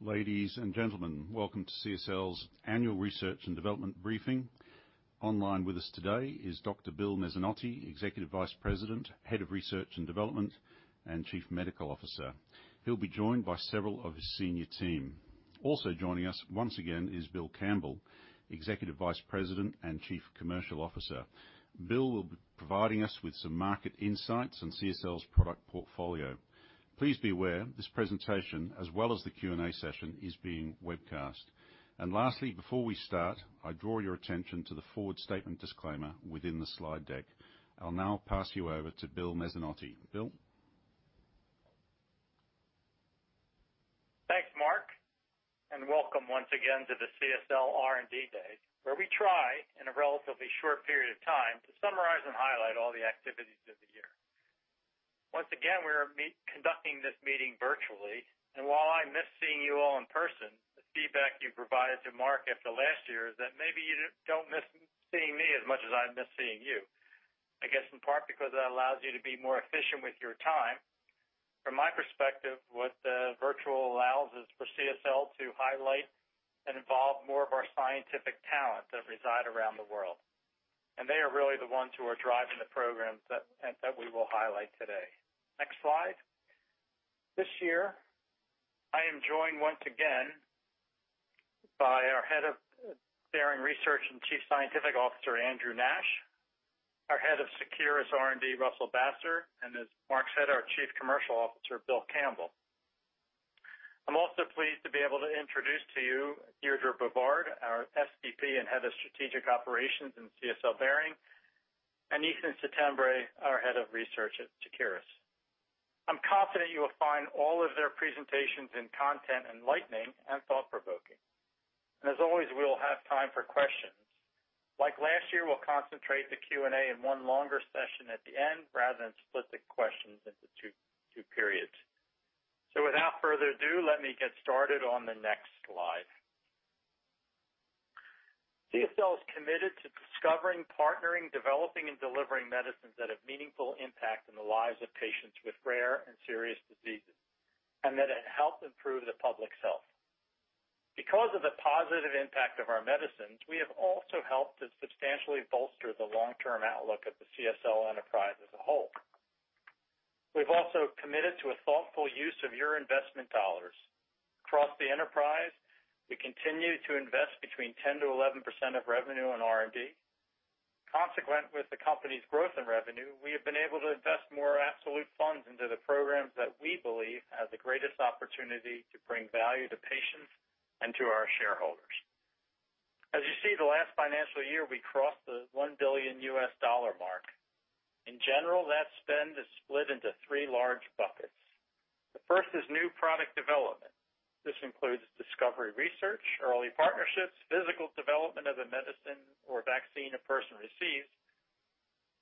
Ladies and gentlemen, welcome to CSL's Annual Research and Development Briefing. Online with us today is Dr. Bill Mezzanotte, Executive Vice President, Head of Research and Development, and Chief Medical Officer. He'll be joined by several of his senior team. Also joining us once again is Bill Campbell, Executive Vice President and Chief Commercial Officer. Bill will be providing us with some market insights on CSL's product portfolio. Please be aware, this presentation, as well as the Q&A session, is being webcast. Lastly, before we start, I draw your attention to the forward statement disclaimer within the slide deck. I'll now pass you over to Bill Mezzanotte. Bill? Thanks, Mark, welcome once again to the CSL R&D Day, where we try, in a relatively short period of time, to summarize and highlight all the activities of the year. Once again, we're conducting this meeting virtually, while I miss seeing you all in person, the feedback you provided to Mark after last year is that maybe you don't miss seeing me as much as I miss seeing you. I guess in part because that allows you to be more efficient with your time. From my perspective, what the virtual allows is for CSL to highlight and involve more of our scientific talent that reside around the world. They are really the ones who are driving the programs that we will highlight today. Next slide. This year, I am joined once again by our Head of Behring Research and Chief Scientific Officer, Andrew Nash, our Head of Seqirus R&D, Russell Basser, and as Mark said, our Chief Commercial Officer, Bill Campbell. I am also pleased to be able to introduce to you Deirdre BeVard, our SVP and Head of Strategic Operations in CSL Behring, and Ethan Settembre, our Head of Research at Seqirus. I am confident you will find all of their presentations in content enlightening and thought-provoking. As always, we will have time for questions. Like last year, we will concentrate the Q&A in one longer session at the end rather than split the questions into two periods. Without further ado, let me get started on the next slide. CSL is committed to discovering, partnering, developing, and delivering medicines that have meaningful impact in the lives of patients with rare and serious diseases, and that it help improve the public's health. Because of the positive impact of our medicines, we have also helped to substantially bolster the long-term outlook of the CSL enterprise as a whole. We've also committed to a thoughtful use of your investment dollars. Across the enterprise, we continue to invest between 10%-11% of revenue on R&D. Consequent with the company's growth and revenue, we have been able to invest more absolute funds into the programs that we believe have the greatest opportunity to bring value to patients and to our shareholders. As you see, the last financial year, we crossed the $1 billion mark. In general, that spend is split into three large buckets. The first is new product development. This includes discovery research, early partnerships, physical development of a medicine or vaccine a person receives,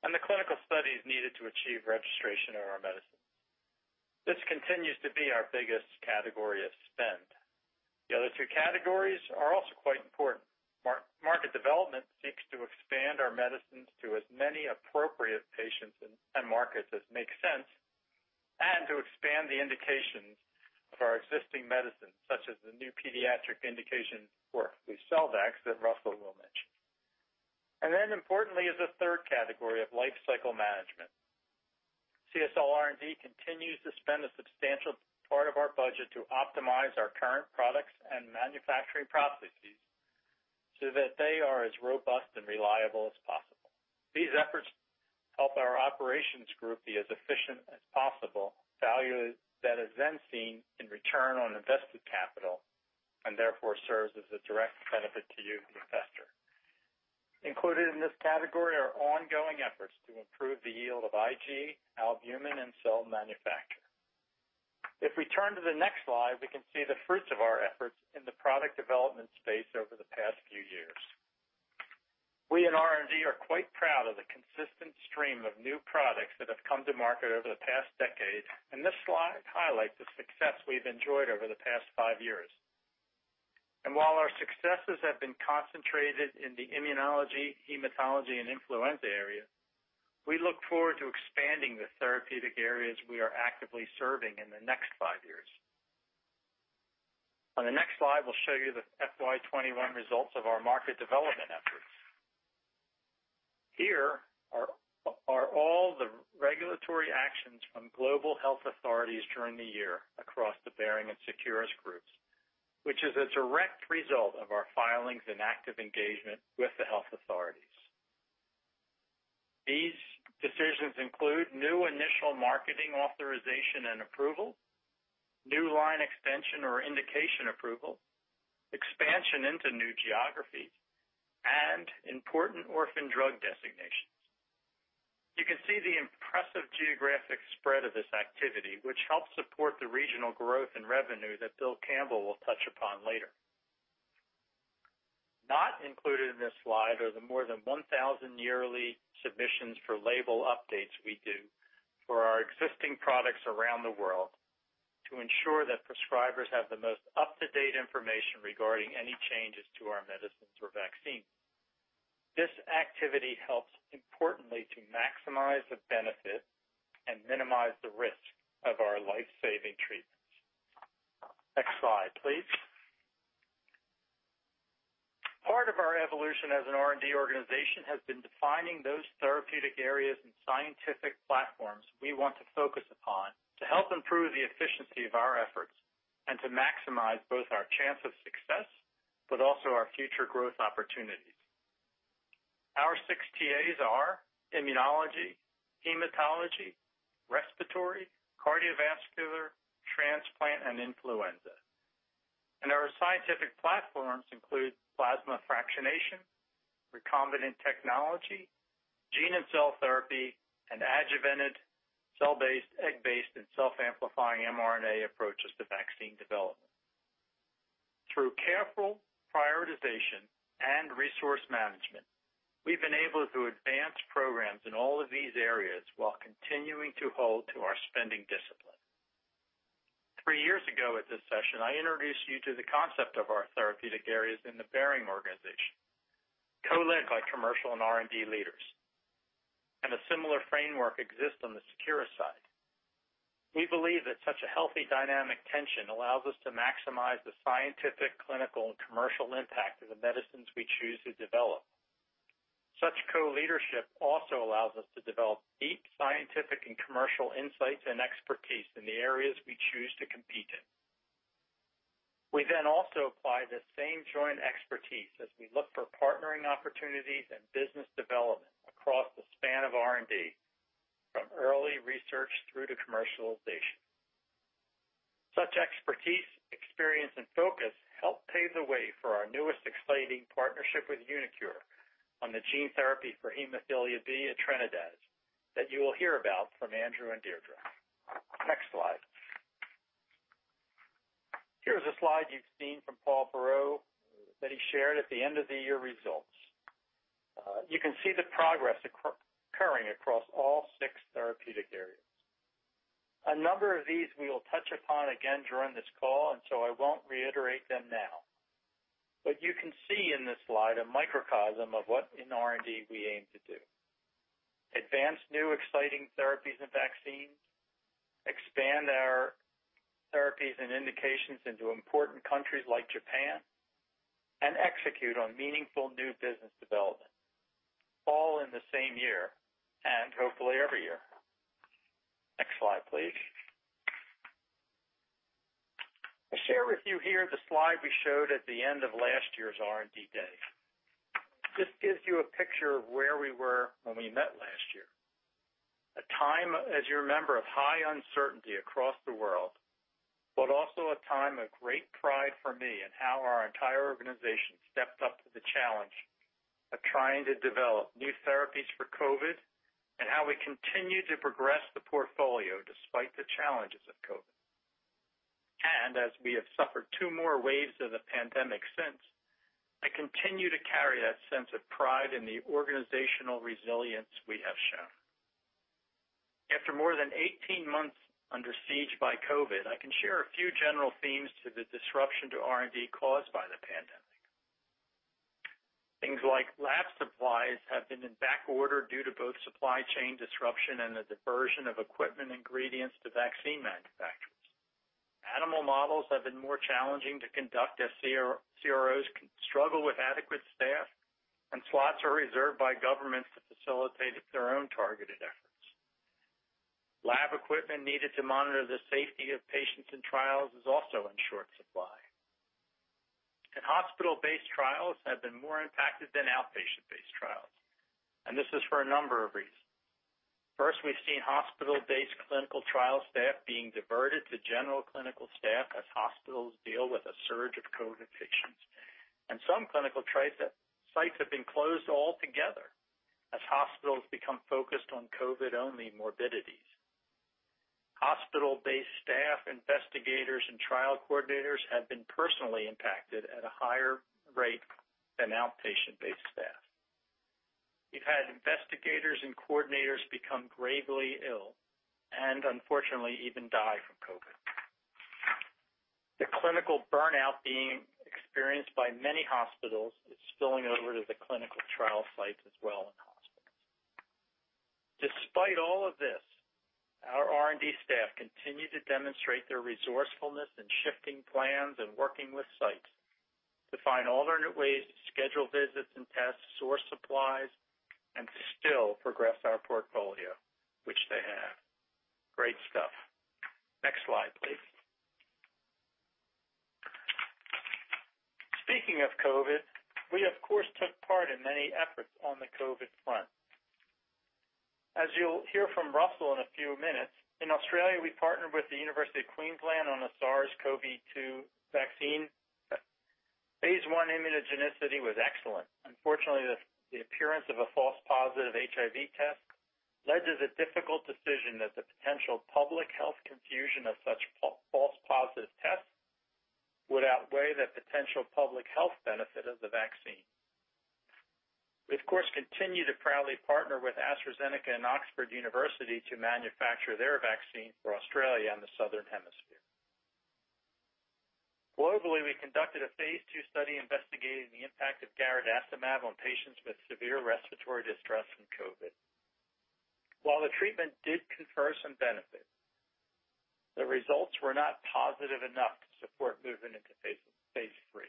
and the clinical studies needed to achieve registration of our medicine. This continues to be our biggest category of spend. The other two categories are also quite important. Market development seeks to expand our medicines to as many appropriate patients and markets as makes sense, and to expand the indications of our existing medicines, such as the new pediatric indication for FLUCELVAX that Russell will mention. Importantly is the third category of life cycle management. CSL R&D continues to spend a substantial part of our budget to optimize our current products and manufacturing processes so that they are as robust and reliable as possible. These efforts help our operations group be as efficient as possible, value that is then seen in return on invested capital, and therefore serves as a direct benefit to you, the investor. Included in this category are ongoing efforts to improve the yield of IG, albumin, and cell manufacture. If we turn to the next slide, we can see the fruits of our efforts in the product development space over the past few years. We in R&D are quite proud of the consistent stream of new products that have come to market over the past decade. This slide highlights the success we've enjoyed over the past five years. While our successes have been concentrated in the immunology, hematology, and influenza area, we look forward to expanding the therapeutic areas we are actively serving in the next five years. On the next slide, we'll show you the FY 2021 results of our market development efforts. Here are all the regulatory actions from global health authorities during the year across the Behring and Seqirus groups, which is a direct result of our filings and active engagement with the health authorities. These decisions include new initial marketing authorization and approval, new line extension or indication approval, expansion into new geographies, and important orphan drug designations. You can see the impressive geographic spread of this activity, which helps support the regional growth and revenue that Bill Campbell will touch upon later. Not included in this slide are the more than 1,000 yearly submissions for label updates we do for our existing products around the world to ensure that prescribers have the most up-to-date information regarding any changes to our medicines or vaccines. This activity helps importantly to maximize the benefit and minimize the risk of our life-saving treatments. Next slide, please. Part of our evolution as an R&D organization has been defining those therapeutic areas and scientific platforms we want to focus upon to help improve the efficiency of our efforts and to maximize both our chance of success, but also our future growth opportunities. Our six TAs are immunology, hematology, respiratory, cardiovascular, transplant, and influenza. Our scientific platforms include plasma fractionation, recombinant technology, gene and cell therapy, and adjuvanted, cell-based, egg-based, and self-amplifying mRNA approaches to vaccine development. Through careful prioritization and resource management, we've been able to advance programs in all of these areas while continuing to hold to our spending discipline. Three years ago at this session, I introduced you to the concept of our therapeutic areas in the Behring organization, co-led by commercial and R&D leaders, and a similar framework exists on the Seqirus side. We believe that such a healthy dynamic tension allows us to maximize the scientific, clinical, and commercial impact of the medicines we choose to develop. Such co-leadership also allows us to develop deep scientific and commercial insights and expertise in the areas we choose to compete in. We then also apply the same joint expertise as we look for partnering opportunities and business development across the span of R&D, from early research through to commercialization. Such expertise, experience, and focus help pave the way for our newest exciting partnership with uniQure on the gene therapy for hemophilia B, etranacogene dezaparvovec, that you will hear about from Andrew and Deirdre. Next slide. Here's a slide you've seen from Paul Perreault that he shared at the end-of-the-year results. You can see the progress occurring across all 6 therapeutic areas. A number of these we will touch upon again during this call. I won't reiterate them now. You can see in this slide a microcosm of what in R&D we aim to do. Advance new exciting therapies and vaccines, expand our therapies and indications into important countries like Japan, and execute on meaningful new business development, all in the same year, and hopefully every year. Next slide, please. I share with you here the slide we showed at the end of last year's R&D Day. This gives you a picture of where we were when we met last year, a time, as you remember, of high uncertainty across the world, but also a time of great pride for me in how our entire organization stepped up to the challenge of trying to develop new therapies for COVID and how we continued to progress the portfolio despite the challenges of COVID. As we have suffered two more waves of the pandemic since, I continue to carry that sense of pride in the organizational resilience we have shown. After more than 18 months under siege by COVID, I can share a few general themes to the disruption to R&D caused by the pandemic. Things like lab supplies have been in backorder due to both supply chain disruption and the diversion of equipment ingredients to vaccine manufacturers. Animal models have been more challenging to conduct as CROs struggle with adequate staff, and slots are reserved by governments to facilitate their own targeted efforts. Lab equipment needed to monitor the safety of patients in trials is also in short supply. Hospital-based trials have been more impacted than outpatient-based trials, and this is for a number of reasons. First, we've seen hospital-based clinical trial staff being diverted to general clinical staff as hospitals deal with a surge of COVID patients. Some clinical trial sites have been closed altogether as hospitals become focused on COVID-only morbidities. Hospital-based staff, investigators, and trial coordinators have been personally impacted at a higher rate than outpatient-based staff. We've had investigators and coordinators become gravely ill and unfortunately, even die from COVID. The clinical burnout being experienced by many hospitals is spilling over to the clinical trial sites as well in hospitals. Despite all of this, our R&D staff continue to demonstrate their resourcefulness in shifting plans and working with sites to find alternate ways to schedule visits and tests, source supplies, and to still progress our portfolio, which they have. Great stuff. Next slide, please. Speaking of COVID, we of course took part in many efforts on the COVID front. As you'll hear from Russell in a few minutes, in Australia, we partnered with The University of Queensland on the SARS-CoV-2 vaccine. phase I immunogenicity was excellent. Unfortunately, the appearance of a false positive HIV test led to the difficult decision that the potential public health confusion of such false positive tests would outweigh the potential public health benefit of the vaccine. We, of course, continue to proudly partner with AstraZeneca and Oxford University to manufacture their vaccine for Australia and the Southern Hemisphere. Globally, we conducted a phase II study investigating the impact of garadacimab on patients with severe respiratory distress from COVID. While the treatment did confer some benefit, the results were not positive enough to support movement into phase III.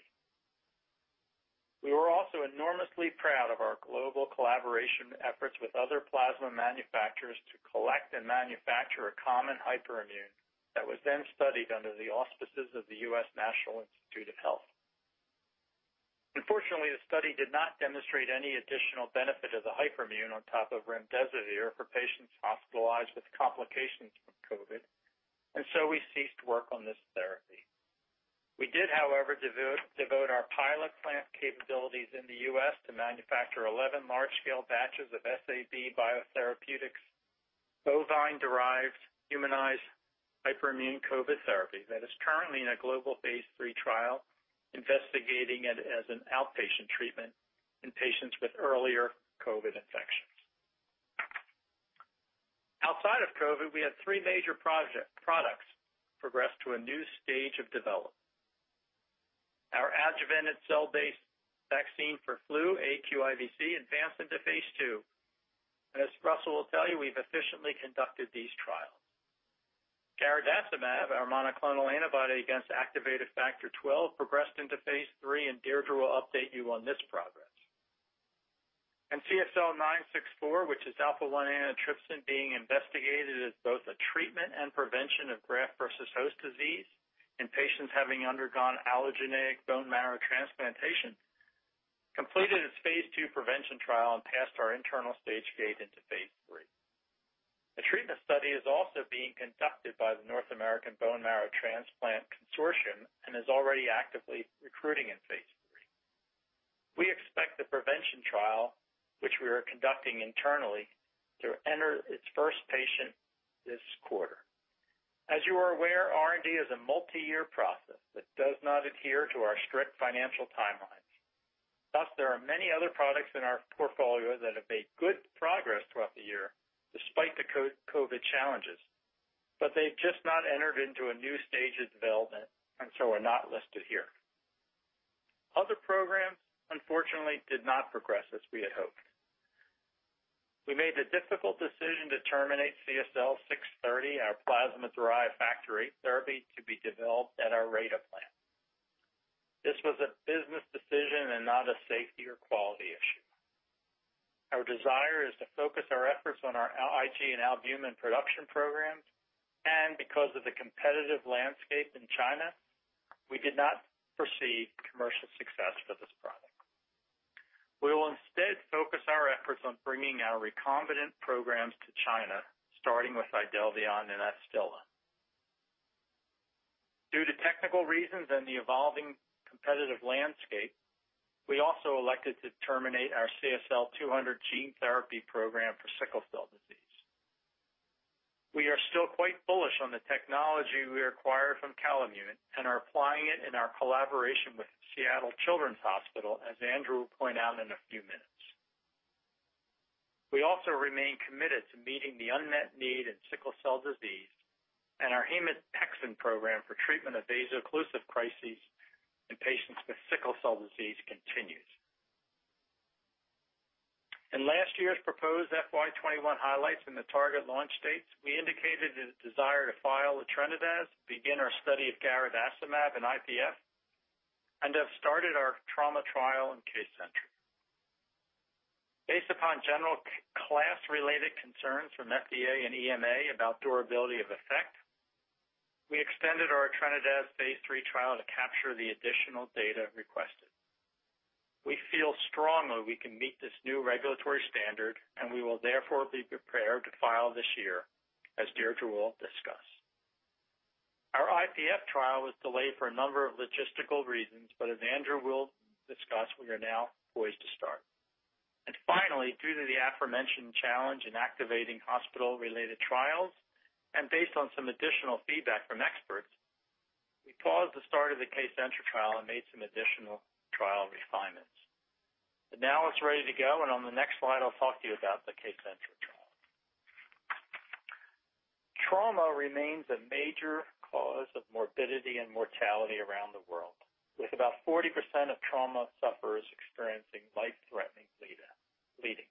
We were also enormously proud of our global collaboration efforts with other plasma manufacturers to collect and manufacture a common hyperimmune that was then studied under the auspices of the U.S. National Institutes of Health. Unfortunately, the study did not demonstrate any additional benefit of the hyperimmune on top of remdesivir for patients hospitalized with complications from COVID. We ceased work on this therapy. We did, however, devote our pilot plant capabilities in the U.S. to manufacture 11 large-scale batches of SAB Biotherapeutics' bovine-derived humanized hyperimmune COVID therapy that is currently in a global phase III trial investigating it as an outpatient treatment in patients with earlier COVID infections. Outside of COVID, we had three major products progress to a new stage of development. Our adjuvanted cell-based vaccine for flu, aQIVc, advanced into phase II. As Russell will tell you, we've efficiently conducted these trials. Garadacimab, our monoclonal antibody against activated Factor XII, progressed into phase III. Deirdre will update you on this progress. CSL-964, which is alpha-I antitrypsin being investigated as both a treatment and prevention of graft versus host disease in patients having undergone allogeneic bone marrow transplantation, completed its phase II prevention trial and passed our internal stage gate into phase III. A treatment study is also being conducted by the Blood and Marrow Transplant Clinical Trials Network and is already actively recruiting in phase III. We expect the prevention trial, which we are conducting internally, to enter its first patient this quarter. As you are aware, R&D is a multi-year process that does not adhere to our strict financial timelines. Thus, there are many other products in our portfolio that have made good progress throughout the year despite the COVID challenges. They've just not entered into a new stage of development and so are not listed here. Other programs, unfortunately, did not progress as we had hoped. We made the difficult decision to terminate CSL630, our plasma-derived factor VIII therapy to be developed at our Ruide plant. This was a business decision and not a safety or quality issue. Our desire is to focus our efforts on our IG and albumin production programs. Because of the competitive landscape in China, we did not foresee commercial success for this product. We will instead focus our efforts on bringing our recombinant programs to China, starting with IDELVION and AFSTYLA. Due to technical reasons and the evolving competitive landscape, we also elected to terminate our CSL200 gene therapy program for sickle cell disease. We are still quite bullish on the technology we acquired from Calimmune and are applying it in our collaboration with Seattle Children's Hospital, as Andrew will point out in a few minutes. We also remain committed to meeting the unmet need in sickle cell disease. Our hemopexin program for treatment of vaso-occlusive crises in patients with sickle cell disease continues. In last year's proposed FY 2021 highlights and the target launch dates, we indicated a desire to file etranacogene dezaparvovec, begin our study of garadacimab in IPF, and have started our trauma trial in Kcentra. Based upon general class-related concerns from FDA and EMA about durability of effect, we extended our etranacogene dezaparvovec phase III trial to capture the additional data requested. We feel strongly we can meet this new regulatory standard, and we will therefore be prepared to file this year, as Deirdre will discuss. Our IPF trial was delayed for a number of logistical reasons, but as Andrew will discuss, we are now poised to start. Finally, due to the aforementioned challenge in activating hospital-related trials and based on some additional feedback from experts, we paused the start of the Kcentra trial and made some additional trial refinements. Now it's ready to go, and on the next slide, I'll talk to you about the Kcentra trial. Trauma remains a major cause of morbidity and mortality around the world, with about 40% of trauma sufferers experiencing life-threatening bleeding.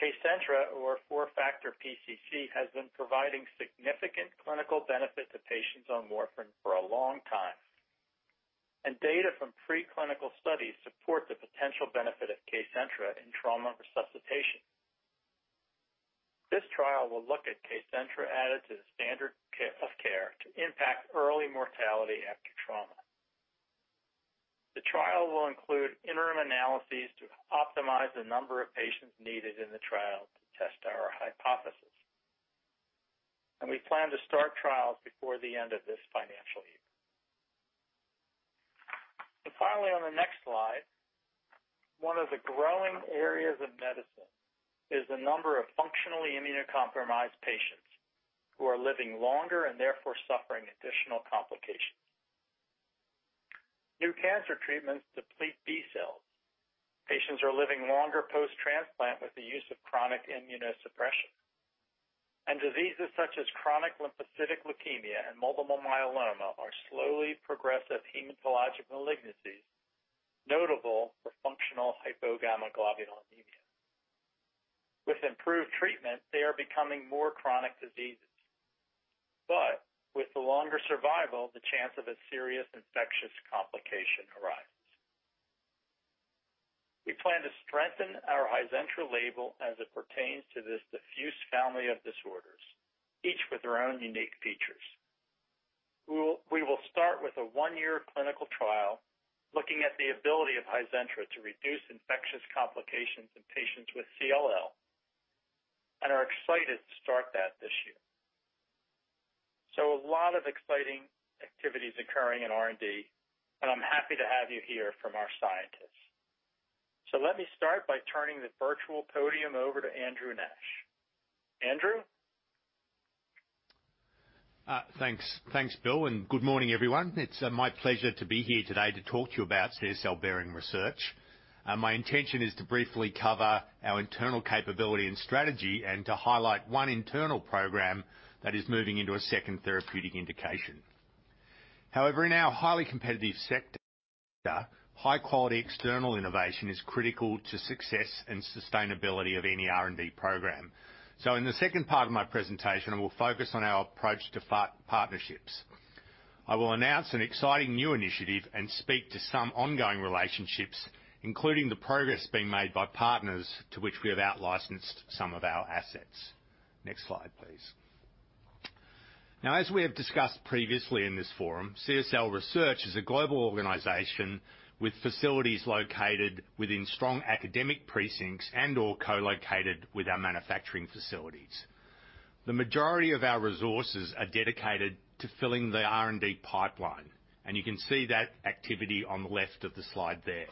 Kcentra, or 4-Factor PCC, has been providing significant clinical benefit to patients on warfarin for a long time, and data from pre-clinical studies support the potential benefit of Kcentra in trauma resuscitation. This trial will look at Kcentra added to the standard of care to impact early mortality after trauma. The trial will include interim analyses to optimize the number of patients needed in the trial to test our hypothesis. We plan to start trials before the end of this financial year. Finally, on the next slide, one of the growing areas of medicine is the number of functionally immunocompromised patients who are living longer and therefore suffering additional complications. New cancer treatments deplete B cells. Patients are living longer post-transplant with the use of chronic immunosuppression. Diseases such as chronic lymphocytic leukemia and multiple myeloma are slowly progressive hematologic malignancies, notable for functional hypogammaglobulinemia. With improved treatment, they are becoming more chronic diseases. With the longer survival, the chance of a serious infectious complication arises. We plan to strengthen our HIZENTRA label as it pertains to this diffuse family of disorders, each with their own unique features. We will start with a 1-year clinical trial looking at the ability of HIZENTRA to reduce infectious complications in patients with CLL, and are excited to start that this year. A lot of exciting activities occurring in R&D, and I'm happy to have you hear from our scientists. Let me start by turning the virtual podium over to Andrew Nash. Andrew? Thanks Bill. Good morning, everyone. It's my pleasure to be here today to talk to you about CSL Behring Research. My intention is to briefly cover our internal capability and strategy, to highlight one internal program that is moving into a second therapeutic indication. However, in our highly competitive sector, high-quality external innovation is critical to success and sustainability of any R&D program. In the second part of my presentation, I will focus on our approach to partnerships. I will announce an exciting new initiative, speak to some ongoing relationships, including the progress being made by partners to which we have out-licensed some of our assets. Next slide, please. As we have discussed previously in this forum, CSL Research is a global organization with facilities located within strong academic precincts and/or co-located with our manufacturing facilities. The majority of our resources are dedicated to filling the R&D pipeline. You can see that activity on the left of the slide there.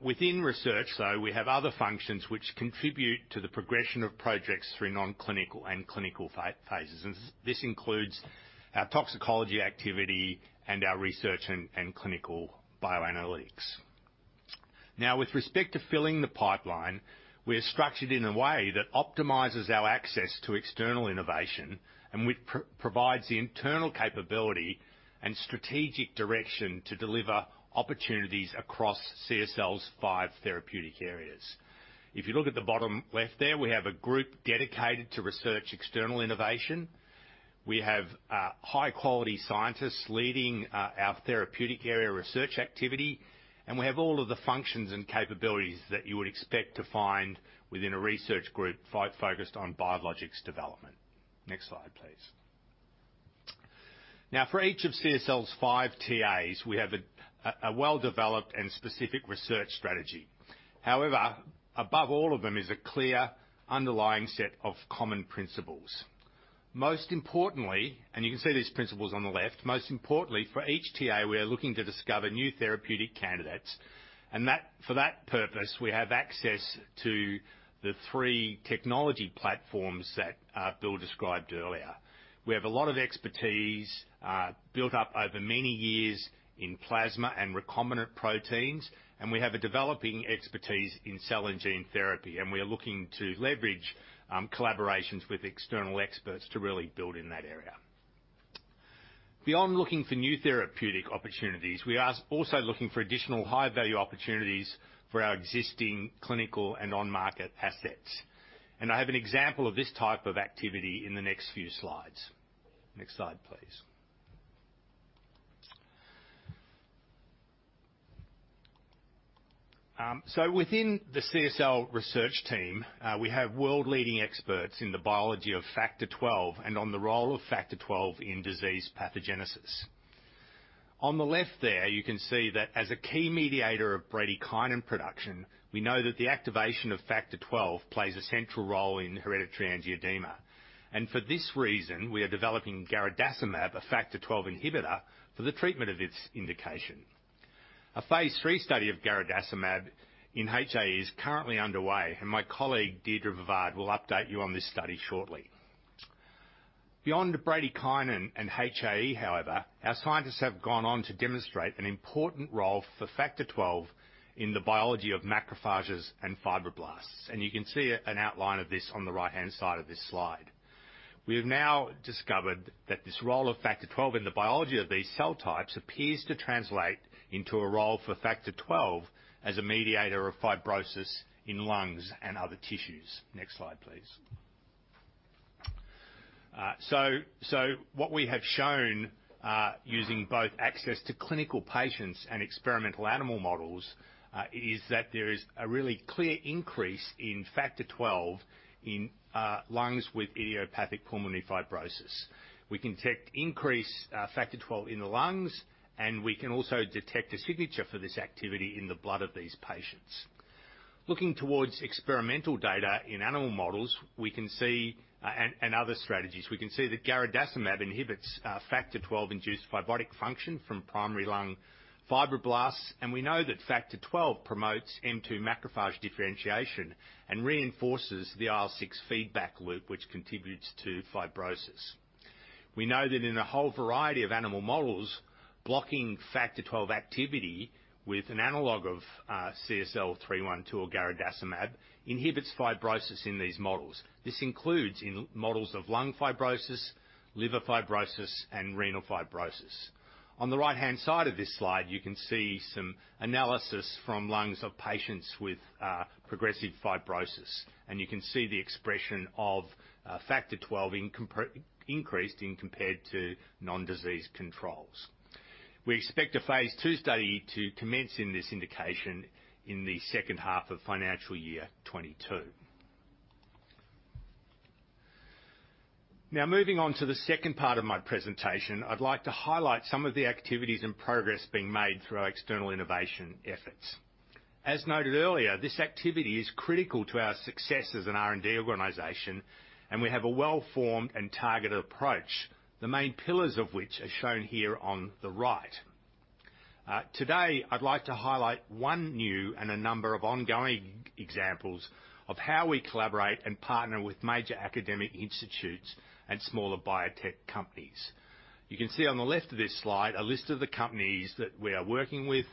Within research, though, we have other functions which contribute to the progression of projects through non-clinical and clinical phases. This includes our toxicology activity and our research and clinical bioanalytics. Now, with respect to filling the pipeline, we're structured in a way that optimizes our access to external innovation and which provides the internal capability and strategic direction to deliver opportunities across CSL's five therapeutic areas. If you look at the bottom left there, we have a group dedicated to research external innovation. We have high-quality scientists leading our therapeutic area research activity. We have all of the functions and capabilities that you would expect to find within a research group focused on biologics development. Next slide, please. Now for each of CSL's five TAs, we have a well-developed and specific research strategy. However, above all of them is a clear underlying set of common principles. Most importantly, and you can see these principles on the left, most importantly, for each TA, we are looking to discover new therapeutic candidates. For that purpose, we have access to the three technology platforms that Bill described earlier. We have a lot of expertise built up over many years in plasma and recombinant proteins, and we have a developing expertise in cell and gene therapy, and we are looking to leverage collaborations with external experts to really build in that area. Beyond looking for new therapeutic opportunities, we are also looking for additional high-value opportunities for our existing clinical and on-market assets. I have an example of this type of activity in the next few slides. Next slide, please. Within the CSL Research team, we have world-leading experts in the biology of Factor XII and on the role of Factor XII in disease pathogenesis. On the left there, you can see that as a key mediator of bradykinin production, we know that the activation of Factor XII plays a central role in hereditary angioedema. For this reason, we are developing garadacimab, a Factor XII inhibitor, for the treatment of its indication. A phase III study of garadacimab in HAE is currently underway, and my colleague, Deirdre Bovard, will update you on this study shortly. Beyond bradykinin and HAE, however, our scientists have gone on to demonstrate an important role for Factor XII in the biology of macrophages and fibroblasts, and you can see an outline of this on the right-hand side of this slide. We have now discovered that this role of Factor XII in the biology of these cell types appears to translate into a role for Factor XII as a mediator of fibrosis in lungs and other tissues. Next slide, please. What we have shown, using both access to clinical patients and experimental animal models, is that there is a really clear increase in Factor XII in lungs with idiopathic pulmonary fibrosis. We can detect increased Factor XII in the lungs, and we can also detect a signature for this activity in the blood of these patients. Looking towards experimental data in animal models and other strategies, we can see that garadacimab inhibits Factor XII-induced fibrotic function from primary lung fibroblasts, and we know that Factor XII promotes M2 macrophage differentiation and reinforces the IL-6 feedback loop, which contributes to fibrosis. We know that in a whole variety of animal models, blocking Factor XII activity with an analog of CSL312 or garadacimab inhibits fibrosis in these models. This includes in models of lung fibrosis, liver fibrosis, and renal fibrosis. On the right-hand side of this slide, you can see some analysis from lungs of patients with progressive fibrosis, and you can see the expression of Factor XII increased in compared to non-disease controls. We expect a phase II study to commence in this indication in the second half of FY 2022. Moving on to the second part of my presentation, I'd like to highlight some of the activities and progress being made through our external innovation efforts. As noted earlier, this activity is critical to our success as an R&D organization, and we have a well-formed and targeted approach, the main pillars of which are shown here on the right. Today, I'd like to highlight 1 new and a number of ongoing examples of how we collaborate and partner with major academic institutes and smaller biotech companies. You can see on the left of this slide a list of the companies that we are working with,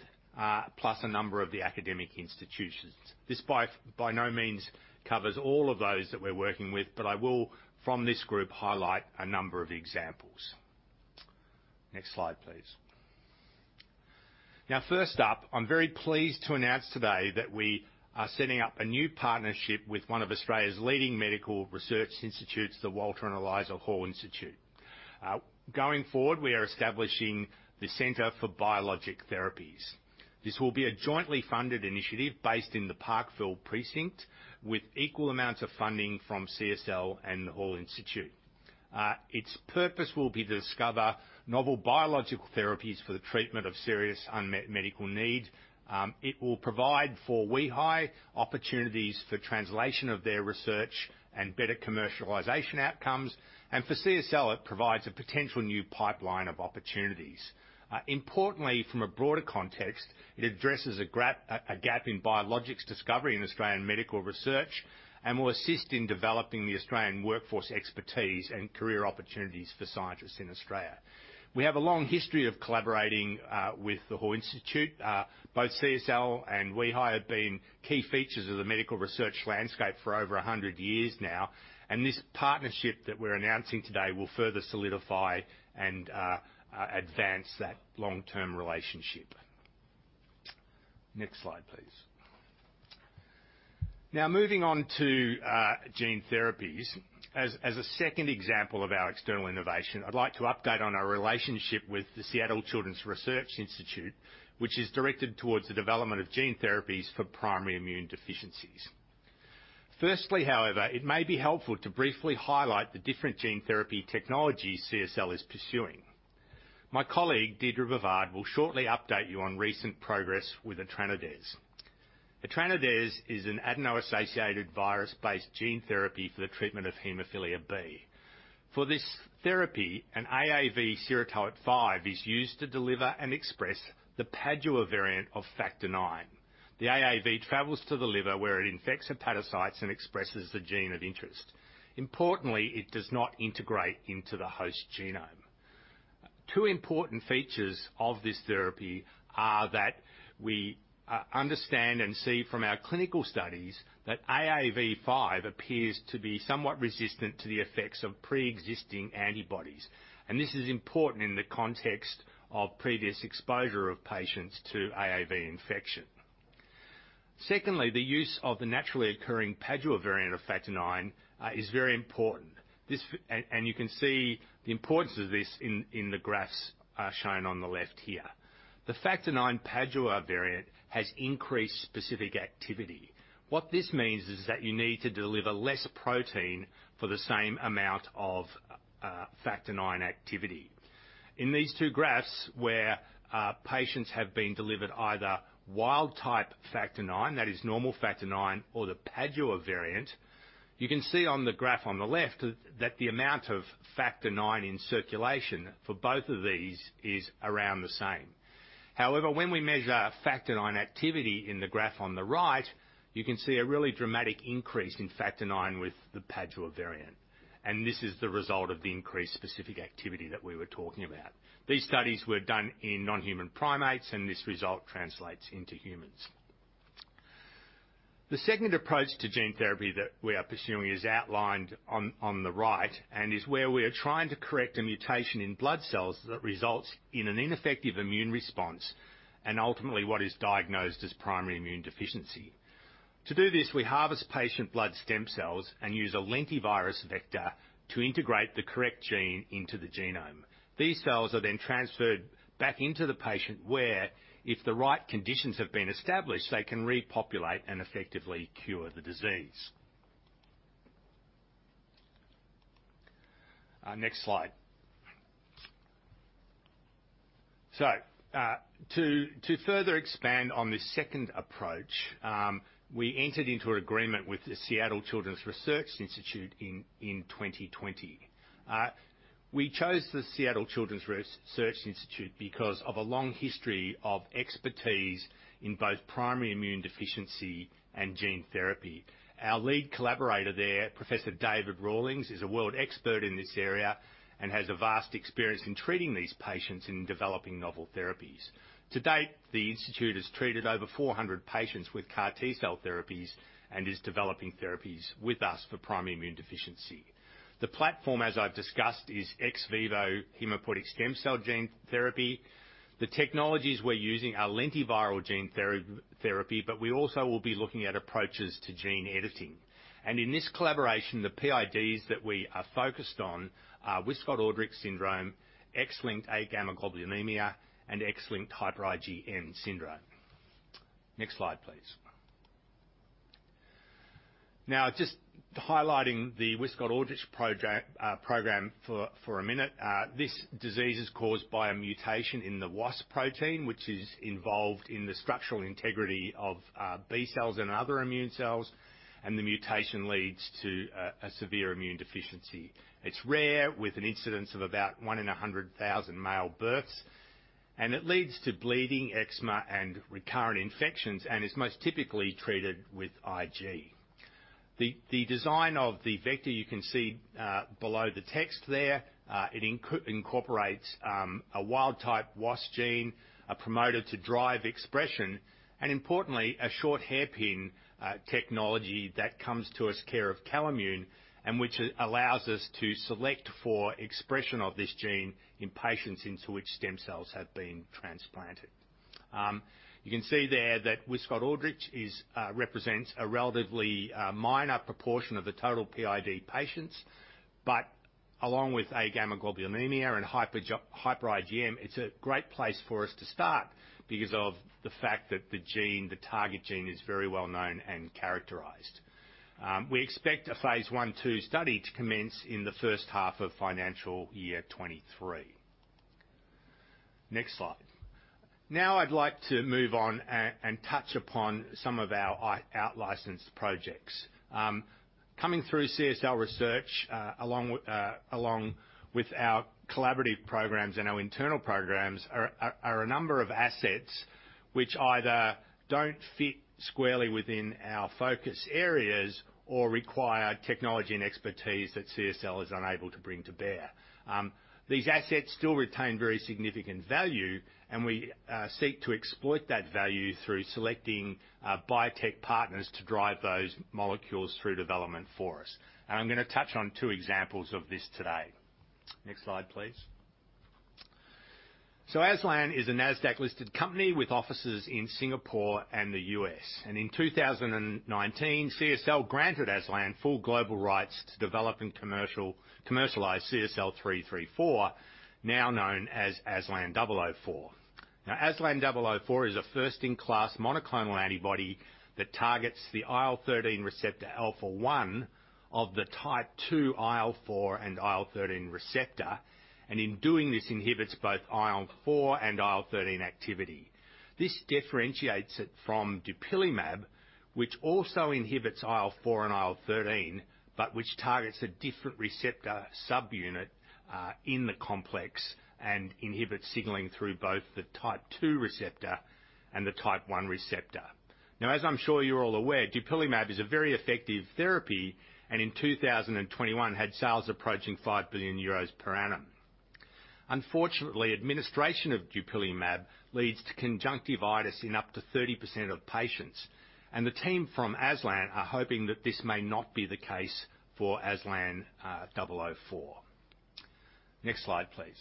plus a number of the academic institutions. This, by no means, covers all of those that we're working with, but I will, from this group, highlight a number of examples. Next slide, please. First up, I'm very pleased to announce today that we are setting up a new partnership with one of Australia's leading medical research institutes, the Walter and Eliza Hall Institute. Going forward, we are establishing the Center for Biologic Therapies. This will be a jointly funded initiative based in the Parkville precinct, with equal amounts of funding from CSL and the Hall Institute. Its purpose will be to discover novel biological therapies for the treatment of serious unmet medical need. It will provide for WEHI opportunities for translation of their research and better commercialization outcomes. For CSL, it provides a potential new pipeline of opportunities. Importantly, from a broader context, it addresses a gap in biologics discovery in Australian medical research and will assist in developing the Australian workforce expertise and career opportunities for scientists in Australia. We have a long history of collaborating with the Hall Institute. Both CSL and WEHI have been key features of the medical research landscape for over 100 years now. This partnership that we're announcing today will further solidify and advance that long-term relationship. Next slide, please. Now, moving on to gene therapies. As a second example of our external innovation, I'd like to update on our relationship with the Seattle Children's Research Institute, which is directed towards the development of gene therapies for primary immune deficiencies. Firstly, however, it may be helpful to briefly highlight the different gene therapy technologies CSL is pursuing. My colleague, Deirdre Bovard, will shortly update you on recent progress with etranacogene dezaparvovec. etranacogene dezaparvovec is an adeno-associated virus-based gene therapy for the treatment of hemophilia B. For this therapy, an AAV serotype five is used to deliver and express the Padua variant of factor IX. The AAV travels to the liver, where it infects hepatocytes and expresses the gene of interest. Importantly, it does not integrate into the host genome. Two important features of this therapy are that we understand and see from our clinical studies that AAV5 appears to be somewhat resistant to the effects of preexisting antibodies, and this is important in the context of previous exposure of patients to AAV infection. Secondly, the use of the naturally occurring Padua variant of factor IX is very important. You can see the importance of this in the graphs shown on the left here. The factor IX Padua variant has increased specific activity. What this means is that you need to deliver less protein for the same amount of factor IX activity. In these two graphs, where patients have been delivered either wild type factor IX, that is normal factor IX, or the Padua variant, you can see on the graph on the left that the amount of factor IX in circulation for both of these is around the same. However, when we measure factor IX activity in the graph on the right, you can see a really dramatic increase in factor IX with the Padua variant, and this is the result of the increased specific activity that we were talking about. These studies were done in non-human primates, and this result translates into humans. The second approach to gene therapy that we are pursuing is outlined on the right and is where we are trying to correct a mutation in blood cells that results in an ineffective immune response and ultimately what is diagnosed as primary immunodeficiency. To do this, we harvest patient blood stem cells and use a lentivirus vector to integrate the correct gene into the genome. These cells are then transferred back into the patient, where, if the right conditions have been established, they can repopulate and effectively cure the disease. Next slide. To further expand on this second approach, we entered into an agreement with the Seattle Children's Research Institute in 2020. We chose the Seattle Children's Research Institute because of a long history of expertise in both primary immunodeficiency and gene therapy. Our lead collaborator there, Professor David Rawlings, is a world expert in this area and has a vast experience in treating these patients in developing novel therapies. To date, the institute has treated over 400 patients with CAR T-cell therapies and is developing therapies with us for primary immunodeficiency. The platform, as I've discussed, is ex vivo hematopoietic stem cell gene therapy. The technologies we're using are lentiviral gene therapy, but we also will be looking at approaches to gene editing. In this collaboration, the PIDs that we are focused on are Wiskott-Aldrich syndrome, X-linked agammaglobulinemia, and X-linked hyper-IgM syndrome. Next slide, please. Just highlighting the Wiskott-Aldrich program for a minute. This disease is caused by a mutation in the WASp protein, which is involved in the structural integrity of B cells and other immune cells, and the mutation leads to a severe immune deficiency. It's rare, with an incidence of about 1 in 100,000 male births, and it leads to bleeding, eczema, and recurrent infections, and is most typically treated with IG. The design of the vector, you can see below the text there. It incorporates a wild type WASp gene, a promoter to drive expression, and importantly, a short hairpin technology that comes to us care of Calimmune, and which allows us to select for expression of this gene in patients into which stem cells have been transplanted. You can see there that Wiskott-Aldrich represents a relatively minor proportion of the total PID patients, but along with agammaglobulinemia and hyper-IgM, it's a great place for us to start because of the fact that the target gene is very well-known and characterized. We expect a phase I/II study to commence in the first half of financial year 2023. Next slide. Now I'd like to move on and touch upon some of our out-licensed projects. Coming through CSL Research, along with our collaborative programs and our internal programs, are a number of assets which either don't fit squarely within our focus areas or require technology and expertise that CSL is unable to bring to bear. We seek to exploit that value through selecting biotech partners to drive those molecules through development for us. I am going to touch on two examples of this today. Next slide, please. ASLAN is a NASDAQ-listed company with offices in Singapore and the U.S. In 2019, CSL granted ASLAN full global rights to develop and commercialize CSL334, now known as ASLAN-004. ASLAN-004 is a first-in-class monoclonal antibody that targets the IL-13 receptor alpha I of the type II IL-4 and IL-13 receptor, and in doing this inhibits both IL-4 and IL-13 activity. This differentiates it from dupilumab, which also inhibits IL-4 and IL-13, but which targets a different receptor subunit in the complex and inhibits signaling through both the type II receptor and the type I receptor. Now, as I'm sure you're all aware, dupilumab is a very effective therapy, and in 2021, had sales approaching 5 billion euros per annum. Unfortunately, administration of dupilumab leads to conjunctivitis in up to 30% of patients, and the team from Aslan are hoping that this may not be the case for ASLAN-004. Next slide, please.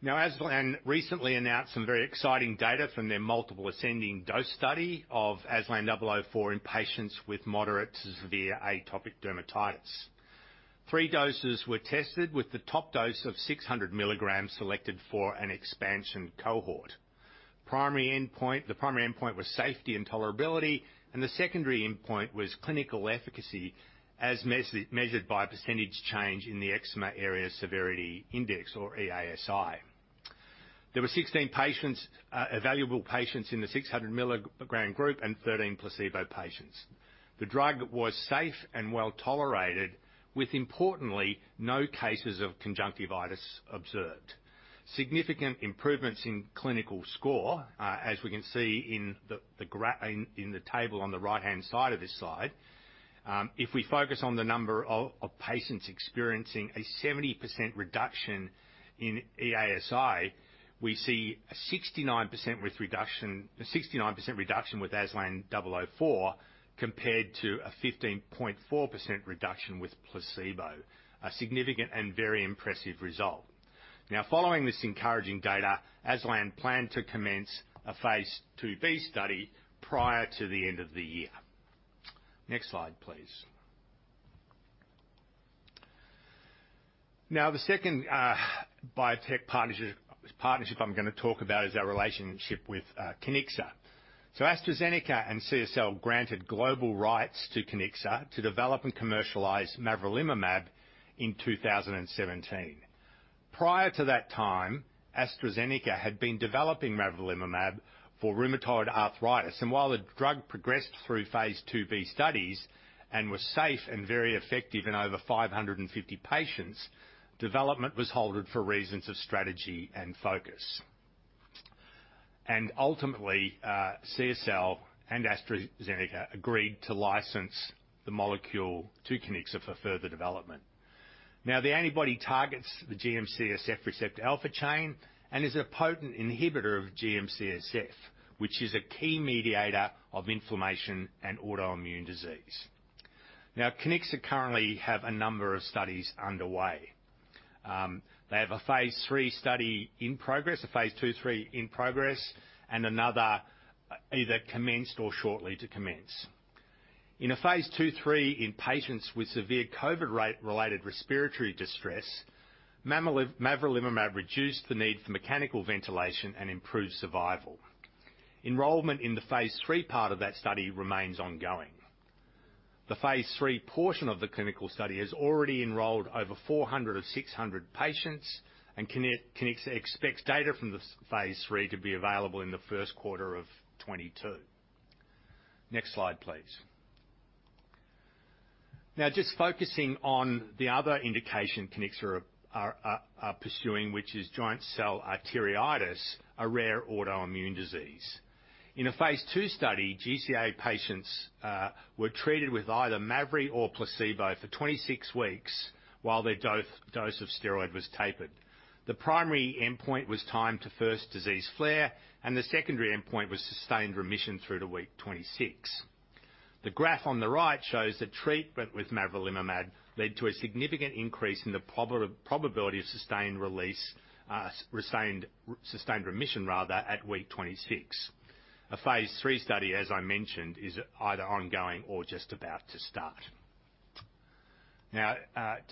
Now, Aslan recently announced some very exciting data from their multiple ascending dose study of ASLAN-004 in patients with moderate to severe atopic dermatitis. Three doses were tested, with the top dose of 600 mg selected for an expansion cohort. The primary endpoint was safety and tolerability, and the secondary endpoint was clinical efficacy, as measured by percentage change in the Eczema Area Severity Index, or EASI. There were 16 evaluable patients in the 600-mg group and 13 placebo patients. The drug was safe and well-tolerated with, importantly, no cases of conjunctivitis observed. Significant improvements in clinical score, as we can see in the table on the right-hand side of this slide. If we focus on the number of patients experiencing a 70% reduction in EASI, we see a 69% reduction with ASLAN-004, compared to a 15.4% reduction with placebo. A significant and very impressive result. Now, following this encouraging data, ASLAN plan to commence a Phase II-B study prior to the end of the year. Next slide, please. Now the second biotech partnership I'm going to talk about is our relationship with Kiniksa. AstraZeneca and CSL granted global rights to Kiniksa to develop and commercialize mavrilimumab in 2017. Prior to that time, AstraZeneca had been developing mavrilimumab for rheumatoid arthritis, and while the drug progressed through Phase IIb studies and was safe and very effective in over 550 patients, development was halted for reasons of strategy and focus. Ultimately, CSL and AstraZeneca agreed to license the molecule to Kiniksa for further development. The antibody targets the GM-CSF receptor alpha chain and is a potent inhibitor of GM-CSF, which is a key mediator of inflammation and autoimmune disease. Kiniksa currently have a number of studies underway. They have a Phase III study in progress, a Phase II/III in progress, and another either commenced or shortly to commence. In a Phase II/III in patients with severe COVID-related respiratory distress, mavrilimumab reduced the need for mechanical ventilation and improved survival. Enrollment in the phase III part of that study remains ongoing. The phase III portion of the clinical study has already enrolled over 400 of 600 patients, and Kiniksa expects data from the phase III to be available in the first quarter of 2022. Next slide, please. Now just focusing on the other indication Kiniksa are pursuing, which is giant cell arteritis, a rare autoimmune disease. In a phase II study, GCA patients were treated with either mavri or placebo for 26 weeks while their dose of steroid was tapered. The primary endpoint was time to first disease flare, and the secondary endpoint was sustained remission through to week 26. The graph on the right shows that treatment with mavrilimumab led to a significant increase in the probability of sustained remission at week 26. A phase III study, as I mentioned, is either ongoing or just about to start.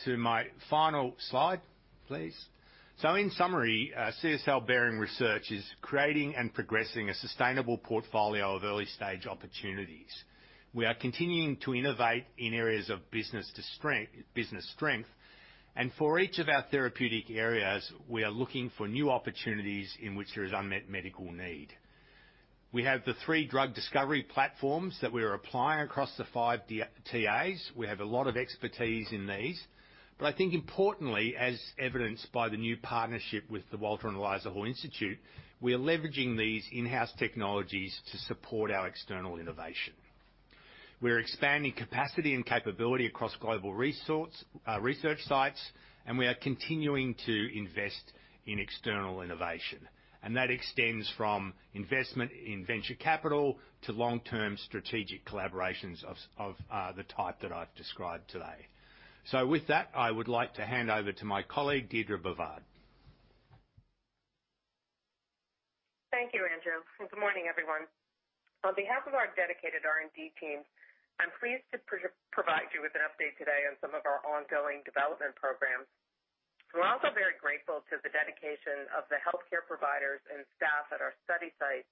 To my final slide, please. In summary, CSL Behring Research is creating and progressing a sustainable portfolio of early-stage opportunities. We are continuing to innovate in areas of business strength, and for each of our therapeutic areas, we are looking for new opportunities in which there is unmet medical need. We have the three drug discovery platforms that we are applying across the five TAs. We have a lot of expertise in these, but I think importantly, as evidenced by the new partnership with the Walter and Eliza Hall Institute, we are leveraging these in-house technologies to support our external innovation. We're expanding capacity and capability across global research sites, and we are continuing to invest in external innovation, and that extends from investment in venture capital to long-term strategic collaborations of the type that I've described today. With that, I would like to hand over to my colleague, Deirdre Bovard. Thank you, Andrew. Good morning, everyone. On behalf of our dedicated R&D team, I'm pleased to provide you with an update today on some of our ongoing development programs. We're also very grateful to the dedication of the healthcare providers and staff at our study sites,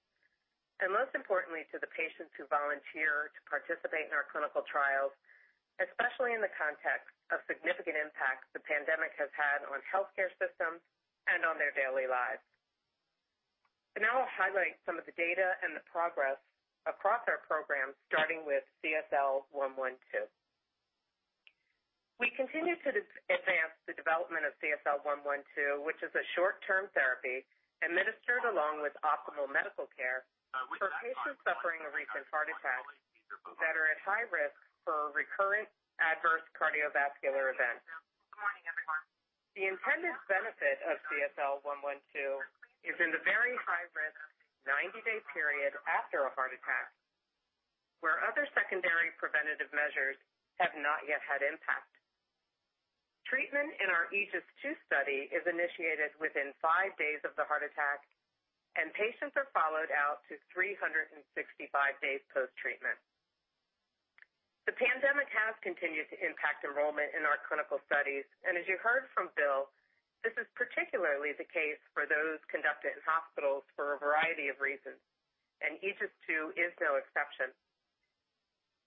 most importantly, to the patients who volunteer to participate in our clinical trials, especially in the context of significant impact the pandemic has had on healthcare systems and on their daily lives. Now I'll highlight some of the data and the progress across our programs, starting with CSL112. We continue to advance the development of CSL112, which is a short-term therapy administered along with optimal medical care for patients suffering a recent heart attack that are at high risk for recurrent adverse cardiovascular events. The intended benefit of CSL112 is in the very high-risk 90-day period after a heart attack, where other secondary preventative measures have not yet had impact. Treatment in our AEGIS-II study is initiated within five days of the heart attack, and patients are followed out to 365 days post-treatment. The pandemic has continued to impact enrollment in our clinical studies, and as you heard from Bill, this is particularly the case for those conducted in hospitals for a variety of reasons, and AEGIS-II is no exception.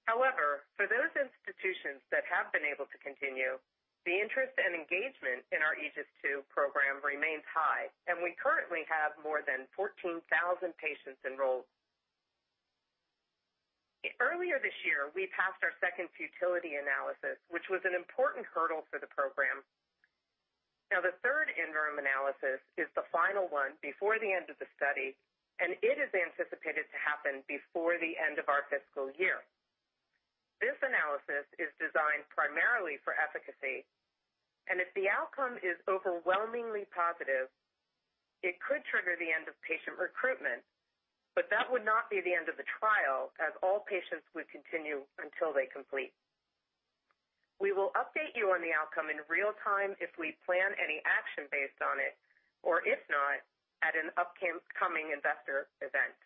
However, for those institutions that have been able to continue, the interest and engagement in our AEGIS-II program remains high, and we currently have more than 14,000 patients enrolled. Earlier this year, we passed our second futility analysis, which was an important hurdle for the program. The third interim analysis is the final one before the end of the study, and it is anticipated to happen before the end of our fiscal year. This analysis is designed primarily for efficacy, and if the outcome is overwhelmingly positive, it could trigger the end of patient recruitment. That would not be the end of the trial, as all patients would continue until they complete. We will update you on the outcome in real time if we plan any action based on it, or if not, at an upcoming investor event.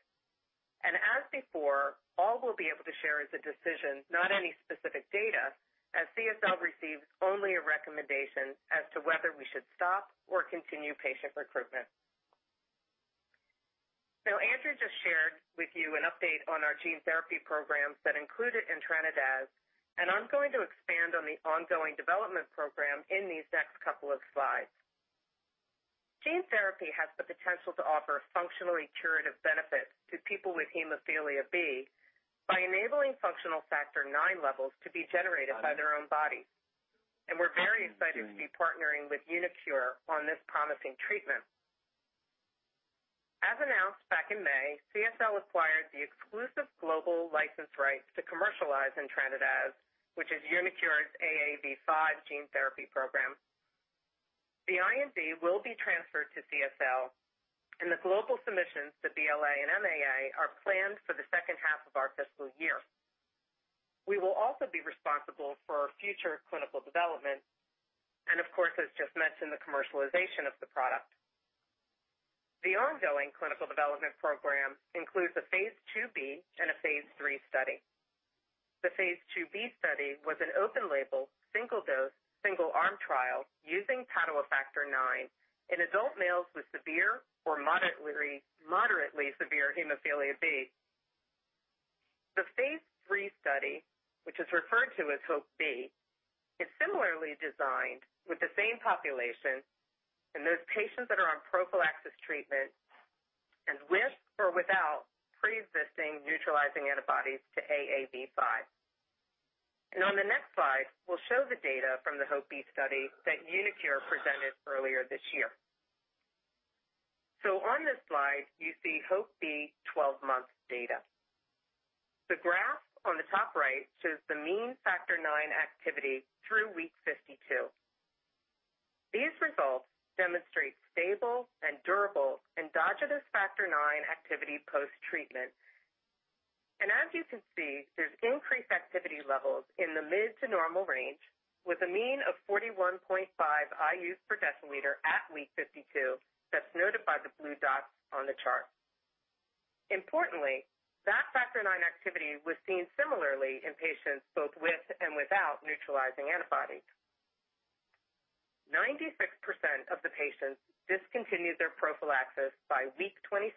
As before, all we'll be able to share is the decision, not any specific data, as CSL receives only a recommendation as to whether we should stop or continue patient recruitment. Andrew just shared with you an update on our gene therapy programs that included etranadez, and I'm going to expand on the ongoing development program in these next couple of slides. Gene therapy has the potential to offer functionally curative benefits to people with hemophilia B by enabling functional factor IX levels to be generated by their own body. We're very excited to be partnering with uniQure on this promising treatment. As announced back in May, CSL acquired the exclusive global license rights to commercialize etranadez, which is uniQure's AAV5 gene therapy program. The R&D will be transferred to CSL, and the global submissions to BLA and MAA are planned for the second half of our fiscal year. We will also be responsible for future clinical development, and of course, as just mentioned, the commercialization of the product. The ongoing clinical development program includes a Phase IIb and a Phase III study. The Phase IIb study was an open-label, single-dose, single-arm trial using Padua factor IX in adult males with severe or moderately severe hemophilia B. The Phase III study, which is referred to as HOPE-B, is similarly designed with the same population and those patients that are on prophylaxis treatment and with or without preexisting neutralizing antibodies to AAV5. On the next slide, we'll show the data from the HOPE-B study that uniQure presented earlier this year. On this slide, you see HOPE-B 12-month data. The graph on the top right shows the mean factor IX activity through week 52. These results demonstrate stable and durable endogenous factor IX activity post-treatment. As you can see, there's increased activity levels in the mid to normal range with a mean of 41.5 IU per deciliter at week 52 that's notified the blue dots on the chart. Importantly, that factor IX activity was seen similarly in patients both with and without neutralizing antibodies. 96% of the patients discontinued their prophylaxis by week 26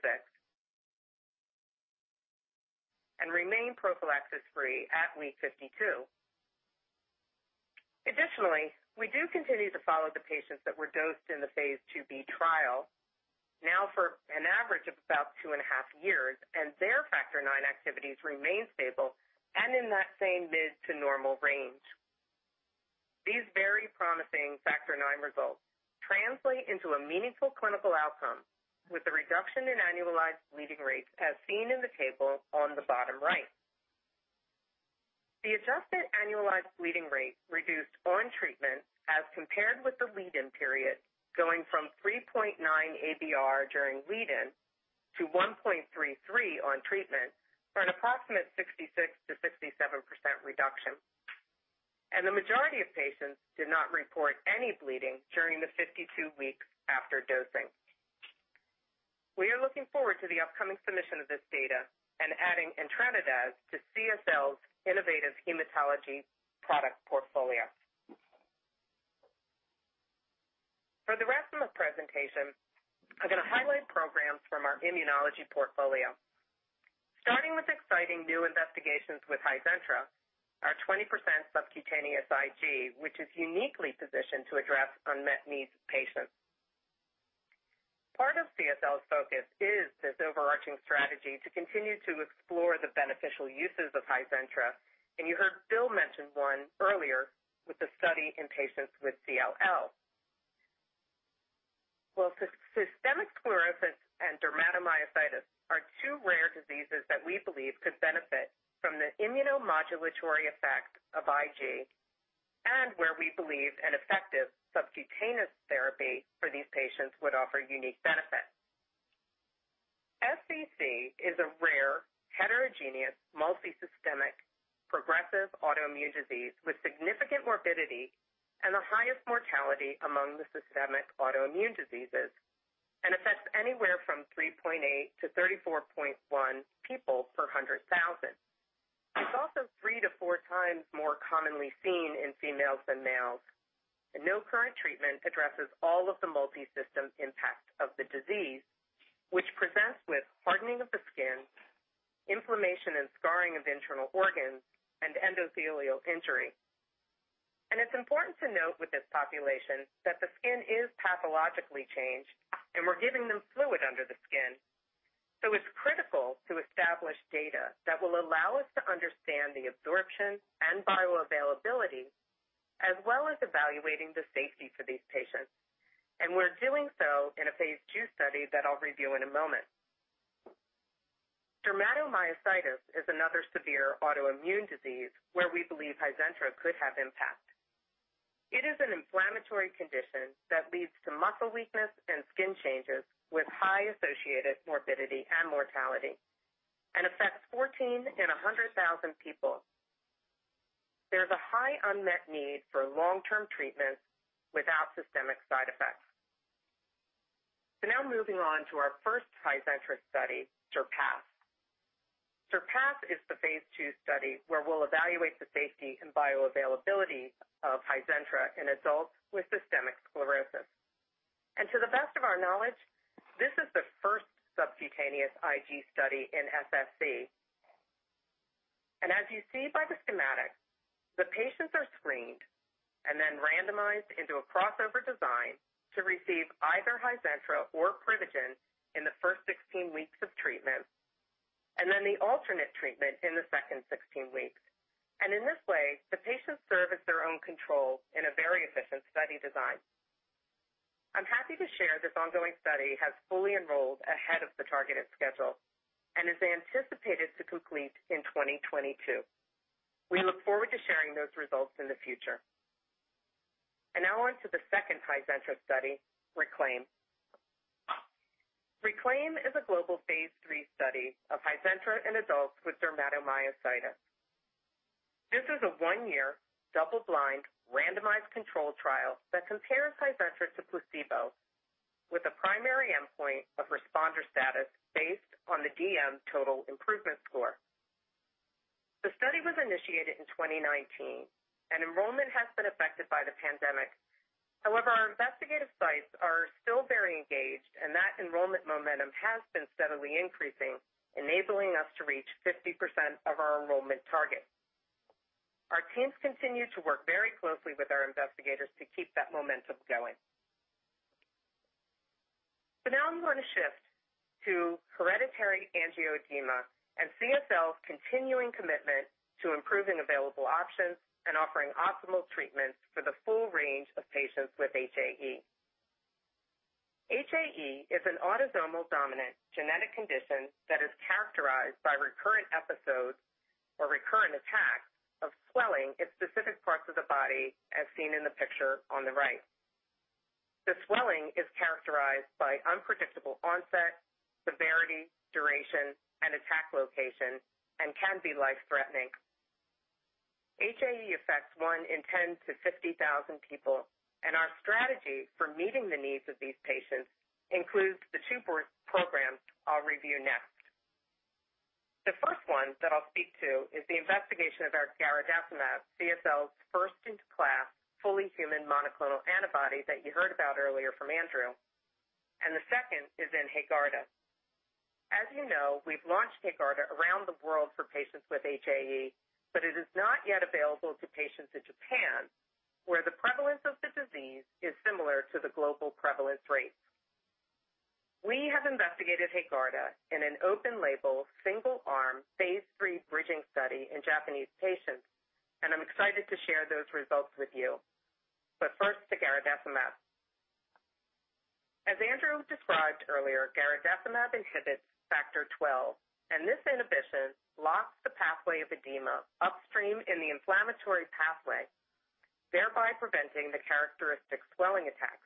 and remain prophylaxis free at week 52. Additionally, we do continue to follow the patients that were dosed in the phase II-B trial now for an average of about 2.5 Years, and their factor IX activities remain stable and in that same mid to normal range. These very promising factor IX results translate into a meaningful clinical outcome with the reduction in annualized bleeding rates as seen in the table on the bottom right. The adjusted annualized bleeding rate reduced on treatment as compared with the lead-in period, going from 3.9 ABR during lead-in to 1.33 on treatment for an approximate 66%-67% reduction. The majority of patients did not report any bleeding during the 52 weeks after dosing. We are looking forward to the upcoming submission of this data and adding etranacogene dezaparvovec to CSL's innovative hematology product portfolio. For the rest of the presentation, I'm going to highlight programs from our immunology portfolio. Starting with exciting new investigations with Hizentra, our 20% subcutaneous IG, which is uniquely positioned to address unmet needs of patients. Part of CSL's focus is this overarching strategy to continue to explore the beneficial uses of Hizentra. You heard Bill mention one earlier with the study in patients with CLL. Well, systemic sclerosis and dermatomyositis are two rare diseases that we believe could benefit from the immunomodulatory effect of IG and where we believe an effective subcutaneous therapy for these patients would offer unique benefits. SSc is a rare heterogeneous, multi-systemic, progressive autoimmune disease with significant morbidity and the highest mortality among the systemic autoimmune diseases and affects anywhere from 3.8-34.1 people per 100,000. It's also 3x to 4x more commonly seen in females than males. No current treatment addresses all of the multi-system impact of the disease, which presents with hardening of the skin, inflammation and scarring of internal organs, and endothelial injury. It's important to note with this population that the skin is pathologically changed and we're giving them fluid under the skin. It's critical to establish data that will allow us to understand the absorption and bioavailability, as well as evaluating the safety for these patients. We're doing so in a phase II study that I'll review in a moment. dermatomyositis is another severe autoimmune disease where we believe Hizentra could have impact. It is an inflammatory condition that leads to muscle weakness and skin changes with high associated morbidity and mortality and affects 14 in 100,000 people. There's a high unmet need for long-term treatments without systemic side effects. Now moving on to our first Hizentra study, SURPASS. SURPASS is the phase II study where we'll evaluate the safety and bioavailability of Hizentra in adults with systemic sclerosis. To the best of our knowledge, this is the first subcutaneous IG study in SSc. As you see by the schematic, the patients are screened and then randomized into a crossover design to receive either HIZENTRA or Privigen in the first 16 weeks of treatment, and then the alternate treatment in the second 16 weeks. In this way, the patients serve as their own control in a very efficient study design. I'm happy to share this ongoing study has fully enrolled ahead of the targeted schedule and is anticipated to complete in 2022. We look forward to sharing those results in the future. Now on to the second HIZENTRA study, RECLAIIM. RECLAIIM is a global phase III study of HIZENTRA in adults with dermatomyositis. This is a one-year, double-blind, randomized control trial that compares HIZENTRA to placebo with a primary endpoint of responder status based on the DM total improvement score. The study was initiated in 2019. Enrollment has been affected by the pandemic. However, our investigative sites are still very engaged. That enrollment momentum has been steadily increasing, enabling us to reach 50% of our enrollment target. Our teams continue to work very closely with our investigators to keep that momentum going. Now I'm going to shift to hereditary angioedema and CSL's continuing commitment to improving available options and offering optimal treatments for the full range of patients with HAE. HAE is an autosomal dominant genetic condition that is characterized by recurrent episodes or recurrent attacks of swelling in specific parts of the body, as seen in the picture on the right. The swelling is characterized by unpredictable onset, severity, duration, and attack location and can be life-threatening. HAE affects 1 in 10-50,000 people. Our strategy for meeting the needs of these patients includes the two programs I'll review next. The first one that I'll speak to is the investigation of our garadacimab, CSL's first-in-class, fully human monoclonal antibody that you heard about earlier from Andrew. The second is in HAEGARDA. As you know, we've launched HAEGARDA around the world for patients with HAE, but it is not yet available to patients in Japan, where the prevalence of the disease is similar to the global prevalence rates. We have investigated HAEGARDA in an open-label, single-arm, phase III bridging study in Japanese patients, and I'm excited to share those results with you. First, the garadacimab. As Andrew described earlier, garadacimab inhibits Factor XII. This inhibition blocks the pathway of edema upstream in the inflammatory pathway, thereby preventing the characteristic swelling attacks.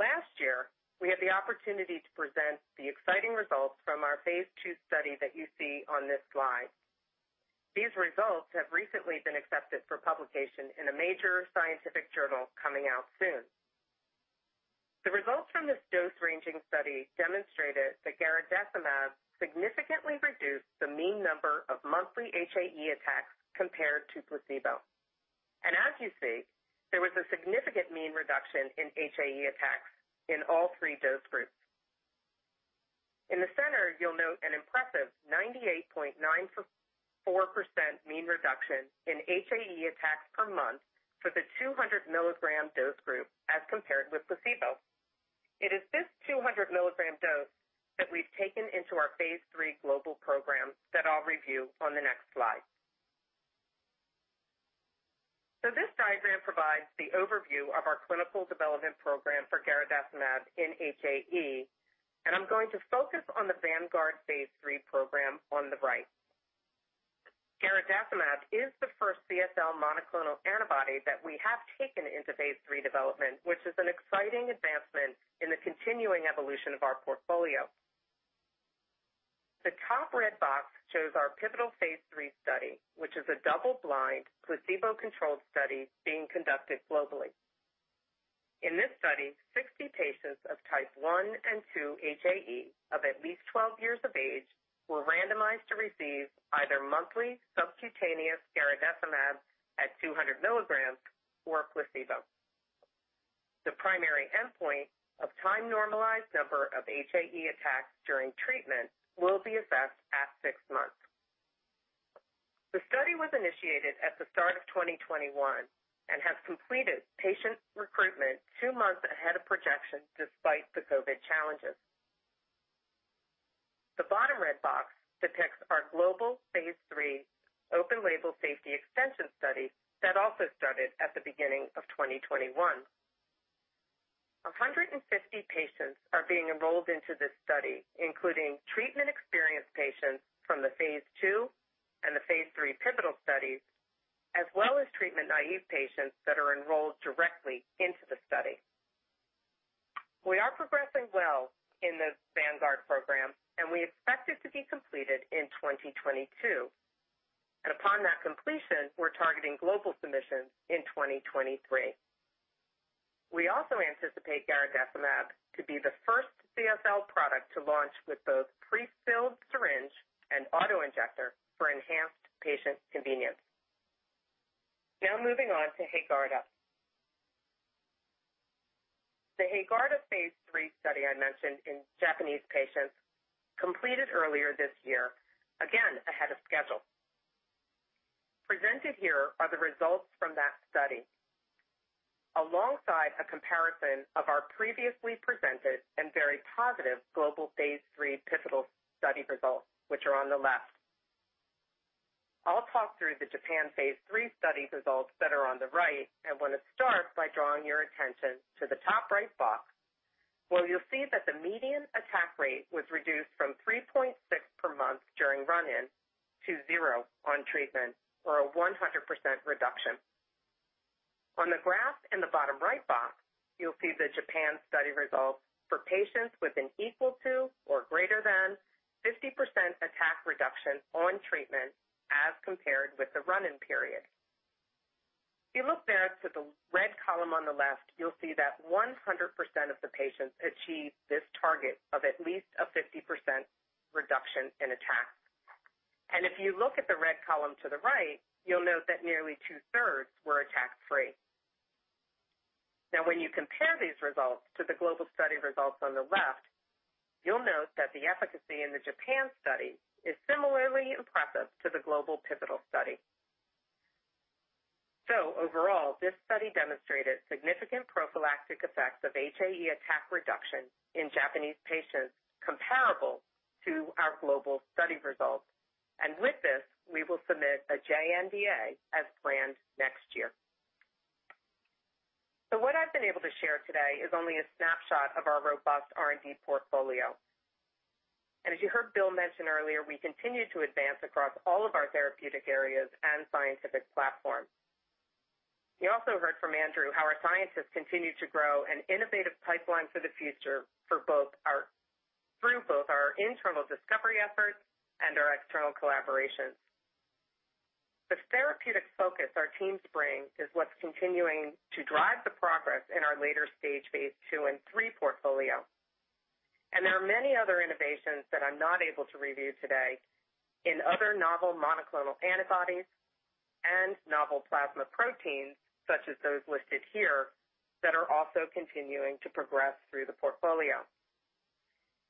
Last year, we had the opportunity to present the exciting results from our phase II study that you see on this slide. These results have recently been accepted for publication in a major scientific journal coming out soon. The results from this dose-ranging study demonstrated that garadacimab significantly reduced the mean number of monthly HAE attacks compared to placebo. As you see, there was a significant mean reduction in HAE attacks in all three dose groups. In the center, you'll note an impressive 98.94% mean reduction in HAE attacks per month for the 200-mg dose group as compared with placebo. It is this 200-mg dose that we've taken into our phase III global program that I'll review on the next slide. This diagram provides the overview of our clinical development program for garadacimab in HAE, and I'm going to focus on the VANGUARD Phase III program on the right. Garadacimab is the first CSL monoclonal antibody that we have taken into Phase III development, which is an exciting advancement in the continuing evolution of our portfolio. The top red box shows our pivotal Phase III study, which is a double-blind, placebo-controlled study being conducted globally. In this study, 60 patients of type I and II HAE of at least 12 years of age were randomized to receive either monthly subcutaneous garadacimab at 200 mg or placebo. The primary endpoint of time-normalized number of HAE attacks during treatment will be assessed at six months. The study was initiated at the start of 2021 and has completed patient recruitment two months ahead of projection, despite the COVID challenges. The bottom red box depicts our global phase III open-label safety extension study that also started at the beginning of 2021. 150 patients are being enrolled into this study, including treatment-experienced patients from the phase II and the phase III pivotal studies, as well as treatment-naive patients that are enrolled directly into the study. We are progressing well in the VANGUARD program, and we expect it to be completed in 2022. Upon that completion, we're targeting global submissions in 2023. We also anticipate garadacimab to be the first CSL product to launch with both prefilled syringe and auto-injector for enhanced patient convenience. Now moving on to HAEGARDA. The HAEGARDA phase III study I mentioned in Japanese patients completed earlier this year, again, ahead of schedule. Presented here are the results from that study, alongside a comparison of our previously presented and very positive global phase III pivotal study results, which are on the left. I'll talk through the Japan phase III study results that are on the right. Want to start by drawing your attention to the top right box, where you'll see that the median attack rate was reduced from 3.6 per month during run-in to zero on treatment, or a 100% reduction. On the graph in the bottom right box, you'll see the Japan study results for patients with an equal to or greater than 50% attack reduction on treatment as compared with the run-in period. If you look then to the red column on the left, you'll see that 100% of the patients achieved this target of at least a 50% reduction in attacks. If you look at the red column to the right, you'll note that nearly two-thirds were attack-free. When you compare these results to the global study results on the left, you'll note that the efficacy in the Japan study is similarly impressive to the global pivotal study. Overall, this study demonstrated significant prophylactic effects of HAE attack reduction in Japanese patients comparable to our global study results. With this, we will submit a JNDA as planned next year. What I've been able to share today is only a snapshot of our robust R&D portfolio. As you heard Bill mention earlier, we continue to advance across all of our therapeutic areas and scientific platforms. You also heard from Andrew how our scientists continue to grow an innovative pipeline for the future through both our internal discovery efforts and our external collaborations. The therapeutic focus our teams bring is what's continuing to drive the progress in our later-stage phase II and III portfolio. There are many other innovations that I'm not able to review today in other novel monoclonal antibodies and novel plasma proteins, such as those listed here, that are also continuing to progress through the portfolio.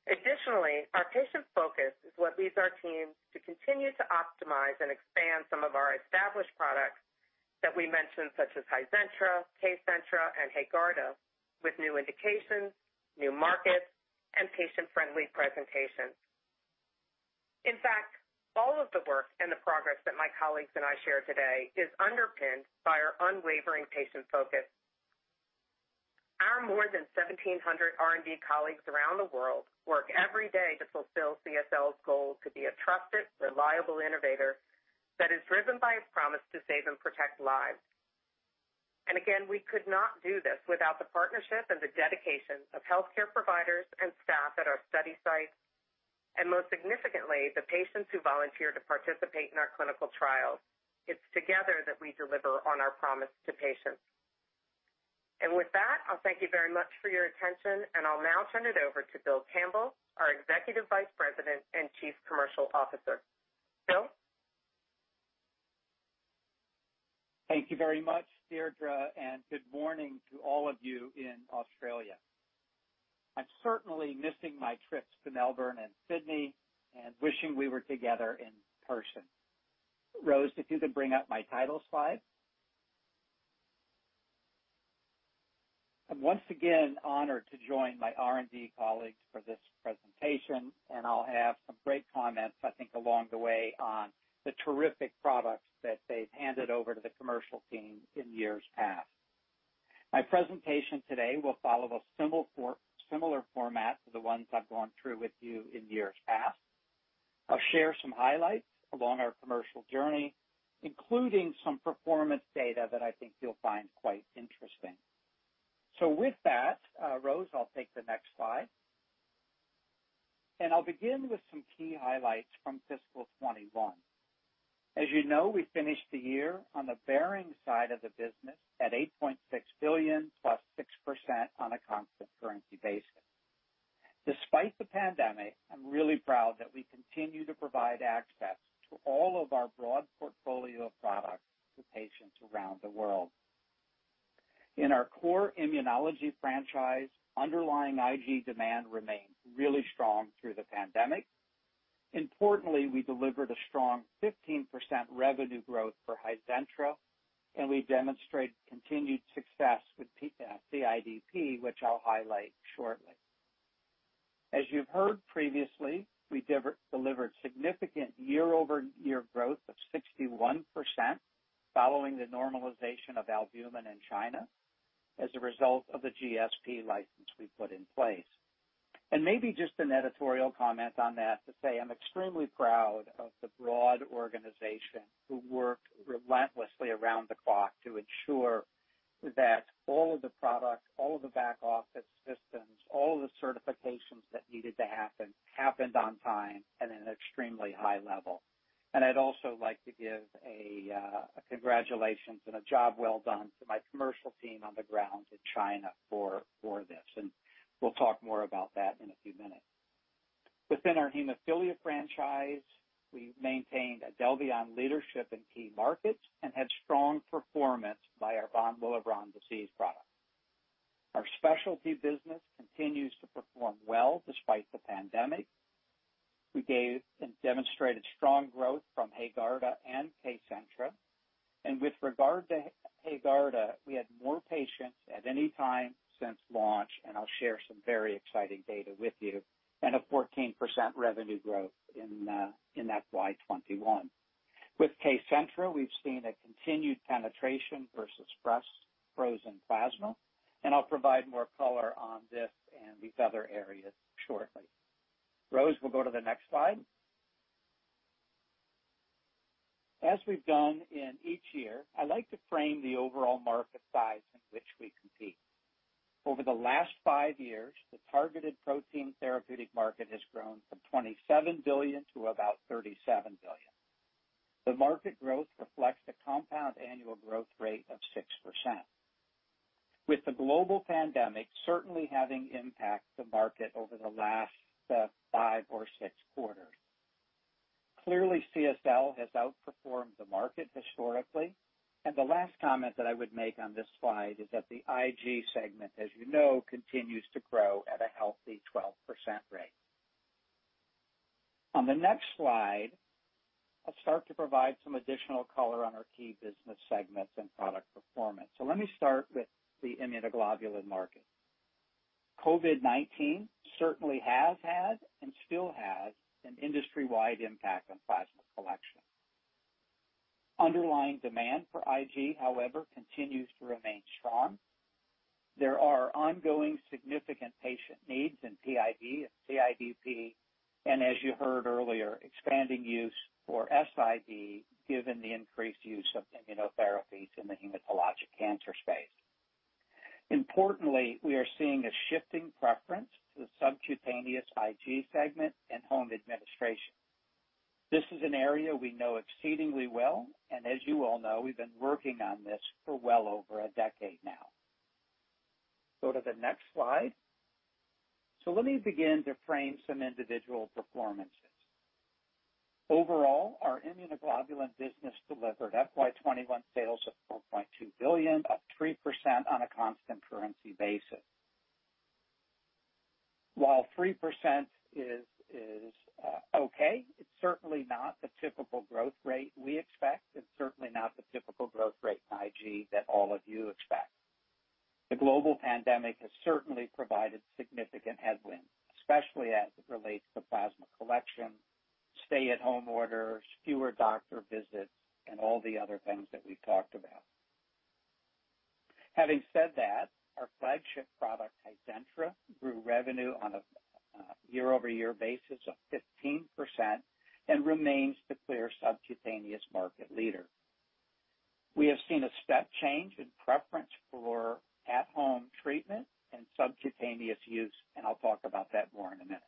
Additionally, our patient focus is what leads our teams to continue to optimize and expand some of our established products that we mentioned, such as Hizentra, Kcentra, and HAEGARDA, with new indications, new markets, and patient-friendly presentations. In fact, all of the work and the progress that my colleagues and I share today is underpinned by our unwavering patient focus. Our more than 1,700 R&D colleagues around the world work every day to fulfill CSL's goal to be a trusted, reliable innovator that is driven by a promise to save and protect lives. Again, we could not do this without the partnership and the dedication of healthcare providers and staff at our study sites, and most significantly, the patients who volunteer to participate in our clinical trials. It is together that we deliver on our promise to patients. With that, I will thank you very much for your attention, and I will now turn it over to Bill Campbell, our Executive Vice President and Chief Commercial Officer. Bill? Thank you very much, Deirdre, and good morning to all of you in Australia. I'm certainly missing my trips to Melbourne and Sydney and wishing we were together in person. Rose, if you could bring up my title slide. I'm once again honored to join my R&D colleagues for this presentation, and I'll have some great comments, I think, along the way on the terrific products that they've handed over to the commercial team in years past. My presentation today will follow a similar format to the ones I've gone through with you in years past. I'll share some highlights along our commercial journey, including some performance data that I think you'll find quite interesting. With that, Rose, I'll take the next slide. I'll begin with some key highlights from fiscal 2021. As you know, we finished the year on the Behring side of the business at 8.6 billion, +6% on a constant currency basis. Despite the pandemic, I'm really proud that we continue to provide access to all of our broad portfolio of products to patients around the world. In our core immunology franchise, underlying IG demand remained really strong through the pandemic. Importantly, we delivered a strong 15% revenue growth for Hizentra, and we demonstrated continued success with CIDP, which I'll highlight shortly. As you've heard previously, we delivered significant year-over-year growth of 61% following the normalization of albumin in China as a result of the GSP license we put in place. Maybe just an editorial comment on that to say I'm extremely proud of the broad organization who worked relentlessly around the clock to ensure that all of the products, all of the back office systems, all of the certifications that needed to happen, happened on time at an extremely high level. I'd also like to give a congratulations and a job well done to my commercial team on the ground in China for this, and we'll talk more about that in a few minutes. Within our hemophilia franchise, we maintained IDELVION leadership in key markets and had strong performance by our von Willebrand disease product. Our specialty business continues to perform well despite the pandemic. We gave and demonstrated strong growth from HAEGARDA and Kcentra. With regard to HAEGARDA, we had more patients at any time since launch, and I'll share some very exciting data with you, and a 14% revenue growth in FY 2021. With Kcentra, we've seen a continued penetration versus fresh frozen plasma, and I'll provide more color on this and these other areas shortly. Rose, we'll go to the next slide. As we've done in each year, I like to frame the overall market size in which we compete. Over the last five years, the targeted protein therapeutic market has grown from 27 billion to about 37 billion. The market growth reflects the compound annual growth rate of 6%. With the global pandemic certainly having impact the market over the last five or six quarters. Clearly, CSL has outperformed the market historically. The last comment that I would make on this slide is that the IG segment, as you know, continues to grow at a healthy 12% rate. On the next slide, I'll start to provide some additional color on our key business segments and product performance. Let me start with the immunoglobulin market. COVID-19 certainly has had and still has an industry-wide impact on plasma collection. Underlying demand for IG, however, continues to remain strong. There are ongoing significant patient needs in PID and CIDP, and as you heard earlier, expanding use for SID given the increased use of immunotherapies in the hematologic cancer space. Importantly, we are seeing a shifting preference to the subcutaneous IG segment and home administration. This is an area we know exceedingly well, and as you all know, we've been working on this for well over a decade now. Go to the next slide. Let me begin to frame some individual performances. Overall, our immunoglobulin business delivered FY 2021 sales of 4.2 billion up 3% on a constant currency basis. While 3% is okay, it's certainly not the typical growth rate we expect, and certainly not the typical growth rate in IG that all of you expect. The global pandemic has certainly provided significant headwinds, especially as it relates to plasma collection, stay-at-home orders, fewer doctor visits, and all the other things that we've talked about. Having said that, our flagship product, Hizentra, grew revenue on a year-over-year basis of 15% and remains the clear subcutaneous market leader. We have seen a step change in preference for at-home treatment and subcutaneous use, and I'll talk about that more in a minute.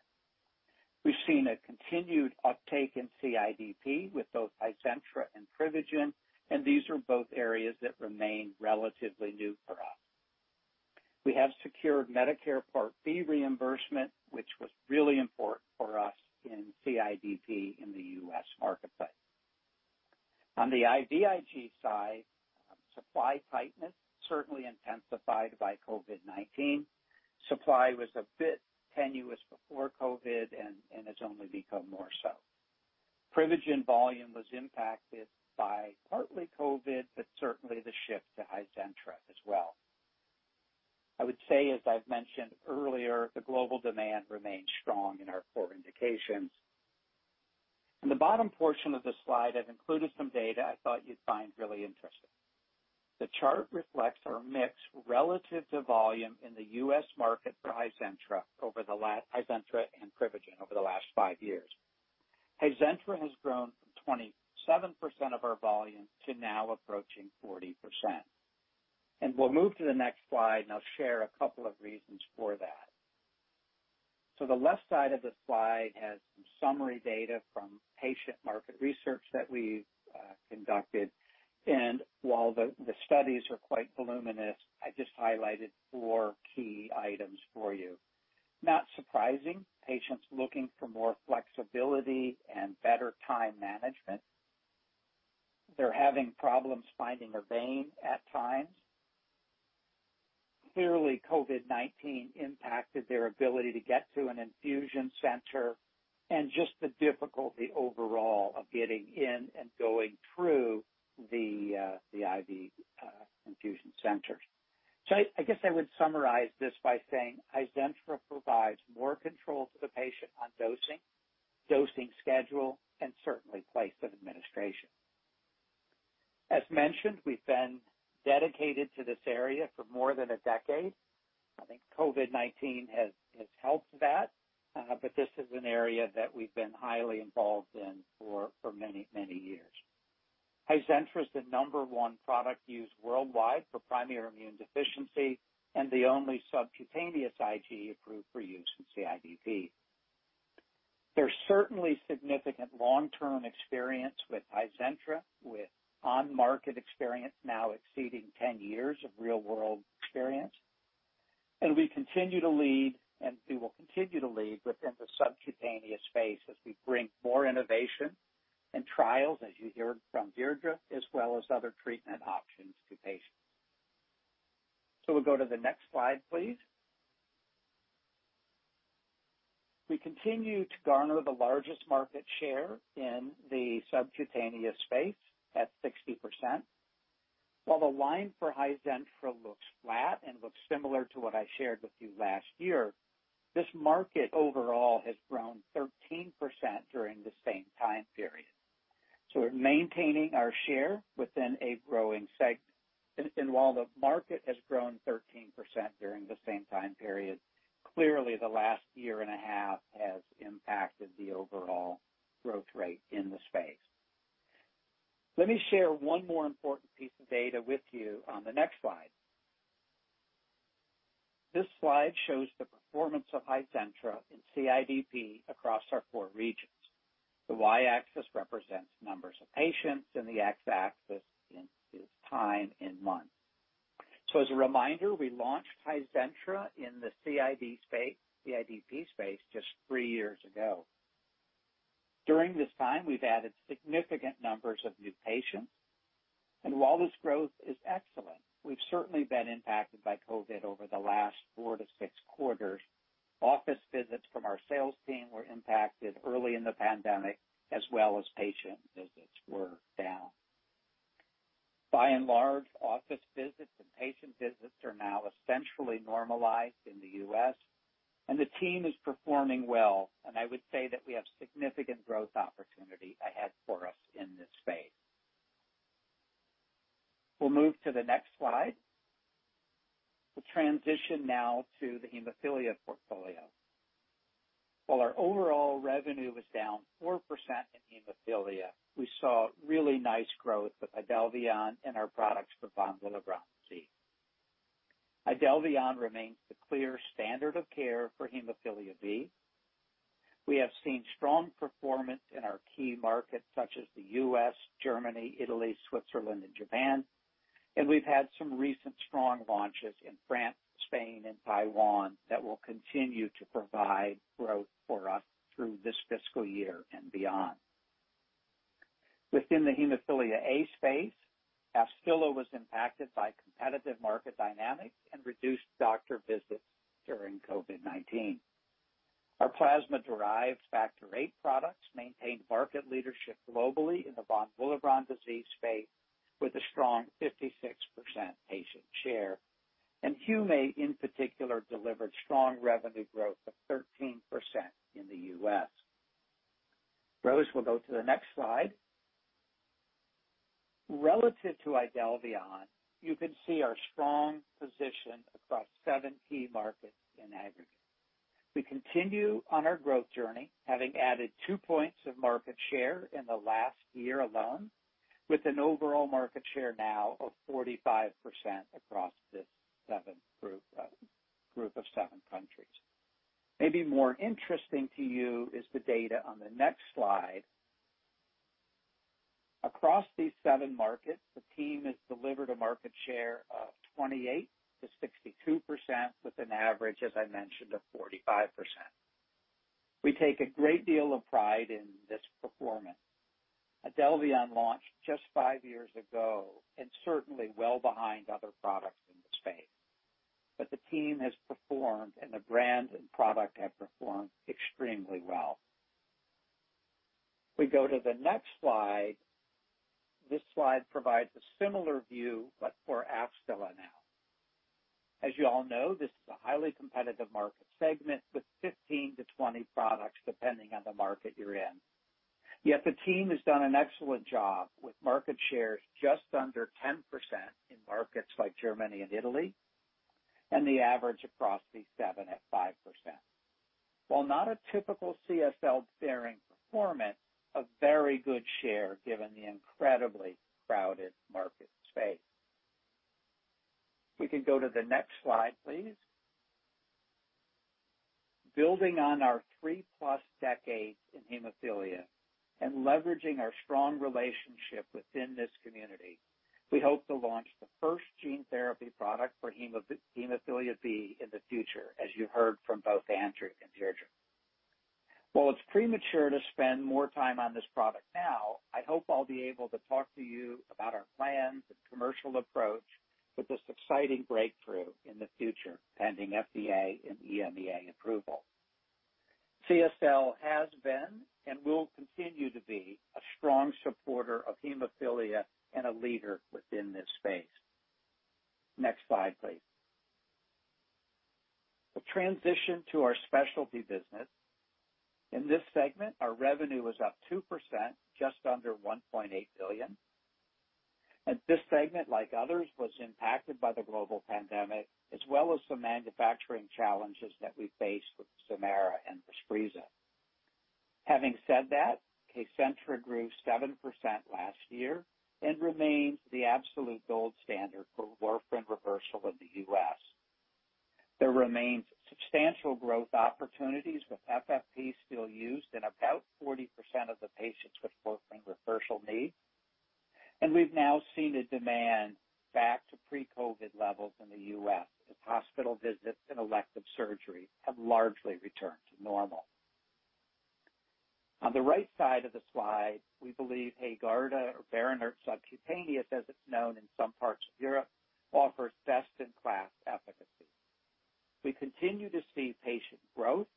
We've seen a continued uptake in CIDP with both Hizentra and Privigen. These are both areas that remain relatively new for us. We have secured Medicare Part B reimbursement, which was really important for us in CIDP in the US marketplace. On the IVIG side, supply tightness certainly intensified by COVID-19. Supply was a bit tenuous before COVID and has only become more so. Privigen volume was impacted by partly COVID, but certainly the shift to Hizentra as well. I would say, as I've mentioned earlier, the global demand remains strong in our core indications. In the bottom portion of this slide, I've included some data I thought you'd find really interesting. The chart reflects our mix relative to volume in the US market for Hizentra and Privigen over the last five years. Hizentra has grown from 27% of our volume to now approaching 40%. We'll move to the next slide, and I'll share a couple of reasons for that. The left side of the slide has some summary data from patient market research that we've conducted, and while the studies are quite voluminous, I just highlighted four key items for you. Not surprising, patients looking for more flexibility and better time management. They're having problems finding a vein at times. Clearly, COVID-19 impacted their ability to get to an infusion center and just the difficulty overall of getting in and going through the IV infusion centers. I guess I would summarize this by saying Hizentra provides more control to the patient on dosing schedule, and certainly place of administration. As mentioned, we've been dedicated to this area for more than a decade. I think COVID-19 has helped that, but this is an area that we've been highly involved in for many years. Hizentra is the number one product used worldwide for primary immune deficiency and the only subcutaneous IG approved for use in CIDP. There's certainly significant long-term experience with Hizentra, with on-market experience now exceeding 10 years of real-world experience. We continue to lead, and we will continue to lead within the subcutaneous space as we bring more innovation and trials, as you heard from Deirdre, as well as other treatment options to patients. We'll go to the next slide, please. We continue to garner the largest market share in the subcutaneous space, at 60%. While the line for Hizentra looks flat and looks similar to what I shared with you last year, this market overall has grown 13% during the same time period. We're maintaining our share within a growing segment. While the market has grown 13% during the same time period, clearly the last 1.5 Year has impacted the overall growth rate in the space. Let me share one more important piece of data with you on the next slide. This slide shows the performance of Hizentra in CIDP across our four regions. The Y-axis represents numbers of patients, and the X-axis is time in months. As a reminder, we launched Hizentra in the CIDP space just three years ago. During this time, we've added significant numbers of new patients. While this growth is excellent, we've certainly been impacted by COVID over the last four to six quarters. Office visits from our sales team were impacted early in the pandemic, as well as patient visits were down. By and large, office visits and patient visits are now essentially normalized in the U.S., and the team is performing well, and I would say that we have significant growth opportunity ahead for us in this space. We'll move to the next slide. We'll transition now to the hemophilia portfolio. While our overall revenue was down 4% in hemophilia, we saw really nice growth with IDELVION and our products for von Willebrand disease. IDELVION remains the clear standard of care for hemophilia B. We have seen strong performance in our key markets such as the U.S., Germany, Italy, Switzerland and Japan, and we've had some recent strong launches in France, Spain and Taiwan that will continue to provide growth for us through this fiscal year and beyond. Within the hemophilia A space, AFSTYLA was impacted by competitive market dynamics and reduced doctor visits during COVID-19. Our plasma-derived factor VIII products maintained market leadership globally in the von Willebrand disease space with a strong 56% patient share, and HUMATE-P, in particular, delivered strong revenue growth of 13% in the U.S. Rose, we'll go to the next slide. Relative to IDELVION, you can see our strong position across seven key markets in aggregate. We continue on our growth journey, having added two points of market share in the last year alone, with an overall market share now of 45% across this group of seven countries. Maybe more interesting to you is the data on the next slide. Across these seven markets, the team has delivered a market share of 28%-62%, with an average, as I mentioned, of 45%. We take a great deal of pride in this performance. IDELVION launched just five years ago and certainly well behind other products in the space. The team has performed and the brand and product have performed extremely well. We go to the next slide. This slide provides a similar view, but for AFSTYLA now. As you all know, this is a highly competitive market segment with 15-20 products depending on the market you're in. The team has done an excellent job with market shares just under 10% in markets like Germany and Italy, and the average across these seven at 5%. While not a typical CSL Behring performance, a very good share given the incredibly crowded market space. We can go to the next slide, please. Building on our three-plus decades in hemophilia and leveraging our strong relationship within this community, we hope to launch the first gene therapy product for hemophilia B in the future, as you heard from both Andrew and Deirdre. While it's premature to spend more time on this product now, I hope I'll be able to talk to you about our plans and commercial approach with this exciting breakthrough in the future, pending FDA and EMA approval. CSL has been, and will continue to be, a strong supporter of hemophilia and a leader within this space. Next slide, please. We'll transition to our specialty business. In this segment, our revenue was up 2%, just under $1.8 billion. This segment, like others, was impacted by the global pandemic, as well as some manufacturing challenges that we faced with ZEMAIRA and Respreeza. Having said that, Kcentra grew 7% last year and remains the absolute gold standard for warfarin reversal in the U.S. There remains substantial growth opportunities with FFP still used in about 40% of the patients with warfarin reversal need. We've now seen a demand back to pre-COVID levels in the U.S. as hospital visits and elective surgery have largely returned to normal. On the right side of the slide, we believe HAEGARDA or Berinert subcutaneous, as it's known in some parts of Europe, offers best-in-class efficacy. We continue to see patient growth,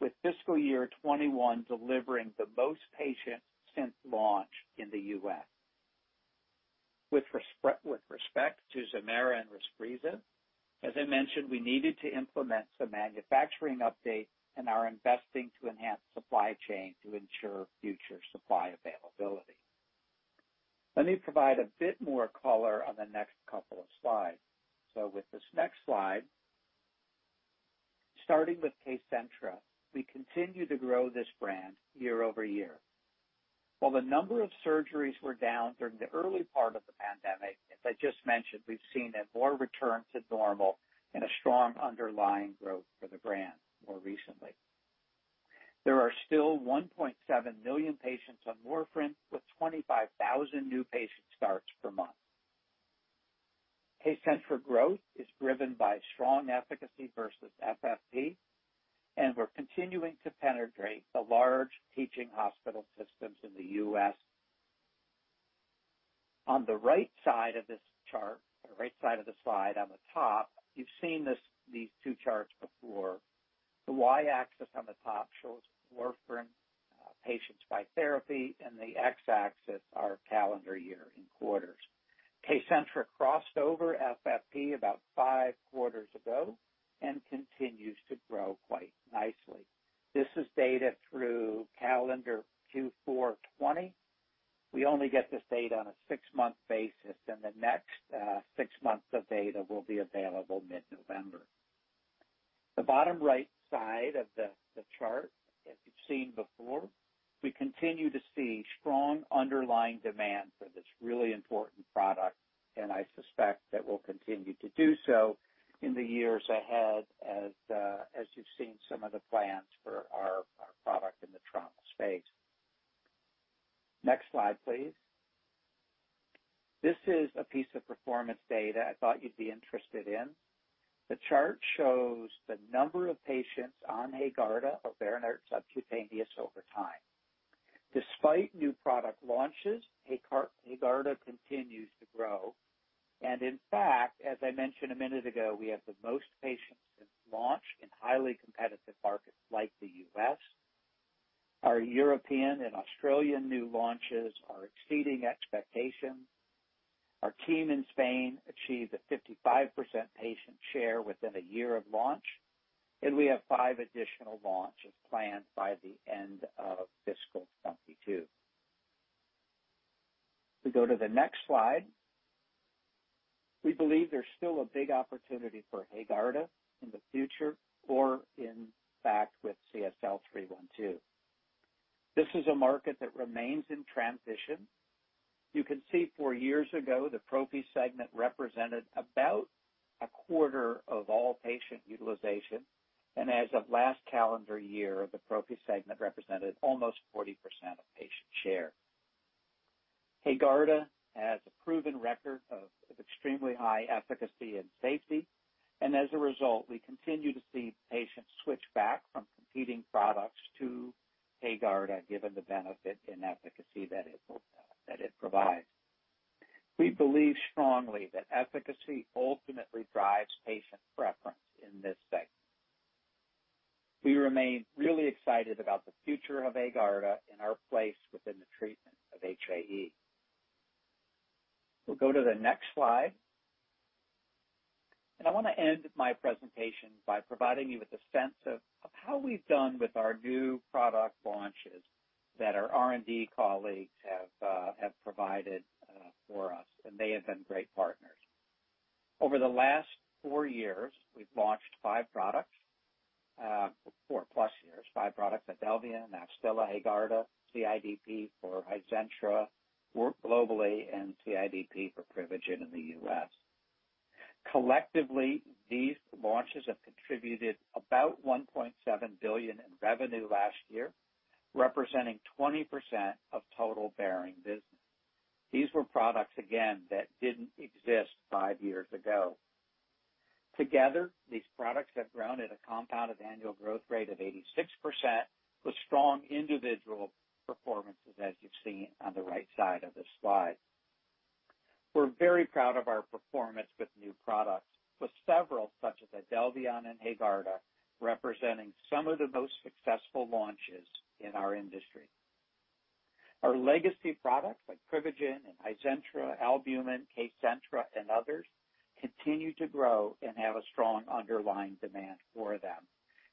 with FY 2021 delivering the most patients since launch in the U.S. With respect to Xymari and Respreeza, as I mentioned, we needed to implement some manufacturing updates and are investing to enhance supply chain to ensure future supply availability. Let me provide a bit more color on the next couple of slides. With this next slide, starting with Kcentra, we continue to grow this brand year-over-year. While the number of surgeries were down during the early part of the pandemic, as I just mentioned, we've seen a more return to normal and a strong underlying growth for the brand more recently. There are still 1.7 million patients on warfarin, with 25,000 new patient starts per month. Kcentra growth is driven by strong efficacy versus FFP, and we're continuing to penetrate the large teaching hospital systems in the U.S. On the right side of the slide, on the top, you've seen these two charts before. The Y-axis on the top shows warfarin patients by therapy, and the X-axis, our calendar year in quarters. Kcentra crossed over FFP about five quarters ago and continues to grow quite nicely. This is data through calendar Q4 2020. We only get this data on a six-month basis, and the next six months of data will be available mid-November. The bottom right side of the chart, as you've seen before, we continue to see strong underlying demand for this really important product, and I suspect that we'll continue to do so in the years ahead as you've seen some of the plans for our product in the thrombolytics space. Next slide, please. This is a piece of performance data I thought you'd be interested in. The chart shows the number of patients on HAEGARDA or Berinert subcutaneous over time. Despite new product launches, HAEGARDA continues to grow. In fact, as I mentioned a minute ago, we have the most patients since launch in highly competitive markets like the U.S. Our European and Australian new launches are exceeding expectations. Our team in Spain achieved a 55% patient share within a year of launch, and we have five additional launches planned by the end of FY 2022. We go to the next slide. We believe there's still a big opportunity for HAEGARDA in the future or in fact, with CSL312. This is a market that remains in transition. You can see four years ago, the Prophy segment represented about a quarter of all patient utilization, and as of last calendar year, the Prophy segment represented almost 40% of patient share. HAEGARDA has a proven record of extremely high efficacy and safety. As a result, we continue to see patients switch back from competing products to HAEGARDA, given the benefit in efficacy that it provides. We believe strongly that efficacy ultimately drives patient preference in this segment. We remain really excited about the future of HAEGARDA and our place within the treatment of HAE. We'll go to the next slide. I want to end my presentation by providing you with a sense of how we've done with our new product launches that our R&D colleagues have provided for us, and they have been great partners. Over the last four years, we've launched five products. Four-plus years. Five products, IDELVION, AFSTYLA, HAEGARDA, CIDP for Hizentra globally and CIDP for Privigen in the U.S. Collectively, these launches have contributed about 1.7 billion in revenue last year, representing 20% of total Behring business. These were products, again, that didn't exist five years ago. Together, these products have grown at a compounded annual growth rate of 86%, with strong individual performances as you've seen on the right side of the slide. We're very proud of our performance with new products, with several such as IDELVION and HAEGARDA, representing some of the most successful launches in our industry. Our legacy products like Privigen and Hizentra, albumin, Kcentra, and others continue to grow and have a strong underlying demand for them.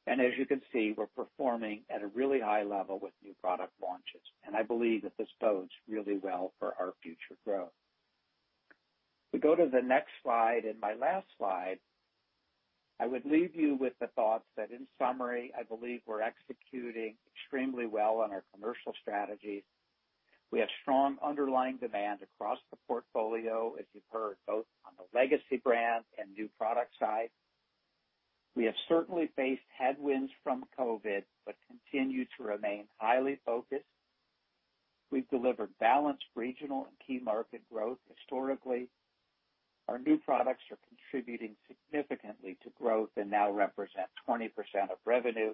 As you can see, we're performing at a really high level with new product launches, and I believe that this bodes really well for our future growth. If we go to the next slide, and my last slide, I would leave you with the thought that, in summary, I believe we're executing extremely well on our commercial strategies. We have strong underlying demand across the portfolio, as you've heard, both on the legacy brand and new product side. We have certainly faced headwinds from COVID, but continue to remain highly focused. We've delivered balanced regional and key market growth historically. Our new products are contributing significantly to growth and now represent 20% of revenue,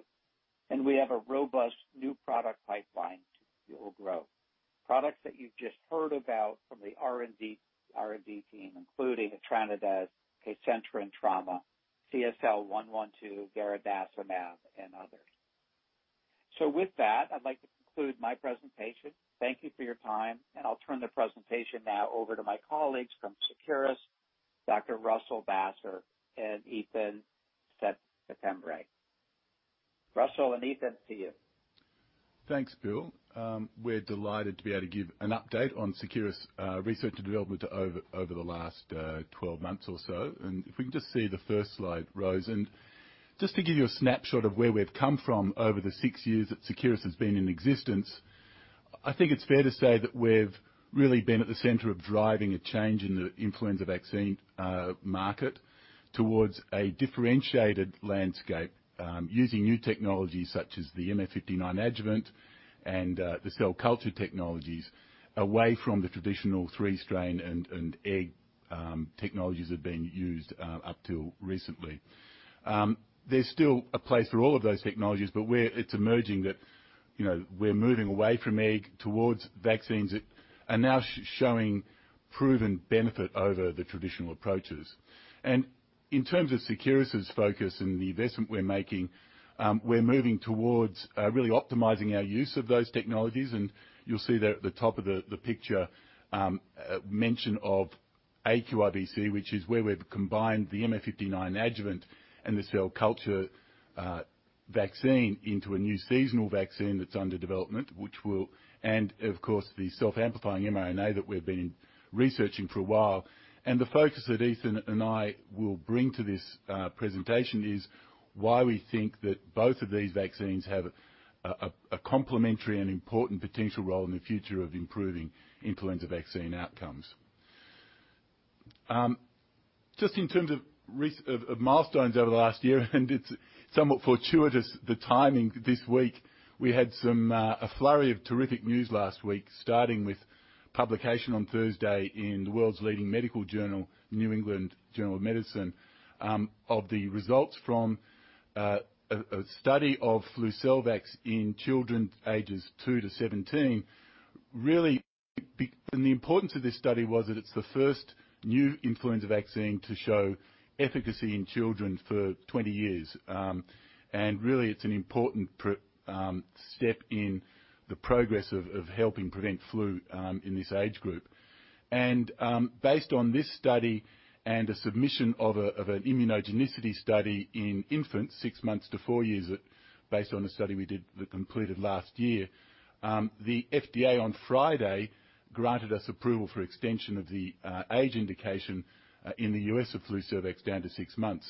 and we have a robust new product pipeline to fuel growth. Products that you've just heard about from the R&D team, including Atranades, Kcentra in trauma, CSL112, garadacimab, and others. With that, I'd like to conclude my presentation. Thank you for your time, and I'll turn the presentation now over to my colleagues from Seqirus, Dr. Russell Basser and Ethan Settembre. Russell and Ethan, to you. Thanks, Bill. We're delighted to be able to give an update on Seqirus' research and development over the last 12 months or so. If we can just see the first slide, Rose. Just to give you a snapshot of where we've come from over the six years that Seqirus has been in existence, I think it's fair to say that we've really been at the center of driving a change in the influenza vaccine market towards a differentiated landscape using new technologies such as the MF59 adjuvant and the cell culture technologies, away from the traditional three-strain and egg technologies that have been used up till recently. There's still a place for all of those technologies, but it's emerging that we're moving away from egg towards vaccines that are now showing proven benefit over the traditional approaches. In terms of Seqirus' focus and the investment we're making, we're moving towards really optimizing our use of those technologies. You'll see there at the top of the picture, mention of aQIVc, which is where we've combined the MF59 adjuvant and the cell culture vaccine into a new seasonal vaccine that's under development, and of course, the self-amplifying mRNA that we've been researching for a while. The focus that Ethan and I will bring to this presentation is why we think that both of these vaccines have a complementary and important potential role in the future of improving influenza vaccine outcomes. Just in terms of milestones over the last year, it's somewhat fortuitous the timing this week. We had a flurry of terrific news last week, starting with publication on Thursday in the world's leading medical journal, New England Journal of Medicine, of the results from a study of FLUCELVAX in children ages 2-17. The importance of this study was that it's the first new influenza vaccine to show efficacy in children for 20 years. Really it's an important step in the progress of helping prevent flu in this age group. Based on this study and a submission of an immunogenicity study in infants six months to four years based on the study we completed last year, the FDA on Friday granted us approval for extension of the age indication in the U.S. of FLUCELVAX down to six months.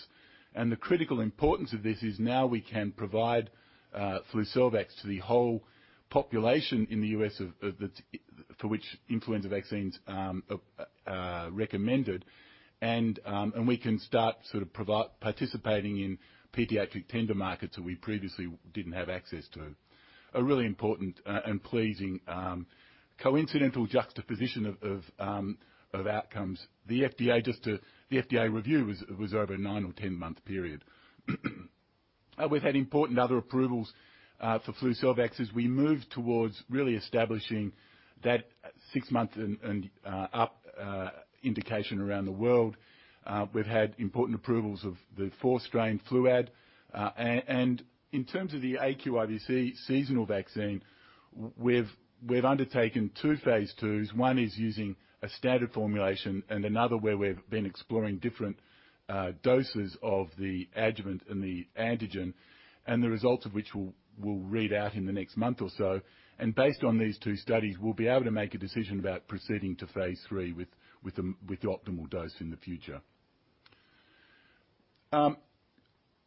The critical importance of this is now we can provide FLUCELVAX to the whole population in the U.S. for which influenza vaccine's recommended, and we can start participating in pediatric tender markets that we previously didn't have access to. A really important and pleasing coincidental juxtaposition of outcomes. The FDA review was over a nine or 10-month period. We've had important other approvals for FLUCELVAX as we move towards really establishing that six months and up indication around the world. We've had important approvals of the four-strain FLUAD. In terms of the aQIVc seasonal vaccine, we've undertaken two phase IIs. One is using a standard formulation and another where we've been exploring different doses of the adjuvant and the antigen, and the results of which we'll read out in the next month or so. Based on these two studies, we'll be able to make a decision about proceeding to phase III with the optimal dose in the future.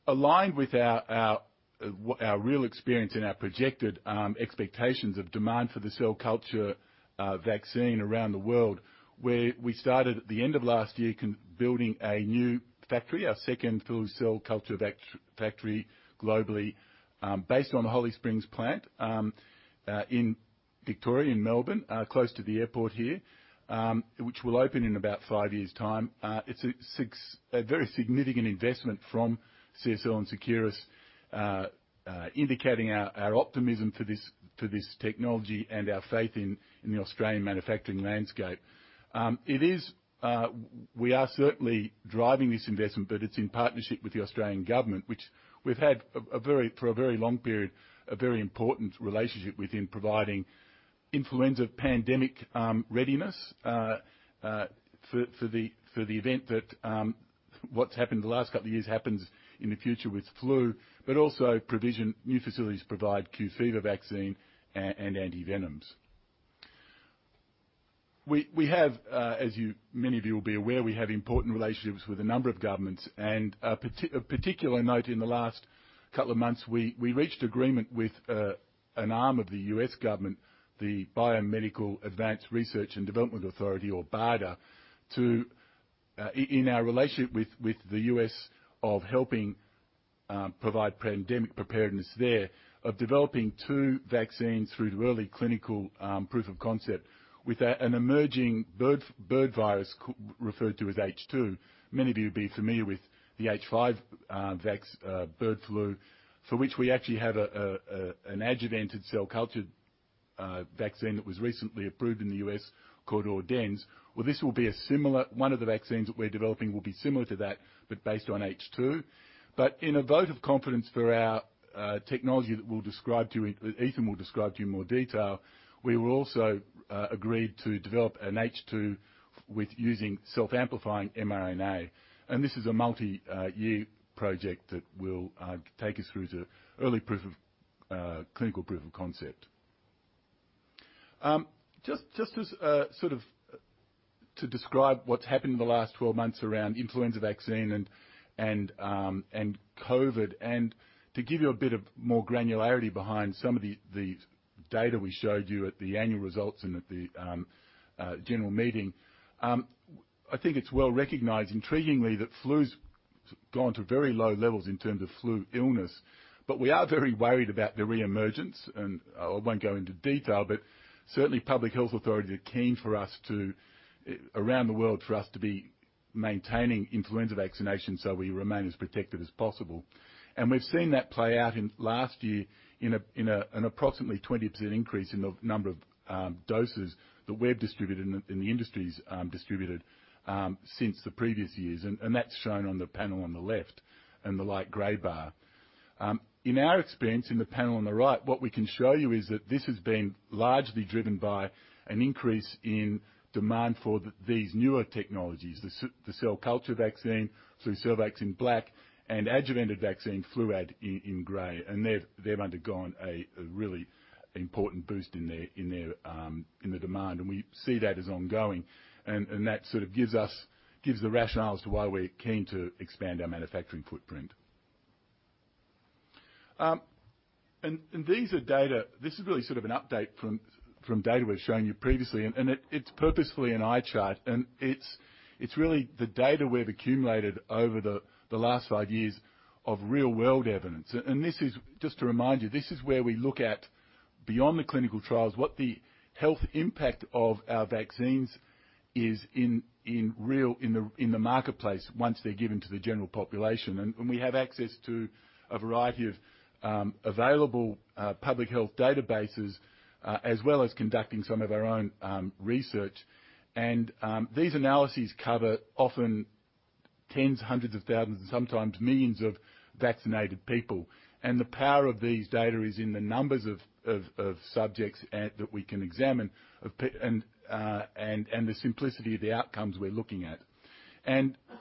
Aligned with our real experience and our projected expectations of demand for the cell culture vaccine around the world, we started at the end of last year building a new factory, our second flu cell culture factory globally, based on the Holly Springs plant in Victoria, in Melbourne, close to the airport here, which will open in about five years' time. It's a very significant investment from CSL and Seqirus, indicating our optimism for this technology and our faith in the Australian manufacturing landscape. We are certainly driving this investment, but it's in partnership with the Australian government, which we've had for a very long period, a very important relationship with in providing influenza pandemic readiness for the event that what's happened in the last couple of years happens in the future with flu, but also new facilities to provide Q fever vaccine and antivenoms. We have, as many of you will be aware, we have important relationships with a number of governments. Of particular note in the last couple of months, we reached agreement with an arm of the U.S. government, the Biomedical Advanced Research and Development Authority, or BARDA, in our relationship with the U.S. of helping provide pandemic preparedness there, of developing two vaccines through to early clinical proof of concept with an emerging bird virus referred to as H2. Many of you will be familiar with the H5 bird flu, for which we actually have an adjuvanted cell culture vaccine that was recently approved in the U.S. called AUDENZ. One of the vaccines that we're developing will be similar to that, based on H2. In a vote of confidence for our technology that Ethan will describe to you in more detail, we will also agree to develop an H2 with using self-amplifying mRNA. This is a multi-year project that will take us through to early clinical proof of concept. Just to describe what's happened in the last 12 months around influenza vaccine and COVID, to give you a bit of more granularity behind some of the data we showed you at the annual results and at the general meeting. I think it's well recognized, intriguingly, that flu's gone to very low levels in terms of flu illness, but we are very worried about the reemergence, and I won't go into detail, but certainly public health authorities are keen around the world for us to be maintaining influenza vaccinations so we remain as protected as possible. We've seen that play out in last year in an approximately 20% increase in the number of doses that we've distributed, and the industries distributed since the previous years, and that's shown on the panel on the left in the light gray bar. In our experience, in the panel on the right, what we can show you is that this has been largely driven by an increase in demand for these newer technologies, the cell culture vaccine, FLUCELVAX in black, and adjuvanted vaccine, FLUAD, in gray. They've undergone a really important boost in the demand. We see that as ongoing. That gives the rationale as to why we're keen to expand our manufacturing footprint. This is really sort of an update from data we've shown you previously, and it's purposefully an eye chart. It's really the data we've accumulated over the last six years of real-world evidence. Just to remind you, this is where we look at beyond the clinical trials, what the health impact of our vaccines is in the marketplace once they're given to the general population. We have access to a variety of available public health databases, as well as conducting some of our own research. These analyses cover often tens, hundreds of thousands, and sometimes millions of vaccinated people. The power of these data is in the numbers of subjects that we can examine, and the simplicity of the outcomes we're looking at.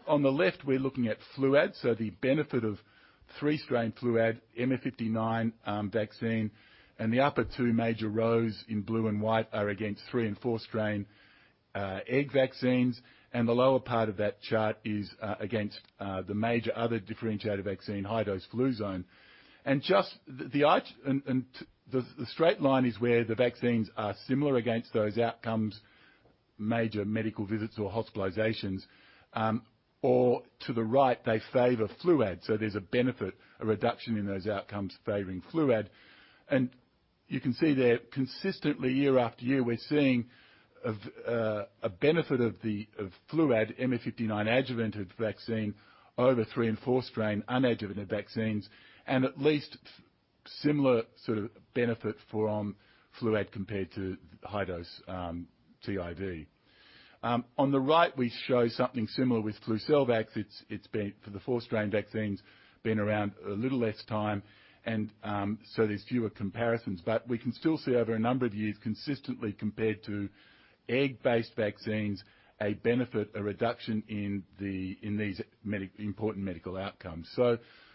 On the left, we're looking at FLUAD, so the benefit of three-strain FLUAD MF59 vaccine. The upper two major rows in blue and white are against three and four-strain egg vaccines, and the lower part of that chart is against the major other differentiator vaccine, high dose Fluzone. The straight line is where the vaccines are similar against those outcomes, major medical visits or hospitalizations, or to the right, they favor FLUAD. There's a benefit, a reduction in those outcomes favoring FLUAD. You can see there, consistently year after year, we're seeing a benefit of FLUAD MF59 adjuvanted vaccine over three and four-strain unadjuvanted vaccines, and at least similar benefit from FLUAD compared to high dose TIV. On the right, we show something similar with FLUCELVAX. It's been for the four-strain vaccines, been around a little less time, there's fewer comparisons. We can still see over a number of years consistently compared to egg-based vaccines, a benefit, a reduction in these important medical outcomes.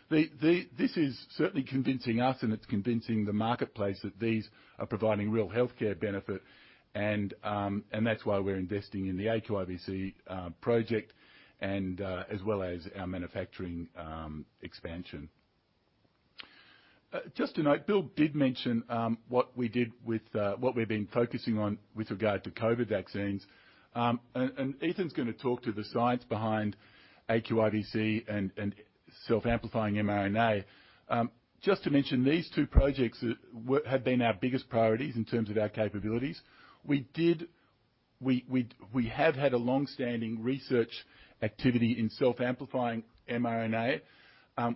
This is certainly convincing us, and it's convincing the marketplace that these are providing real healthcare benefit, and that's why we're investing in the aQIVc project, as well as our manufacturing expansion. Just to note, Bill did mention what we've been focusing on with regard to COVID vaccines. Ethan's going to talk to the science behind aQIVc and self-amplifying mRNA. Just to mention, these two projects have been our biggest priorities in terms of our capabilities. We have had a long-standing research activity in self-amplifying mRNA.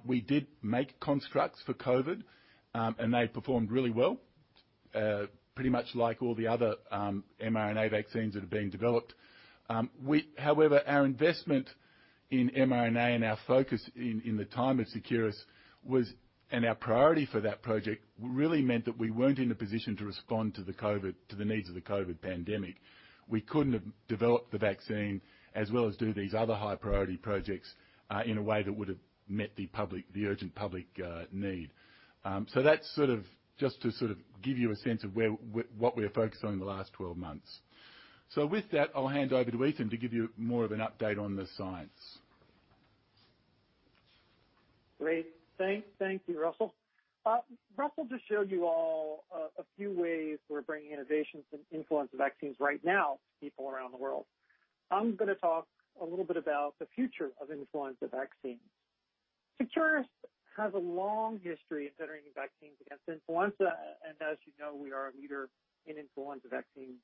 We did make constructs for COVID, and they performed really well, pretty much like all the other mRNA vaccines that have been developed. However, our investment in mRNA and our focus in the time of Seqirus and our priority for that project, really meant that we weren't in a position to respond to the needs of the COVID pandemic. We couldn't have developed the vaccine as well as do these other high priority projects, in a way that would have met the urgent public need. That's just to give you a sense of what we are focused on in the last 12 months. With that, I'll hand over to Ethan to give you more of an update on the science. Great. Thank you, Russell. Russell just showed you all a few ways we're bringing innovations in influenza vaccines right now to people around the world. I'm going to talk a little bit about the future of influenza vaccines. Seqirus has a long history of generating vaccines against influenza, as you know, we are a leader in influenza vaccines.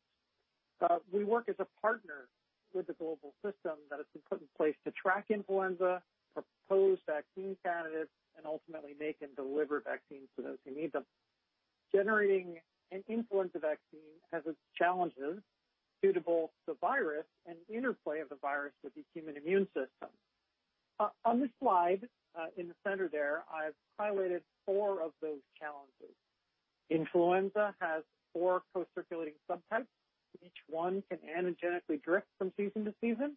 We work as a partner with the global system that has been put in place to track influenza, propose vaccine candidates, and ultimately make and deliver vaccines to those who need them. Generating an influenza vaccine has its challenges due to both the virus and the interplay of the virus with the human immune system. On this slide, in the center there, I've highlighted four of those challenges. Influenza has four co-circulating subtypes. Each one can antigenically drift from season to season.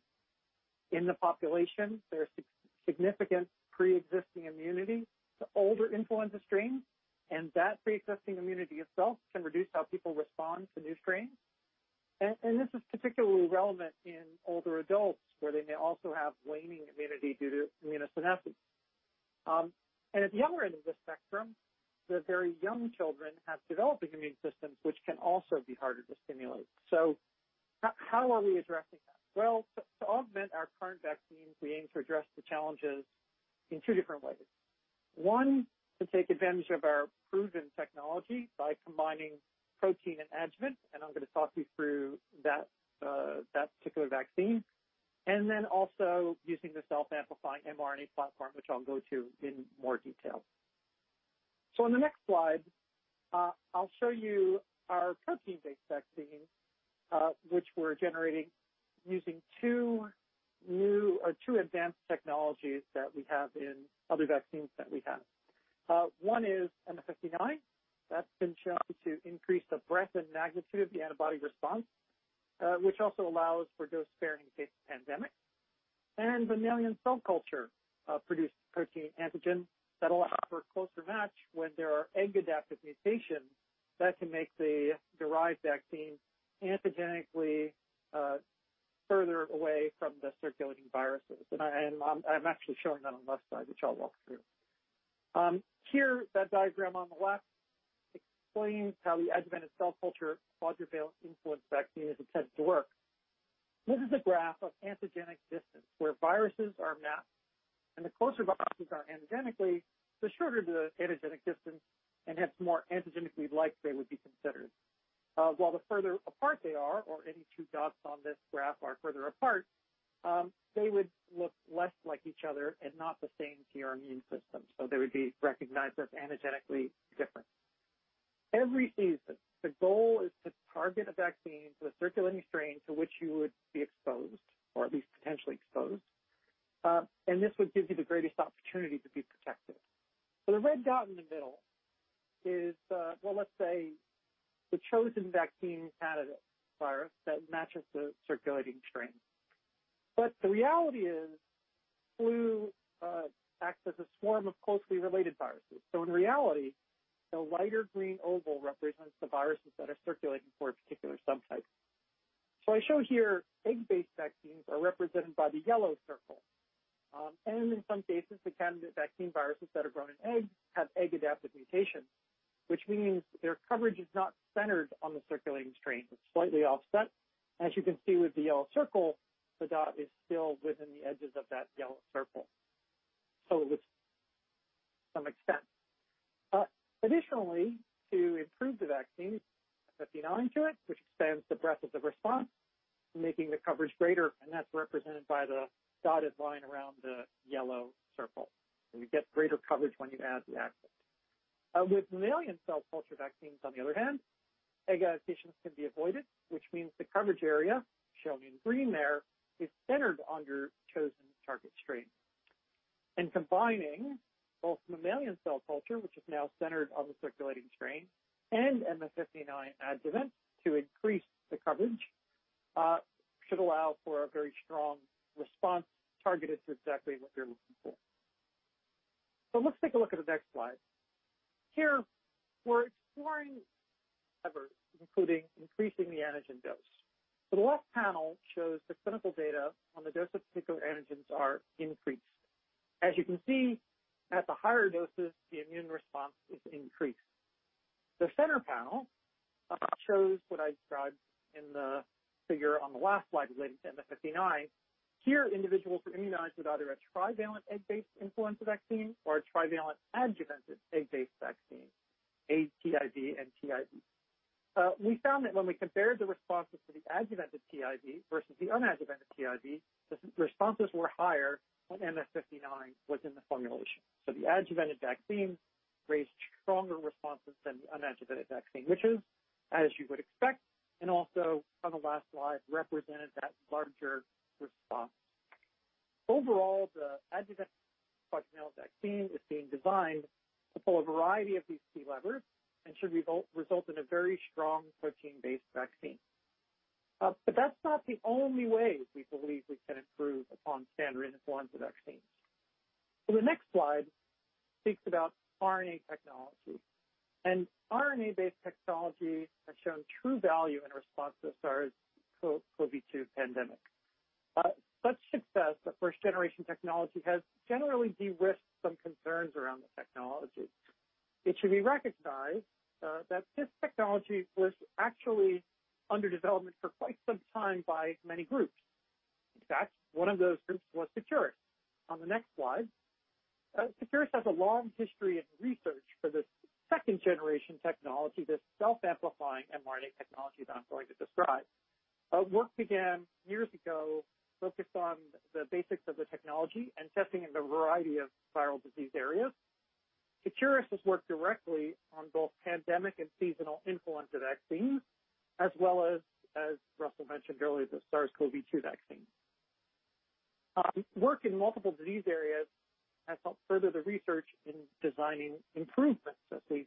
In the population, there is significant preexisting immunity to older influenza strains, that preexisting immunity itself can reduce how people respond to new strains. This is particularly relevant in older adults, where they may also have waning immunity due to immunosenescence. At the other end of the spectrum, the very young children have developing immune systems, which can also be harder to stimulate. How are we addressing that? Well, to augment our current vaccines, we aim to address the challenges in two different ways. One, to take advantage of our proven technology by combining protein and adjuvant, and I'm going to talk you through that particular vaccine. Then also using the self-amplifying mRNA platform, which I'll go to in more detail. On the next slide, I'll show you our protein-based vaccine, which we're generating using two new or two advanced technologies that we have in other vaccines that we have. One is MF59. That's been shown to increase the breadth and magnitude of the antibody response, which also allows for dose sparing in case of pandemic. Mammalian cell culture-produced protein antigen that allow for a closer match when there are egg-adapted mutations that can make the derived vaccine antigenically further away from the circulating viruses. I'm actually showing that on the left side, which I'll walk through. Here, that diagram on the left explains how the adjuvanted cell culture quadrivalent influenza vaccine is intended to work. This is a graph of antigenic distance, where viruses are mapped, and the closer viruses are antigenically, the shorter the antigenic distance, and hence more antigenically alike they would be considered. While the further apart they are or any two dots on this graph are further apart, they would look less like each other and not the same to your immune system. They would be recognized as antigenically different. Every season, the goal is to target a vaccine to the circulating strain to which you would be exposed, or at least potentially exposed, and this would give you the greatest opportunity to be protected. The red dot in the middle is, well, let's say, the chosen vaccine candidate virus that matches the circulating strain. The reality is flu acts as a swarm of closely related viruses. In reality, the lighter green oval represents the viruses that are circulating for a particular subtype. I show here egg-based vaccines are represented by the yellow circle. In some cases, the candidate vaccine viruses that are grown in eggs have egg-adapted mutations, which means their coverage is not centered on the circulating strain. It's slightly offset. As you can see with the yellow circle, the dot is still within the edges of that yellow circle. Additionally, to improve the vaccine, MF59 to it, which expands the breadth of the response, making the coverage greater, and that's represented by the dotted line around the yellow circle. You get greater coverage when you add the adjuvant. With mammalian cell culture vaccines, on the other hand, egg adaptations can be avoided, which means the coverage area, shown in green there, is centered on your chosen target strain. Combining both mammalian cell culture, which is now centered on the circulating strain, and MF59 adjuvant to increase the coverage, should allow for a very strong response targeted to exactly what you're looking for. Let's take a look at the next slide. Here, we're exploring levers, including increasing the antigen dose. The left panel shows the clinical data on the dose of particular antigens are increased. As you can see, at the higher doses, the immune response is increased. The center panel shows what I described in the figure on the last slide relating to MF59. Here, individuals were immunized with either a trivalent egg-based influenza vaccine or a trivalent adjuvanted egg-based vaccine, aTIV and TIV. We found that when we compared the responses to the adjuvanted TIV versus the unadjuvanted TIV, the responses were higher when MF59 was in the formulation. The adjuvanted vaccine raised stronger responses than the unadjuvanted vaccine, which is as you would expect, and also on the last slide represented that larger response. Overall, the adjuvanted vaccine is being designed to pull a variety of these key levers and should result in a very strong protein-based vaccine. That's not the only way we believe we can improve upon standard influenza vaccines. The next slide speaks about RNA technology, and RNA-based technology has shown true value in response to the SARS-CoV-2 pandemic. Such success, the first-generation technology has generally de-risked some concerns around the technology. It should be recognized that this technology was actually under development for quite some time by many groups. One of those groups was Seqirus. On the next slide, Seqirus has a long history in research for this second-generation technology, this self-amplifying mRNA technology that I'm going to describe. Our work began years ago, focused on the basics of the technology and testing in a variety of viral disease areas. Seqirus has worked directly on both pandemic and seasonal influenza vaccines, as well as Russell mentioned earlier, the SARS-CoV-2 vaccine. Work in multiple disease areas has helped further the research in designing improvements as we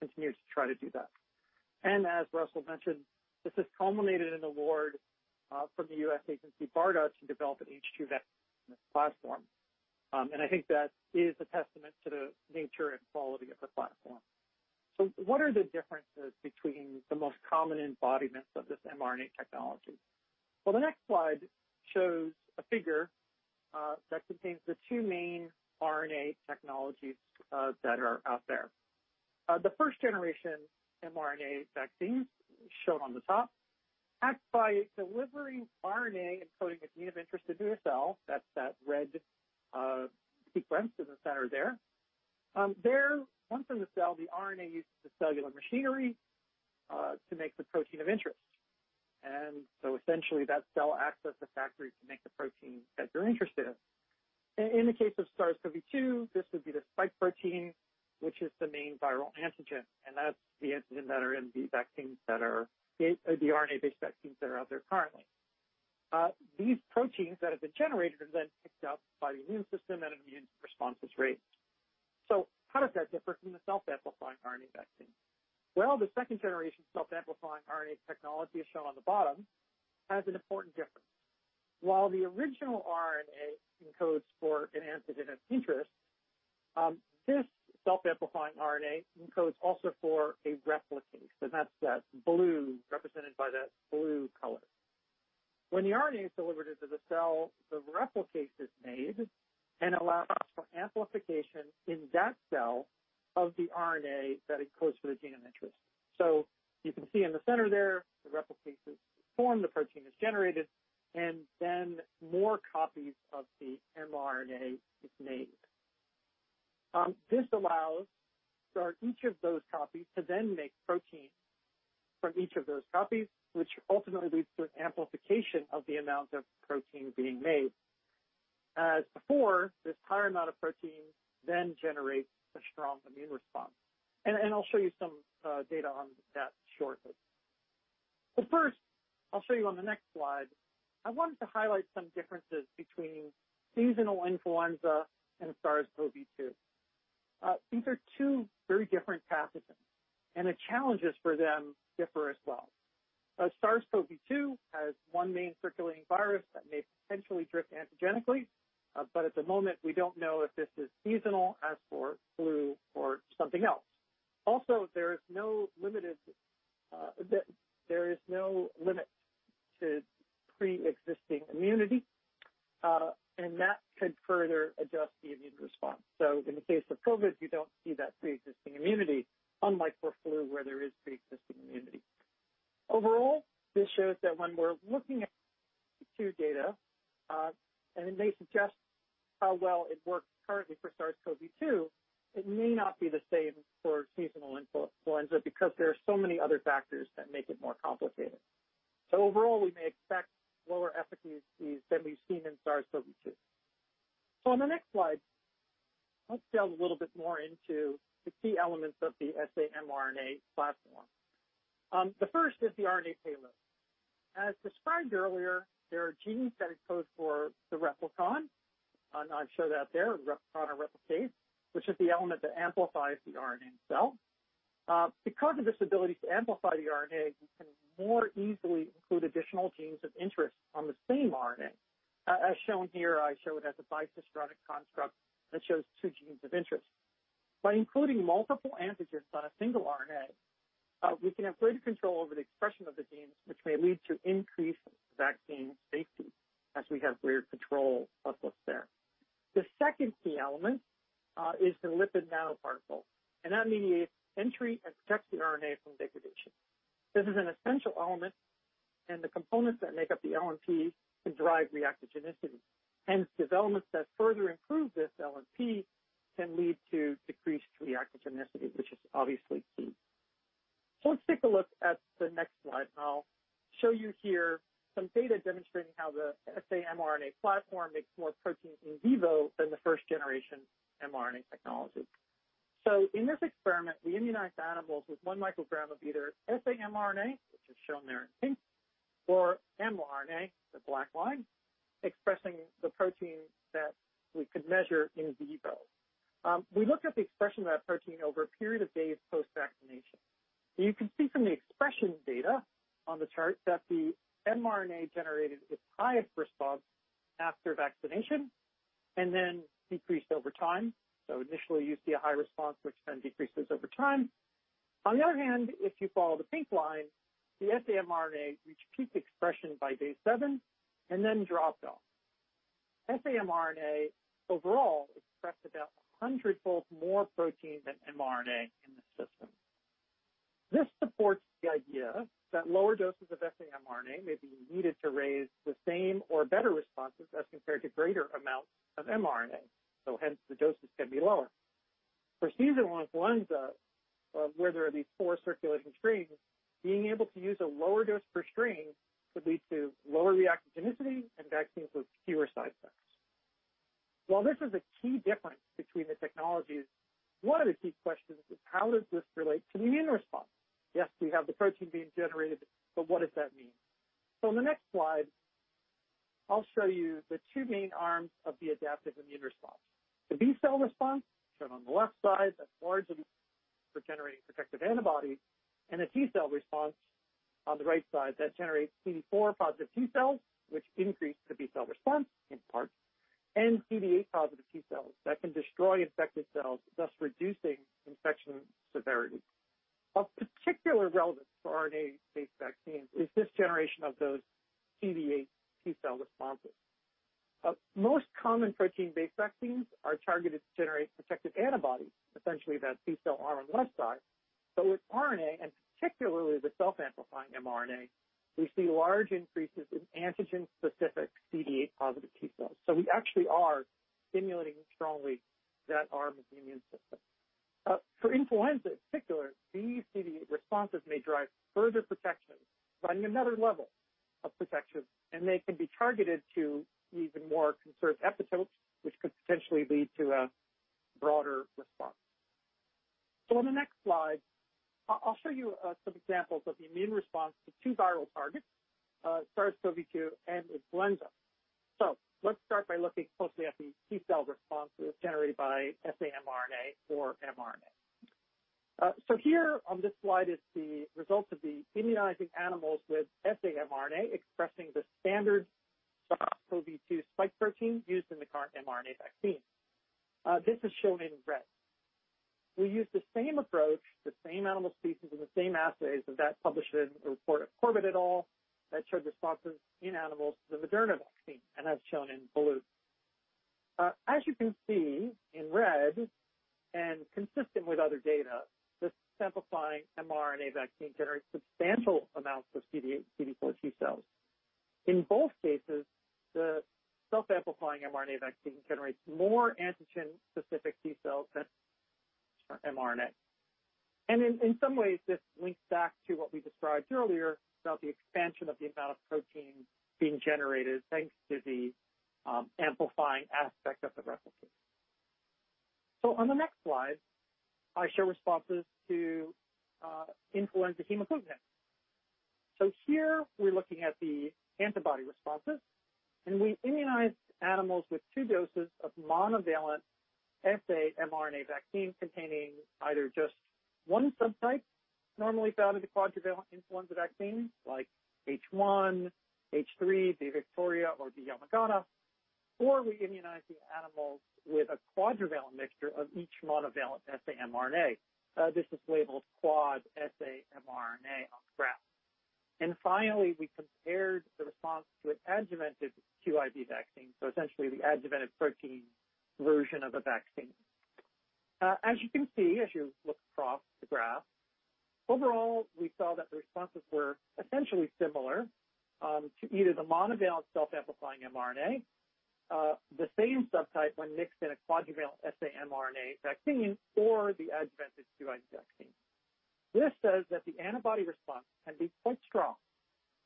continue to try to do that. As Russell mentioned, this has culminated in award from the U.S. agency, BARDA, to develop an H2 Vaccine Platform. I think that is a testament to the nature and quality of the platform. What are the differences between the most common embodiments of this mRNA technology? Well, the next slide shows a figure that contains the two main RNA technologies that are out there. The first-generation mRNA vaccines, shown on the top, act by delivering RNA encoding a gene of interest into a cell. That's that red sequence in the center there. There, once in the cell, the RNA uses the cellular machinery to make the protein of interest. Essentially, that cell acts as the factory to make the protein that you're interested in. In the case of SARS-CoV-2, this would be the spike protein, which is the main viral antigen, and that's the antigen that are in the RNA-based vaccines that are out there currently. These proteins that have been generated are then picked up by the immune system, and an immune response is raised. How does that differ from the self-amplifying RNA vaccine? Well, the second generation self-amplifying RNA technology, shown on the bottom, has an important difference. While the original RNA encodes for an antigen of interest, this self-amplifying RNA encodes also for a replicase, and that's represented by that blue color. When the RNA is delivered into the cell, the replicase is made and allows for amplification in that cell of the RNA that encodes for the gene of interest. You can see in the center there, the replicase is formed, the protein is generated, and then more copies of the mRNA is made. This allows for each of those copies to then make protein from each of those copies, which ultimately leads to an amplification of the amount of protein being made. As before, this higher amount of protein then generates a strong immune response. I'll show you some data on that shortly. First, I'll show you on the next slide, I wanted to highlight some differences between seasonal influenza and SARS-CoV-2. These are two very different pathogens, and the challenges for them differ as well. SARS-CoV-2 has one main circulating virus that may potentially drift antigenically. At the moment, we don't know if this is seasonal as for flu or something else. There is no limit to preexisting immunity, and that could further adjust the immune response. In the case of COVID, you don't see that preexisting immunity, unlike for flu where there is preexisting immunity. Overall, this shows that when we're looking at two data, and it may suggest how well it works currently for SARS-CoV-2, it may not be the same for seasonal influenza because there are so many other factors that make it more complicated. Overall, we may expect lower efficacies than we've seen in SARS-CoV-2. On the next slide, let's delve a little bit more into the key elements of the saRNA platform. The first is the RNA payload. As described earlier, there are genes that encode for the replicon, and I show that there, replicon or replicase, which is the element that amplifies the RNA in the cell. Because of this ability to amplify the RNA, we can more easily include additional genes of interest on the same RNA. As shown here, I show it as a bicistronic construct that shows two genes of interest. By including multiple antigens on a single RNA, we can have greater control over the expression of the genes, which may lead to increased vaccine safety as we have greater control of what's there. The second key element is the lipid nanoparticle, and that mediates entry and protects the RNA from degradation. This is an essential element, and the components that make up the LNP can drive reactogenicity. Hence, developments that further improve this LNP can lead to decreased reactogenicity, which is obviously key. Let's take a look at the next slide, and I'll show you here some data demonstrating how the saRNA platform makes more protein in vivo than the first-generation mRNA technology. In this experiment, we immunized animals with 1 microgram of either saRNA, which is shown there in pink, or mRNA, the black line, expressing the protein that we could measure in vivo. We looked at the expression of that protein over a period of days post-vaccination. You can see from the expression data on the chart that the mRNA generated its highest response after vaccination and then decreased over time. Initially, you see a high response, which then decreases over time. On the other hand, if you follow the pink line, the saRNA reached peak expression by day seven and then dropped off. saRNA overall expressed about 100-fold more protein than mRNA in the system. This supports the idea that lower doses of saRNA may be needed to raise the same or better responses as compared to greater amounts of mRNA, so hence the doses can be lower. For seasonal influenza, where there are these four circulating strains, being able to use a lower dose per strain could lead to lower reactogenicity and vaccines with fewer side effects. While this is a key difference between the technologies, one of the key questions is: how does this relate to the immune response? Yes, we have the protein being generated, but what does that mean? On the next slide, I'll show you the two main arms of the adaptive immune response. The B cell response, shown on the left side, that's large for generating protective antibodies, and a T cell response on the right side that generates CD4 positive T cells, which increase the B cell response in part, and CD8 positive T cells that can destroy infected cells, thus reducing infection severity. Of particular relevance for RNA-based vaccines is this generation of those CD8 T cell responses. Most common protein-based vaccines are targeted to generate protective antibodies, essentially that T cell arm on the left side. With RNA, and particularly the self-amplifying mRNA, we see large increases in antigen-specific CD8 positive T cells. We actually are simulating strongly that arm of the immune system. For influenza in particular, these CD8 responses may drive further protection by another level of protection. They can be targeted to even more conserved epitopes, which could potentially lead to a broader response. On the next slide, I will show you some examples of the immune response to two viral targets, SARS-CoV-2 and influenza. Let's start by looking closely at the T cell responses generated by saRNA or mRNA. Here on this slide is the results of the immunizing animals with saRNA expressing the standard SARS-CoV-2 spike protein used in the current mRNA vaccine. This is shown in red. We use the same approach, the same animal species, and the same assays of that published in a report of Corbett et al. that showed responses in animals to the Moderna vaccine. That is shown in blue. As you can see in red and consistent with other data, the self-amplifying mRNA vaccine generates substantial amounts of CD8/CD4 T cells. In both cases, the self-amplifying mRNA vaccine generates more antigen-specific T cells than mRNA. In some ways, this links back to what we described earlier about the expansion of the amount of protein being generated, thanks to the amplifying aspect of the replicon. On the next slide, I show responses to influenza hemagglutinin. Here we're looking at the antibody responses, and we immunize animals with two doses of monovalent saRNA vaccine containing either just one subtype normally found in the quadrivalent influenza vaccine like H1, H3, B Victoria, or B Yamagata, or we immunize the animals with a quadrivalent mixture of each monovalent saRNA. This is labeled quad saRNA on the graph. Finally, we compared the response to an adjuvanted QIV vaccine, so essentially the adjuvanted protein version of a vaccine. As you can see, as you look across the graph, overall, we saw that the responses were essentially similar to either the monovalent self-amplifying mRNA, the same subtype when mixed in a quadrivalent saRNA vaccine or the adjuvanted QIV vaccine. This says that the antibody response can be quite strong.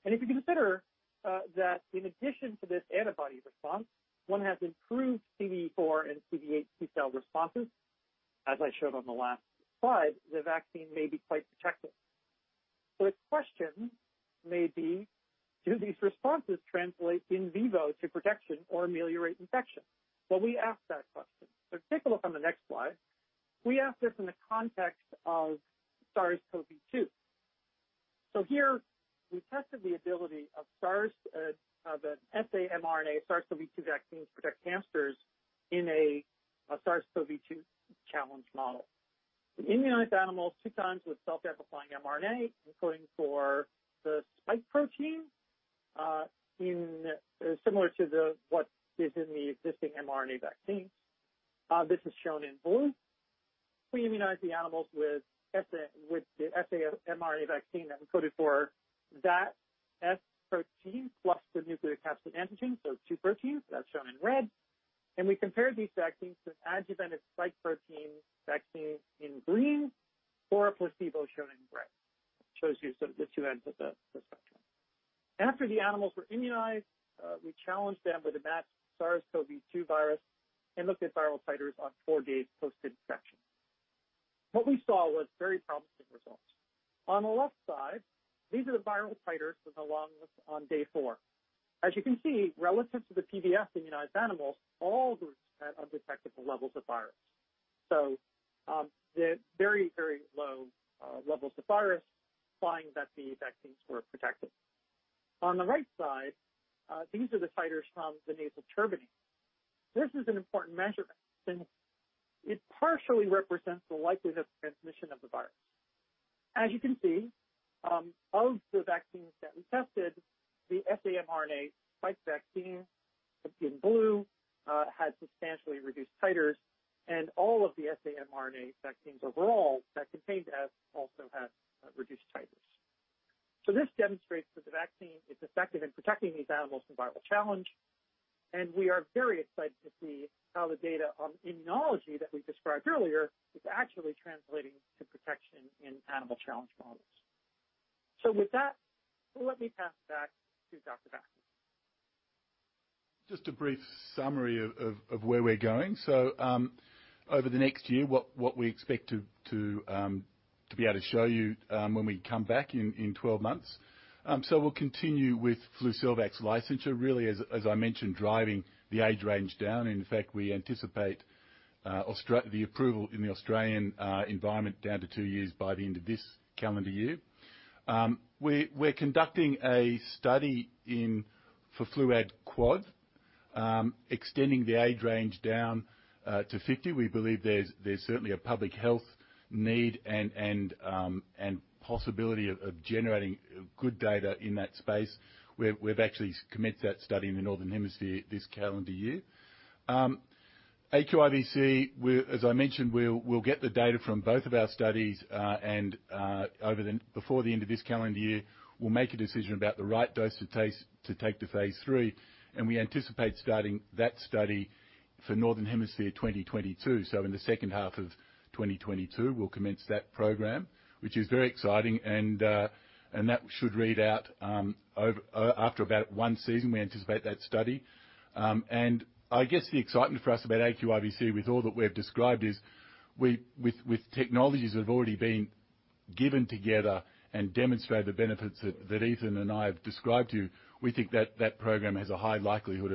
If you consider that in addition to this antibody response, one has improved CD4 and CD8 T cell responses, as I showed on the last slide, the vaccine may be quite protective. The question may be, do these responses translate in vivo to protection or ameliorate infection? We asked that question. Take a look on the next slide. We asked this in the context of SARS-CoV-2. Here we tested the ability of an saRNA SARS-CoV-2 vaccine to protect hamsters in a SARS-CoV-2 challenge model. We immunized animals two times with self-amplifying mRNA, encoding for the spike protein, similar to what is in the existing mRNA vaccine. This is shown in blue. We immunize the animals with the saRNA vaccine that encoded for that S protein plus the nucleocapsid antigen, so two proteins, that's shown in red. We compared these vaccines to adjuvanted spike protein vaccine in green or a placebo shown in gray. Shows you sort of the two ends of the spectrum. After the animals were immunized, we challenged them with a matched SARS-CoV-2 virus and looked at viral titers on four days post-infection. What we saw was very promising results. On the left side, these are the viral titers from the lungs on day four. As you can see, relative to the PBS-immunized animals, all groups had undetectable levels of virus. The very low levels of virus find that the vaccines were protective. On the right side, these are the titers from the nasal turbinate. This is an important measurement since it partially represents the likelihood of transmission of the virus. As you can see, of the vaccines that we tested, the saRNA Spike vaccine, in blue, had substantially reduced titers, and all of the saRNA vaccines overall that contained S also had reduced titers. This demonstrates that the vaccine is effective in protecting these animals from viral challenge, and we are very excited to see how the data on immunology that we described earlier is actually translating to protection in animal challenge models. With that, let me pass it back to Dr. Basser. Just a brief summary of where we're going. Over the next year, what we expect to be able to show you when we come back in 12 months, we'll continue with FLUCELVAX licensure, really, as I mentioned, driving the age range down. In fact, we anticipate the approval in the Australian environment down to two years by the end of this calendar year. We're conducting a study for FLUAD QUADRIVALENT extending the age range down to 50. We believe there's certainly a public health need and possibility of generating good data in that space. We've actually commenced that study in the Northern Hemisphere this calendar year. aQIVc, as I mentioned, we'll get the data from both of our studies, and before the end of this calendar year, we'll make a decision about the right dose to take to phase III, and we anticipate starting that study for Northern Hemisphere 2022. In the second half of 2022, we'll commence that program, which is very exciting, and that should read out after about one season, we anticipate that study. I guess the excitement for us about aQIVc with all that we have described is with technologies that have already been given together and demonstrate the benefits that Ethan and I have described to you, we think that that program has a high likelihood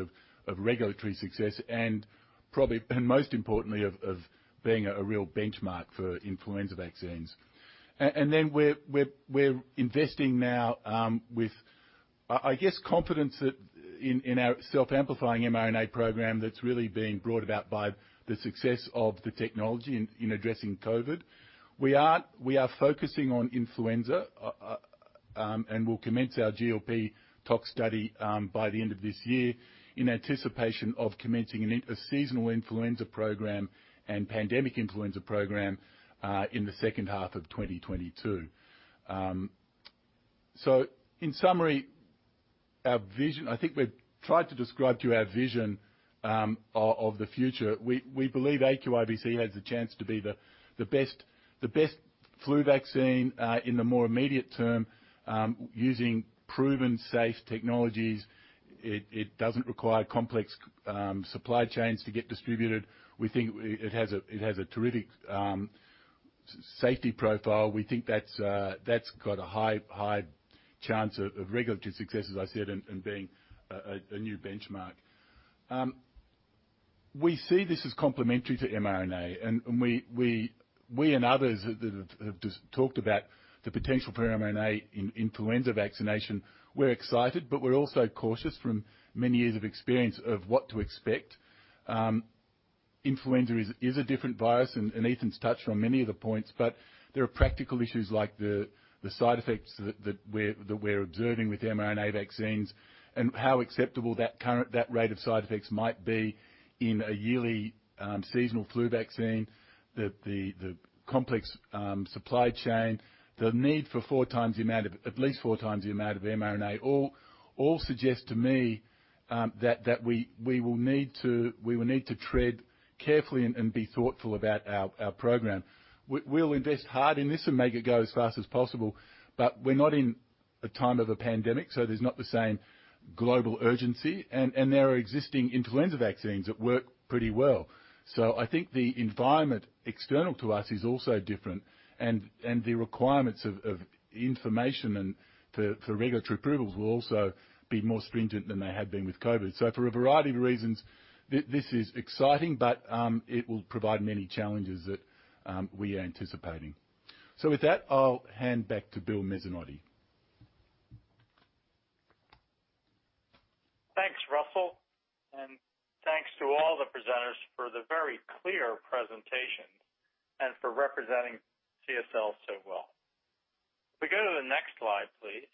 of regulatory success, and most importantly, of being a real benchmark for influenza vaccines. We're investing now with, I guess, confidence in our self-amplifying mRNA program that's really been brought about by the success of the technology in addressing COVID. We are focusing on influenza, and we'll commence our GLP tox study by the end of this year in anticipation of commencing a seasonal influenza program and pandemic influenza program in the second half of 2022. In summary, I think we've tried to describe to you our vision of the future. We believe aQIVc has the chance to be the best flu vaccine in the more immediate term using proven safe technologies. It doesn't require complex supply chains to get distributed. We think it has a terrific safety profile. We think that's got a high chance of regulatory success, as I said, and being a new benchmark. We see this as complementary to mRNA, and we and others that have talked about the potential for mRNA in influenza vaccination, we're excited, but we're also cautious from many years of experience of what to expect. Influenza is a different virus, and Ethan's touched on many of the points, but there are practical issues like the side effects that we're observing with the mRNA vaccines and how acceptable that rate of side effects might be in a yearly seasonal flu vaccine. The complex supply chain, the need for at least four times the amount of mRNA, all suggest to me that we will need to tread carefully and be thoughtful about our program. We'll invest hard in this and make it go as fast as possible, but we're not in a time of a pandemic, so there's not the same global urgency, and there are existing influenza vaccines that work pretty well. I think the environment external to us is also different, and the requirements of information and for regulatory approvals will also be more stringent than they have been with COVID. For a variety of reasons, this is exciting, but it will provide many challenges that we are anticipating. With that, I'll hand back to Bill Mezzanotte. Thanks, Russell, and thanks to all the presenters for the very clear presentation and for representing CSL so well. If we go to the next slide, please.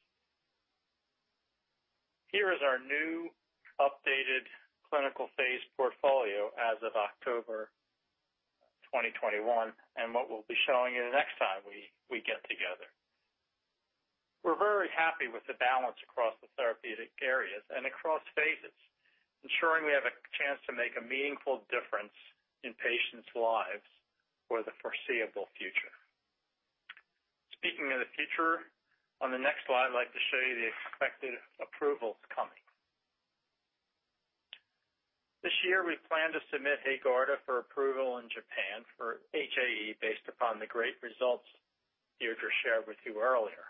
Here is our new updated clinical phase portfolio as of October 2021, and what we'll be showing you next time we get together. We're very happy with the balance across the therapeutic areas and across phases, ensuring we have a chance to make a meaningful difference in patients' lives for the foreseeable future. Speaking of the future, on the next slide, I'd like to show you the expected approvals coming. This year, we plan to submit HAEGARDA for approval in Japan for HAE based upon the great results Deirdre shared with you earlier.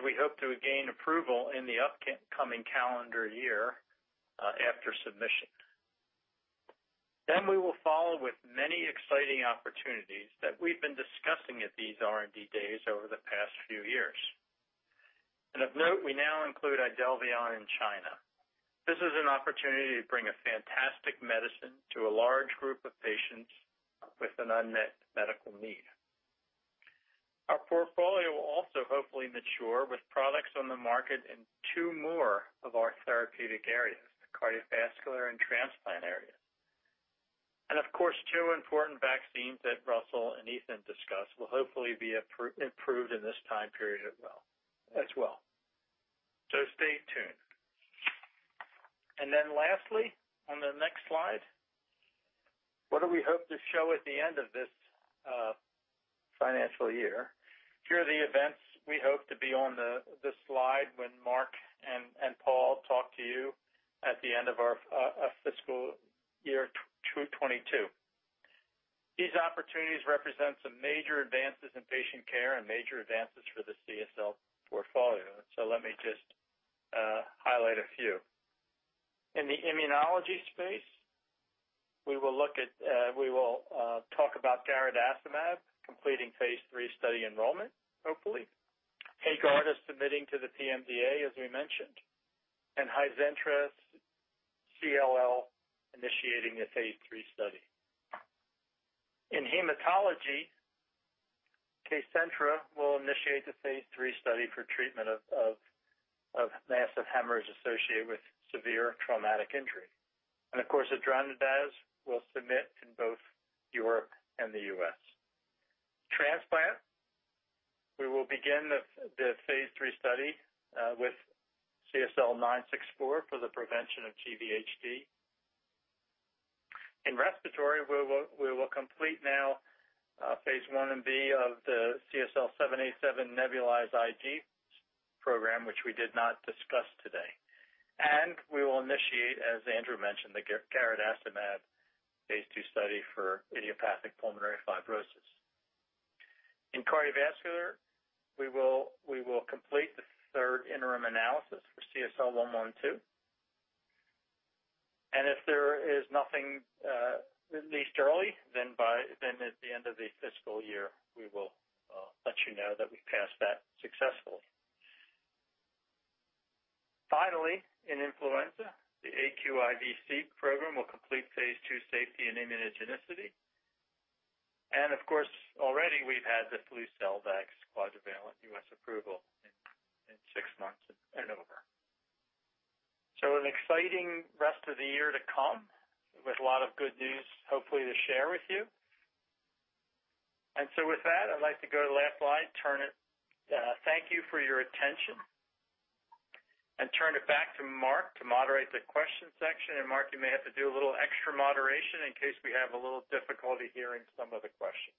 We hope to gain approval in the upcoming calendar year, after submission. We will follow with many exciting opportunities that we've been discussing at these R&D days over the past few years. Of note, we now include Idelvion in China. This is an opportunity to bring a fantastic medicine to a large group of patients with an unmet medical need. Our portfolio will also hopefully mature with products on the market in two more of our therapeutic areas, the cardiovascular and transplant area. Of course, two important vaccines that Russell and Ethan discussed will hopefully be improved in this time period as well. Stay tuned. Lastly, on the next slide, what do we hope to show at the end of this financial year. Here are the events we hope to be on the slide when Mark and Paul talk to you at the end of our FY 2022. These opportunities represent some major advances in patient care and major advances for the CSL portfolio. Let me just highlight a few. In the immunology space, we will talk about garadacimab completing phase III study enrollment, hopefully. HAEGARDA is submitting to the PMDA, as we mentioned. Hizentra SSc initiating a phase III study. In hematology, Kcentra will initiate the phase III study for treatment of massive hemorrhage associated with severe traumatic injury. Of course, AUDENZ will submit in both Europe and the U.S. Transplant, we will begin the phase III study with CSL964 for the prevention of GVHD. In respiratory, we will complete now phase I-B of the CSL787 nebulized IG program, which we did not discuss today. We will initiate, as Andrew mentioned, the garadacimab phase II study for idiopathic pulmonary fibrosis. In cardiovascular, we will complete the third interim analysis for CSL112. If there is nothing released early, then at the end of the fiscal year, we will let you know that we passed that successfully. Finally, in influenza, the aQIVc program will complete phase II safety and immunogenicity. Of course, already we've had the FLUCELVAX quadrivalent U.S. approval in six months in November. An exciting rest of the year to come with a lot of good news, hopefully to share with you. With that, I'd like to go to the last slide. Thank you for your attention. Turn it back to Mark to moderate the question section. Mark, you may have to do a little extra moderation in case we have a little difficulty hearing some of the questions.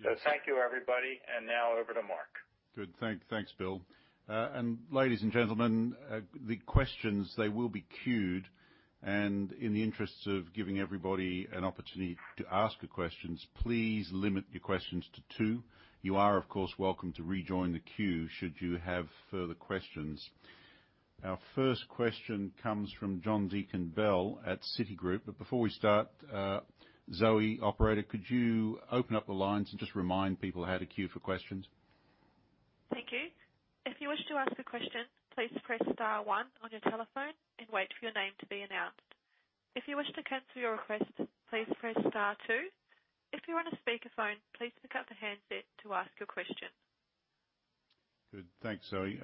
Yes. Thank you, everybody. Now over to Mark. Good. Thanks, Bill. Ladies and gentlemen, the questions, they will be queued, in the interest of giving everybody an opportunity to ask your questions, please limit your questions to two. You are, of course, welcome to rejoin the queue should you have further questions. Our first question comes from John Deakin-Bell at Citigroup. Before we start, Zoe, operator, could you open up the lines and just remind people how to queue for questions? Thank you. If you wish to ask a question, please press star one on your telephone and wait for your name to be announced. If you wish to cancel your request, please press star two. If you're on a speakerphone, please pick up the handset to ask your question. Good. Thanks, Zoe.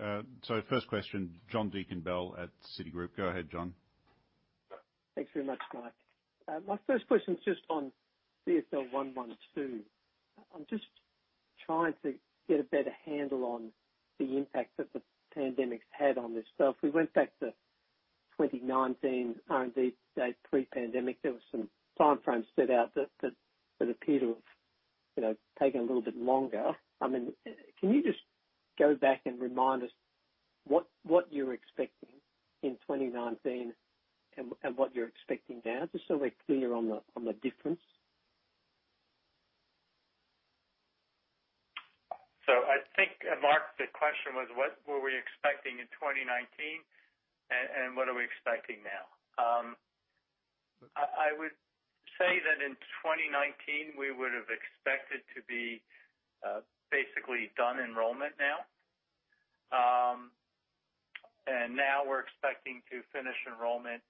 First question, John Deakin-Bell at Citigroup. Go ahead, John. Thanks very much, Mark. My first question is just on CSL112. I'm just trying to get a better handle on the impact that the pandemic's had on this stuff. We went back to 2019 R&D day pre-pandemic. There was some time frames set out that appear to have taken a little bit longer. Can you just go back and remind us what you were expecting in 2019 and what you're expecting now, just so we're clear on the difference? I think, Mark, the question was, what were we expecting in 2019 and what are we expecting now? I would say that in 2019, we would have expected to be basically done enrollment now. Now we're expecting to finish enrollment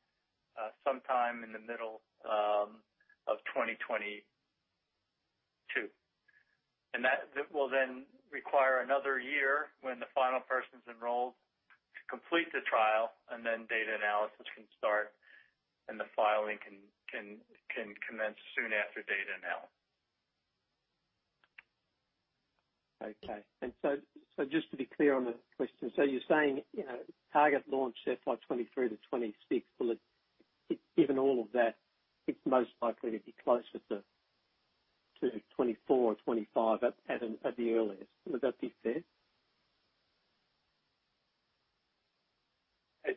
sometime in the middle of 2022. That will then require another year when the final person's enrolled to complete the trial, and then data analysis can start and the filing can commence soon after data analysis. Okay. Just to be clear on the question, you're saying target launch set for 2023-2026. Given all of that, it's most likely to be closer to 2024 or 2025 at the earliest. Would that be fair? I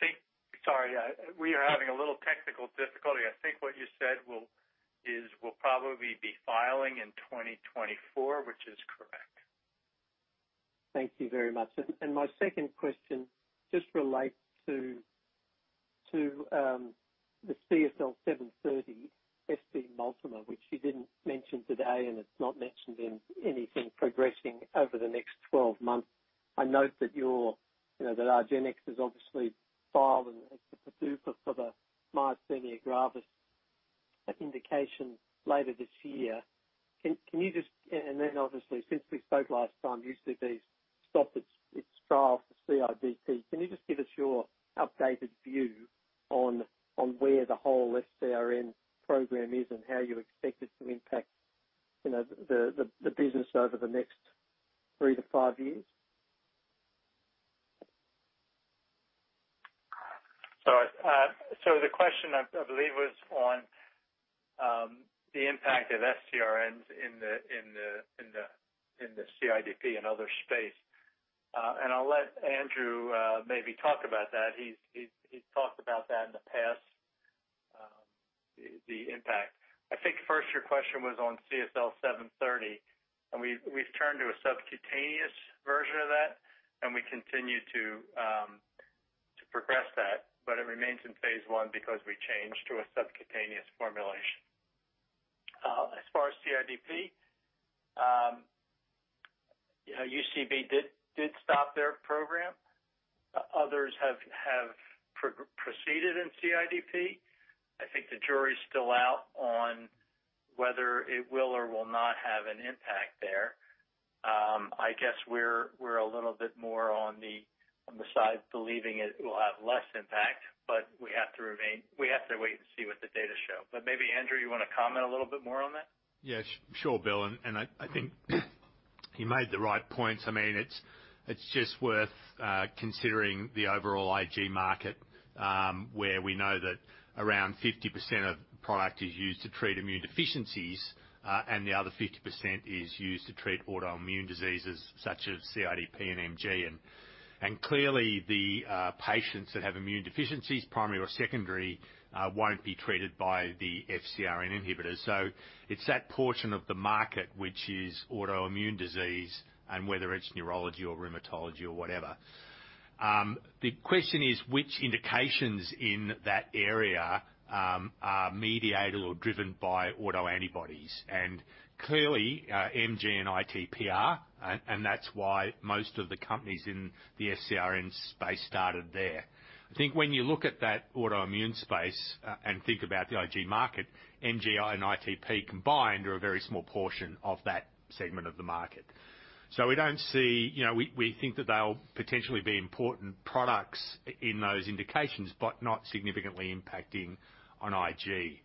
think Sorry, we are having a little technical difficulty. I think what you said is we'll probably be filing in 2024, which is correct. Thank you very much. My second question just relates to the CSL730 Fc multimer, which you didn't mention today, and it's not mentioned in anything progressing over the next 12 months. I note that argenx has obviously filed and it's a PDUFA for the myasthenia gravis indication later this year. Then obviously since we spoke last time, UCB's stopped its trial for CIDP. Can you just give us your updated view on where the whole FcRn program is and how you expect it to impact the business over the next three to five years? Sorry. The question I believe was on the impact of FcRn in the CIDP and other space. I'll let Andrew maybe talk about that. He's talked about that in the past, the impact. I think first, your question was on CSL730, and we've turned to a subcutaneous version of that, and we continue to progress that, but it remains in phase I because we changed to a subcutaneous formulation. As far as CIDP, UCB did stop their program. Others have proceeded in CIDP. I think the jury's still out on whether it will or will not have an impact there. I guess we're a little bit more on the side believing it will have less impact, but we have to wait and see what the data show. Maybe Andrew, you want to comment a little bit more on that? Yes. Sure, Bill, I think he made the right points. It's just worth considering the overall IG market, where we know that around 50% of product is used to treat immune deficiencies, and the other 50% is used to treat autoimmune diseases such as CIDP and MG. Clearly, the patients that have immune deficiencies, primary or secondary, won't be treated by the FcRn inhibitors. It's that portion of the market which is autoimmune disease, and whether it's neurology or rheumatology or whatever. The question is which indications in that area are mediated or driven by autoantibodies. Clearly, MG and ITP are, and that's why most of the companies in the FcRn space started there. I think when you look at that autoimmune space, and think about the IG market, MG and ITP combined are a very small portion of that segment of the market. We think that they'll potentially be important products in those indications, but not significantly impacting on IG.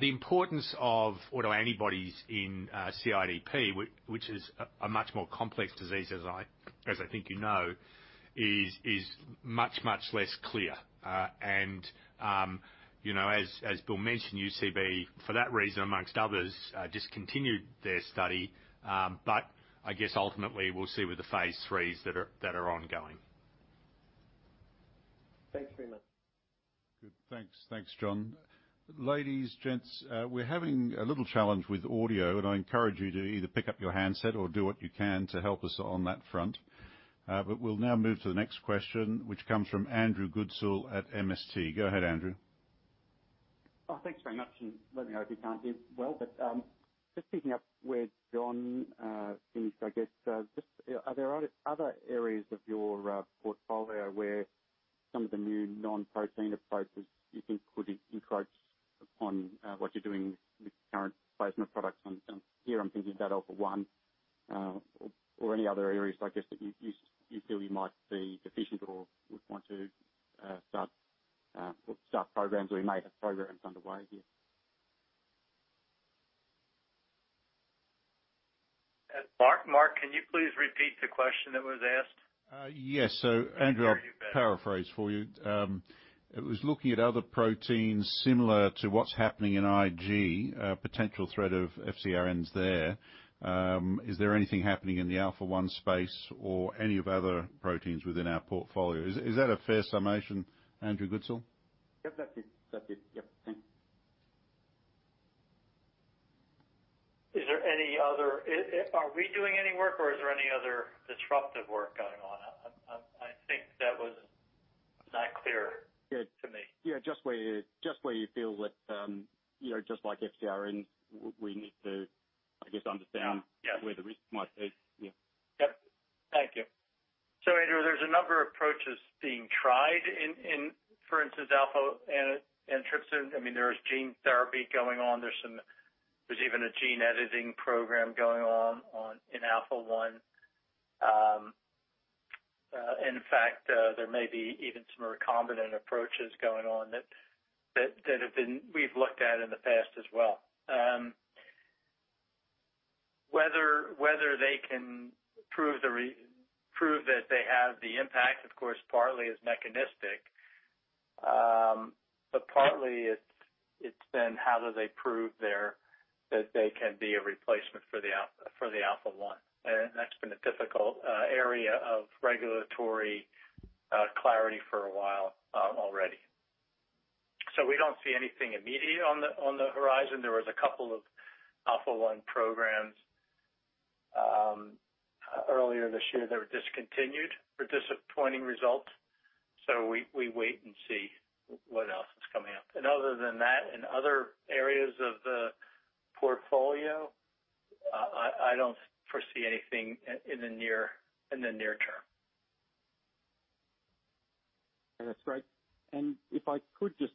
The importance of autoantibodies in CIDP, which is a much more complex disease as I think you know, is much, much less clear. As Bill mentioned, UCB, for that reason amongst others, discontinued their study. I guess ultimately we'll see with the phase IIIs that are ongoing. Thanks very much. Good. Thanks, John. Ladies, gents, we're having a little challenge with audio, and I encourage you to either pick up your handset or do what you can to help us on that front. We'll now move to the next question, which comes from Andrew Goodsall at MST. Go ahead, Andrew. Thanks very much. Let me know if you can't hear me well. Just picking up where John finished, I guess. Just are there other areas of your portfolio where some of the new non-protein approaches you think could encroach upon what you're doing with current plasma products? Here I'm thinking of that Alpha-I, or any other areas, I guess, that you feel you might be deficient or would want to start programs, or you may have programs underway here. Mark, can you please repeat the question that was asked? Yes. I can hear you better. Andrew, I'll paraphrase for you. It was looking at other proteins similar to what's happening in IG, a potential threat of FcRn there. Is there anything happening in the Alpha-I space or any of other proteins within our portfolio? Is that a fair summation, Andrew Goodsall? Yep, that's it. Yep. Thanks. Are we doing any work or is there any other disruptive work going on? I think that was not clear to me. Yeah. Just where you feel that just like FcRns, we need to, I guess, understand. Yeah where the risk might be. Yeah. Yep. Thank you. Andrew, there's a number of approaches being tried in, for instance, alpha-I antitrypsin. There is gene therapy going on. There's even a gene editing program going on in Alpha-I. In fact, there may be even some recombinant approaches going on that we've looked at in the past as well. Whether they can prove that they have the impact, of course, partly is mechanistic. Partly it's then how do they prove that they can be a replacement for the Alpha-I. That's been a difficult area of regulatory clarity for a while already. We don't see anything immediate on the horizon. There was a couple of Alpha-I programs Earlier this year, they were discontinued for disappointing results. We wait and see what else is coming up. Other than that, in other areas of the portfolio, I don't foresee anything in the near term. That's great. If I could just,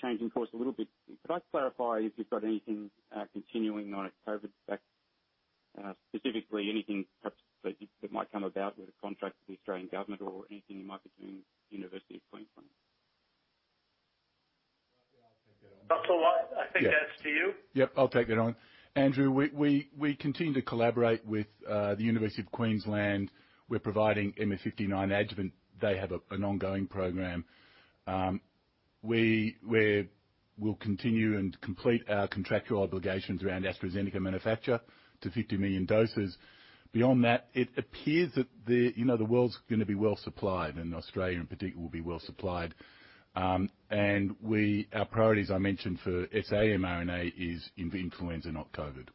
changing course a little bit, could I clarify if you've got anything continuing on a COVID vaccine, specifically anything perhaps that might come about with a contract with the Australian government or anything you might be doing with The University of Queensland? Russell, I think that's to you. Yep, I'll take that on. Andrew, we continue to collaborate with the University of Queensland. We're providing MF59 adjuvant. They have an ongoing program. We'll continue and complete our contractual obligations around AstraZeneca manufacture to 50 million doses. Beyond that, it appears that the world's going to be well supplied, and Australia in particular, will be well supplied. Our priorities, I mentioned for saRNA, is in influenza, not COVID.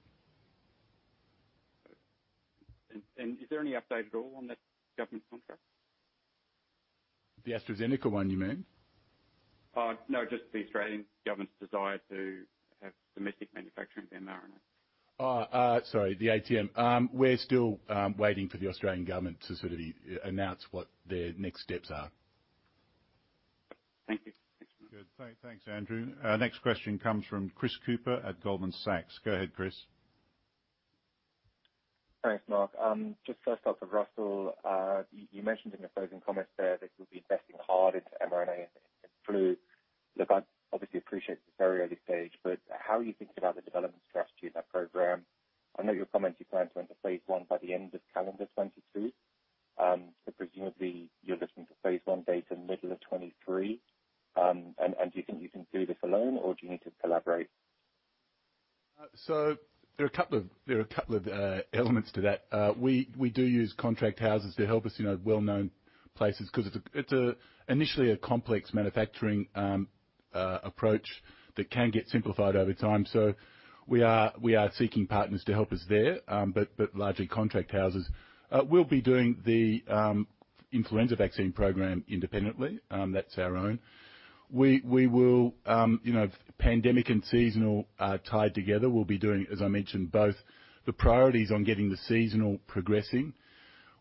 Is there any update at all on that government contract? The AstraZeneca one, you mean? No, just the Australian government's desire to have domestic manufacturing of mRNA. Sorry. The ATM. We're still waiting for the Australian government to announce what their next steps are. Thank you. Good. Thanks, Andrew. Next question comes from Chris Cooper at Goldman Sachs. Go ahead, Chris. Thanks, Mark. Just first off, for Russell, you mentioned in your closing comments there that you'll be investing hard into mRNA and flu. Look, I obviously appreciate it's very early stage, how are you thinking about the development strategy in that program? I know your comment, you plan to enter phase I by the end of calendar 2022. Presumably you're looking for phase I data middle of 2023. Do you think you can do this alone, or do you need to collaborate? There are a couple of elements to that. We do use contract houses to help us, well-known places, because it's initially a complex manufacturing approach that can get simplified over time. We are seeking partners to help us there, largely contract houses. We'll be doing the influenza vaccine program independently. That's our own. Pandemic and seasonal are tied together. We'll be doing, as I mentioned, both. The priority's on getting the seasonal progressing.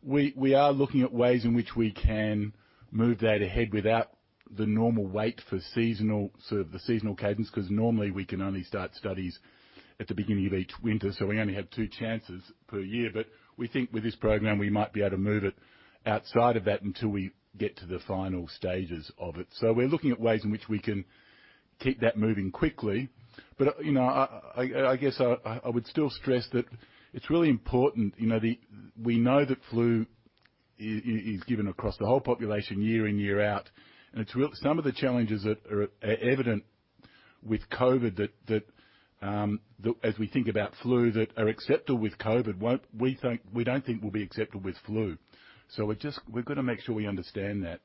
We are looking at ways in which we can move that ahead without the normal wait for sort of the seasonal cadence, because normally we can only start studies at the beginning of each winter, so we only have two chances per year. We think with this program, we might be able to move it outside of that until we get to the final stages of it. We're looking at ways in which we can keep that moving quickly. I guess I would still stress that it's really important. We know that flu is given across the whole population year in, year out, and some of the challenges that are evident with COVID, as we think about flu that are acceptable with COVID, we don't think will be acceptable with flu. We've got to make sure we understand that.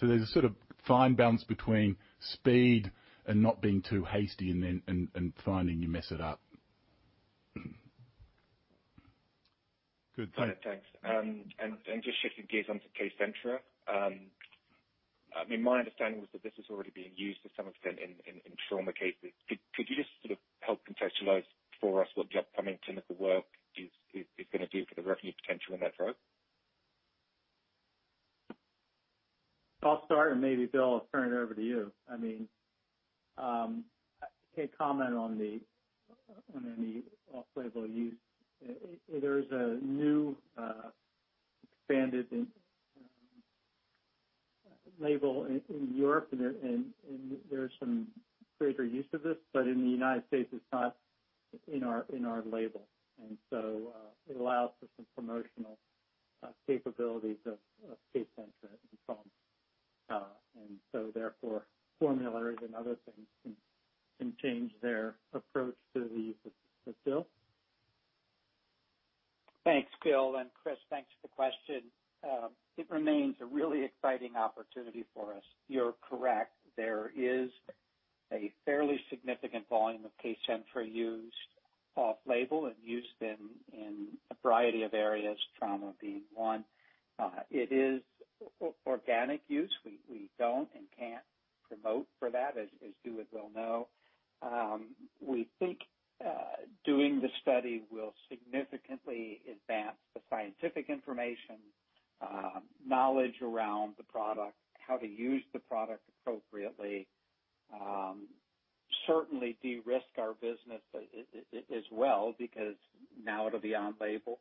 There's a sort of fine balance between speed and not being too hasty and then finding you mess it up. Good. Thanks. Just shifting gears onto Kcentra. My understanding was that this was already being used to some extent in trauma cases. Could you just sort of help contextualize for us what the upcoming clinical work is going to do for the revenue potential in that drug? I'll start. Maybe Bill, I'll turn it over to you. I can't comment on any off-label use. There is a new expanded label in Europe, and there's some greater use of this, but in the U.S., it's not in our label. It allows for some promotional capabilities of Kcentra in trauma. Therefore, formularies and other things can change their approach to the use of it. Bill? Thanks, Gil. Chris, thanks for the question. It remains a really exciting opportunity for us. You're correct. There is a fairly significant volume of Kcentra used off label and used in a variety of areas, trauma being one. It is organic use. We don't and can't promote for that, as you and Bill know. We think doing the study will significantly advance the scientific information, knowledge around the product, how to use the product appropriately. Certainly de-risk our business as well, because now it'll be on label.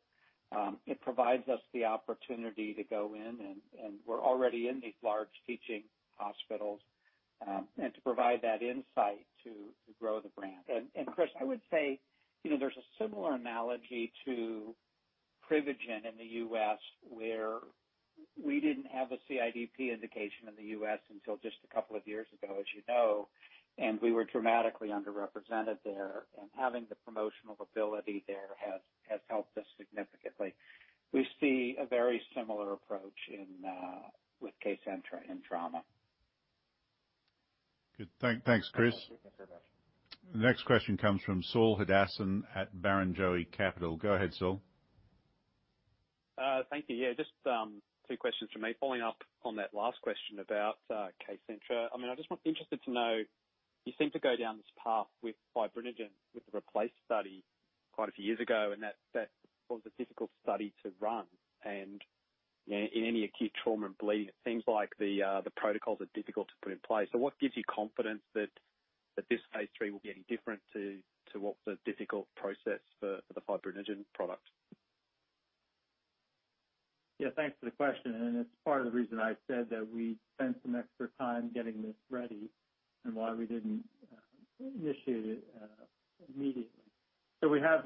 It provides us the opportunity to go in, and we're already in these large teaching hospitals, and to provide that insight to grow the brand. Chris, I would say there's a similar analogy to Privigen in the U.S., where we didn't have a CIDP indication in the U.S. until just a couple of years ago, as you know, and we were dramatically underrepresented there. Having the promotional ability there has helped us significantly. We see a very similar approach with Kcentra in trauma. Good. Thanks, Chris. Thank you very much. The next question comes from Saul Hadassin at Barrenjoey Capital. Go ahead, Saul. Thank you. Just two questions from me. Following up on that last question about Kcentra. I just was interested to know, you seem to go down this path with fibrinogen with the REPLACE study quite a few years ago, and that was a difficult study to run. In any acute trauma and bleeding, it seems like the protocols are difficult to put in place. What gives you confidence that this phase III will be any different to what was a difficult process for the fibrinogen product? Thanks for the question. It's part of the reason I said that we spent some extra time getting this ready and why we didn't initiate it immediately. We have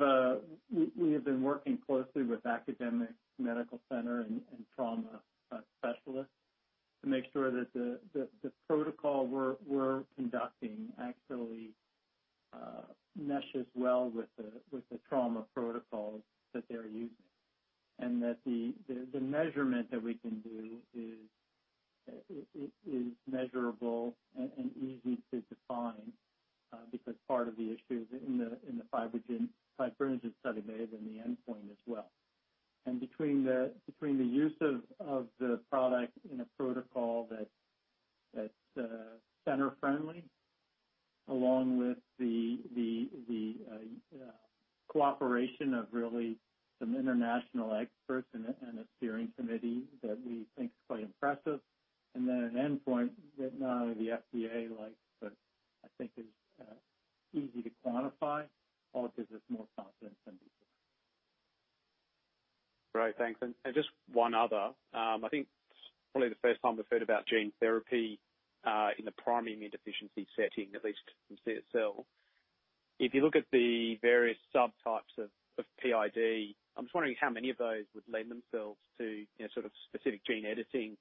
been working closely with academic medical center and trauma specialists to make sure that the protocol we're conducting actually meshes well with the trauma protocols that they're using. That the measurement that we can do is measurable and easy to define, because part of the issue is in the fibrinogen study may have been the endpoint as well. Between the use of the product in a protocol that's center-friendly along with the cooperation of really some international experts and a steering committee that we think is quite impressive. Then an endpoint that not only the FDA likes, but I think is easy to quantify all gives us more confidence than before. Great. Thanks. Just one other, I think it's probably the first time we've heard about gene therapy, in the primary immunodeficiency setting, at least from CSL. If you look at the various subtypes of PID, I'm just wondering how many of those would lend themselves to specific gene editing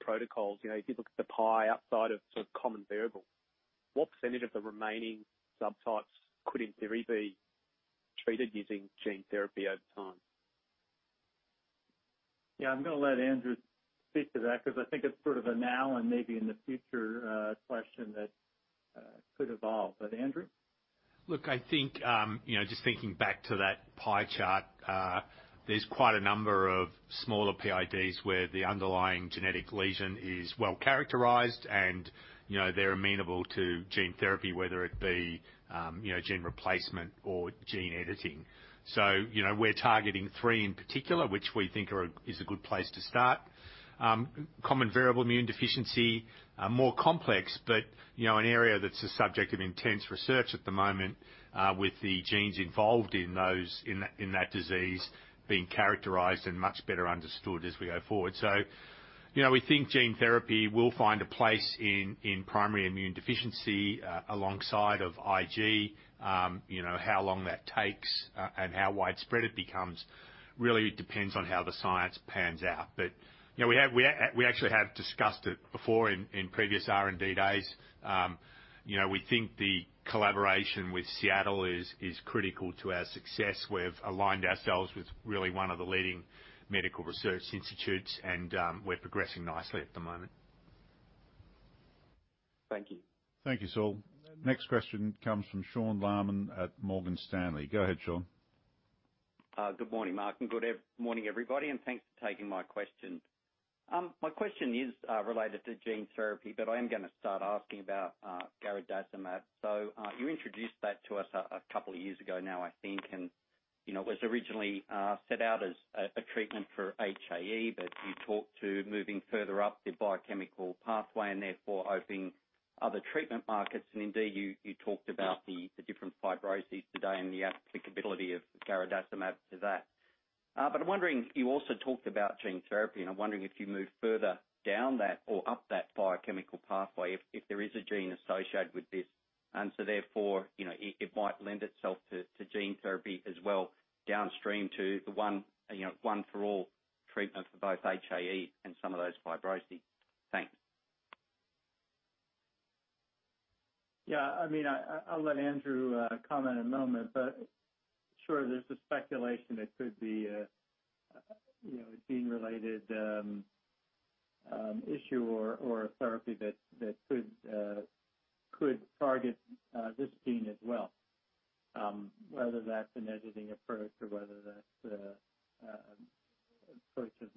protocols. If you look at the pie outside of common variable, what percentage of the remaining subtypes could, in theory, be treated using gene therapy over time? Yeah, I'm going to let Andrew speak to that because I think it's sort of a now and maybe in the future question that could evolve. Andrew? I think, just thinking back to that pie chart, there's quite a number of smaller PIDs where the underlying genetic lesion is well-characterized and they're amenable to gene therapy, whether it be gene replacement or gene editing. We're targeting three in particular, which we think is a good place to start. Common variable immunodeficiency are more complex but an area that's a subject of intense research at the moment, with the genes involved in that disease being characterized and much better understood as we go forward. We think gene therapy will find a place in primary immunodeficiency, alongside of IG. How long that takes, and how widespread it becomes, really depends on how the science pans out. We actually have discussed it before in previous R&D days. We think the collaboration with Seattle is critical to our success. We've aligned ourselves with really one of the leading medical research institutes, and we're progressing nicely at the moment. Thank you. Thank you, Saul. Next question comes from Sean Laaman at Morgan Stanley. Go ahead, Sean. Good morning, Mark, and good morning, everybody, and thanks for taking my question. My question is related to gene therapy, but I am going to start asking about garadacimab. You introduced that to us a couple of years ago now, I think, and it was originally set out as a treatment for HAE, but you talked to moving further up the biochemical pathway and therefore opening other treatment markets, and indeed, you talked about the different fibroses today and the applicability of garadacimab to that. I'm wondering, you also talked about gene therapy, and I'm wondering if you move further down that or up that biochemical pathway, if there is a gene associated with this. Therefore, it might lend itself to gene therapy as well downstream to the one for all treatment for both HAE and some of those fibroses. Thanks. Yeah. I'll let Andrew comment in a moment, sure, there's a speculation it could be a gene-related issue or a therapy that could target this gene as well. Whether that's an editing approach or whether that's approach of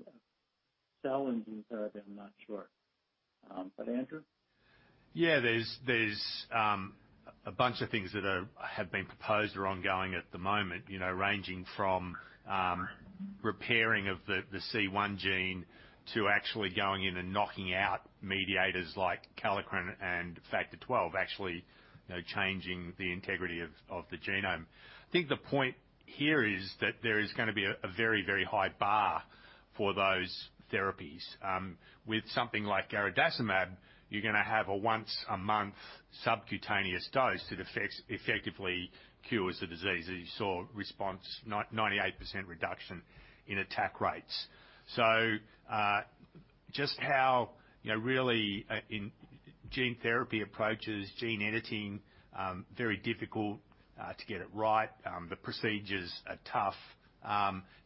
cell and gene therapy, I'm not sure. Andrew? Yeah, there's a bunch of things that have been proposed or ongoing at the moment, ranging from repairing of the C1 gene to actually going in and knocking out mediators like kallikrein and Factor XII. Actually changing the integrity of the genome. I think the point here is that there is going to be a very high bar for those therapies. With something like garadacimab, you're going to have a once-a-month subcutaneous dose that effectively cures the disease, as you saw response, 98% reduction in attack rates. Just how, really in gene therapy approaches, gene editing, very difficult to get it right. The procedures are tough.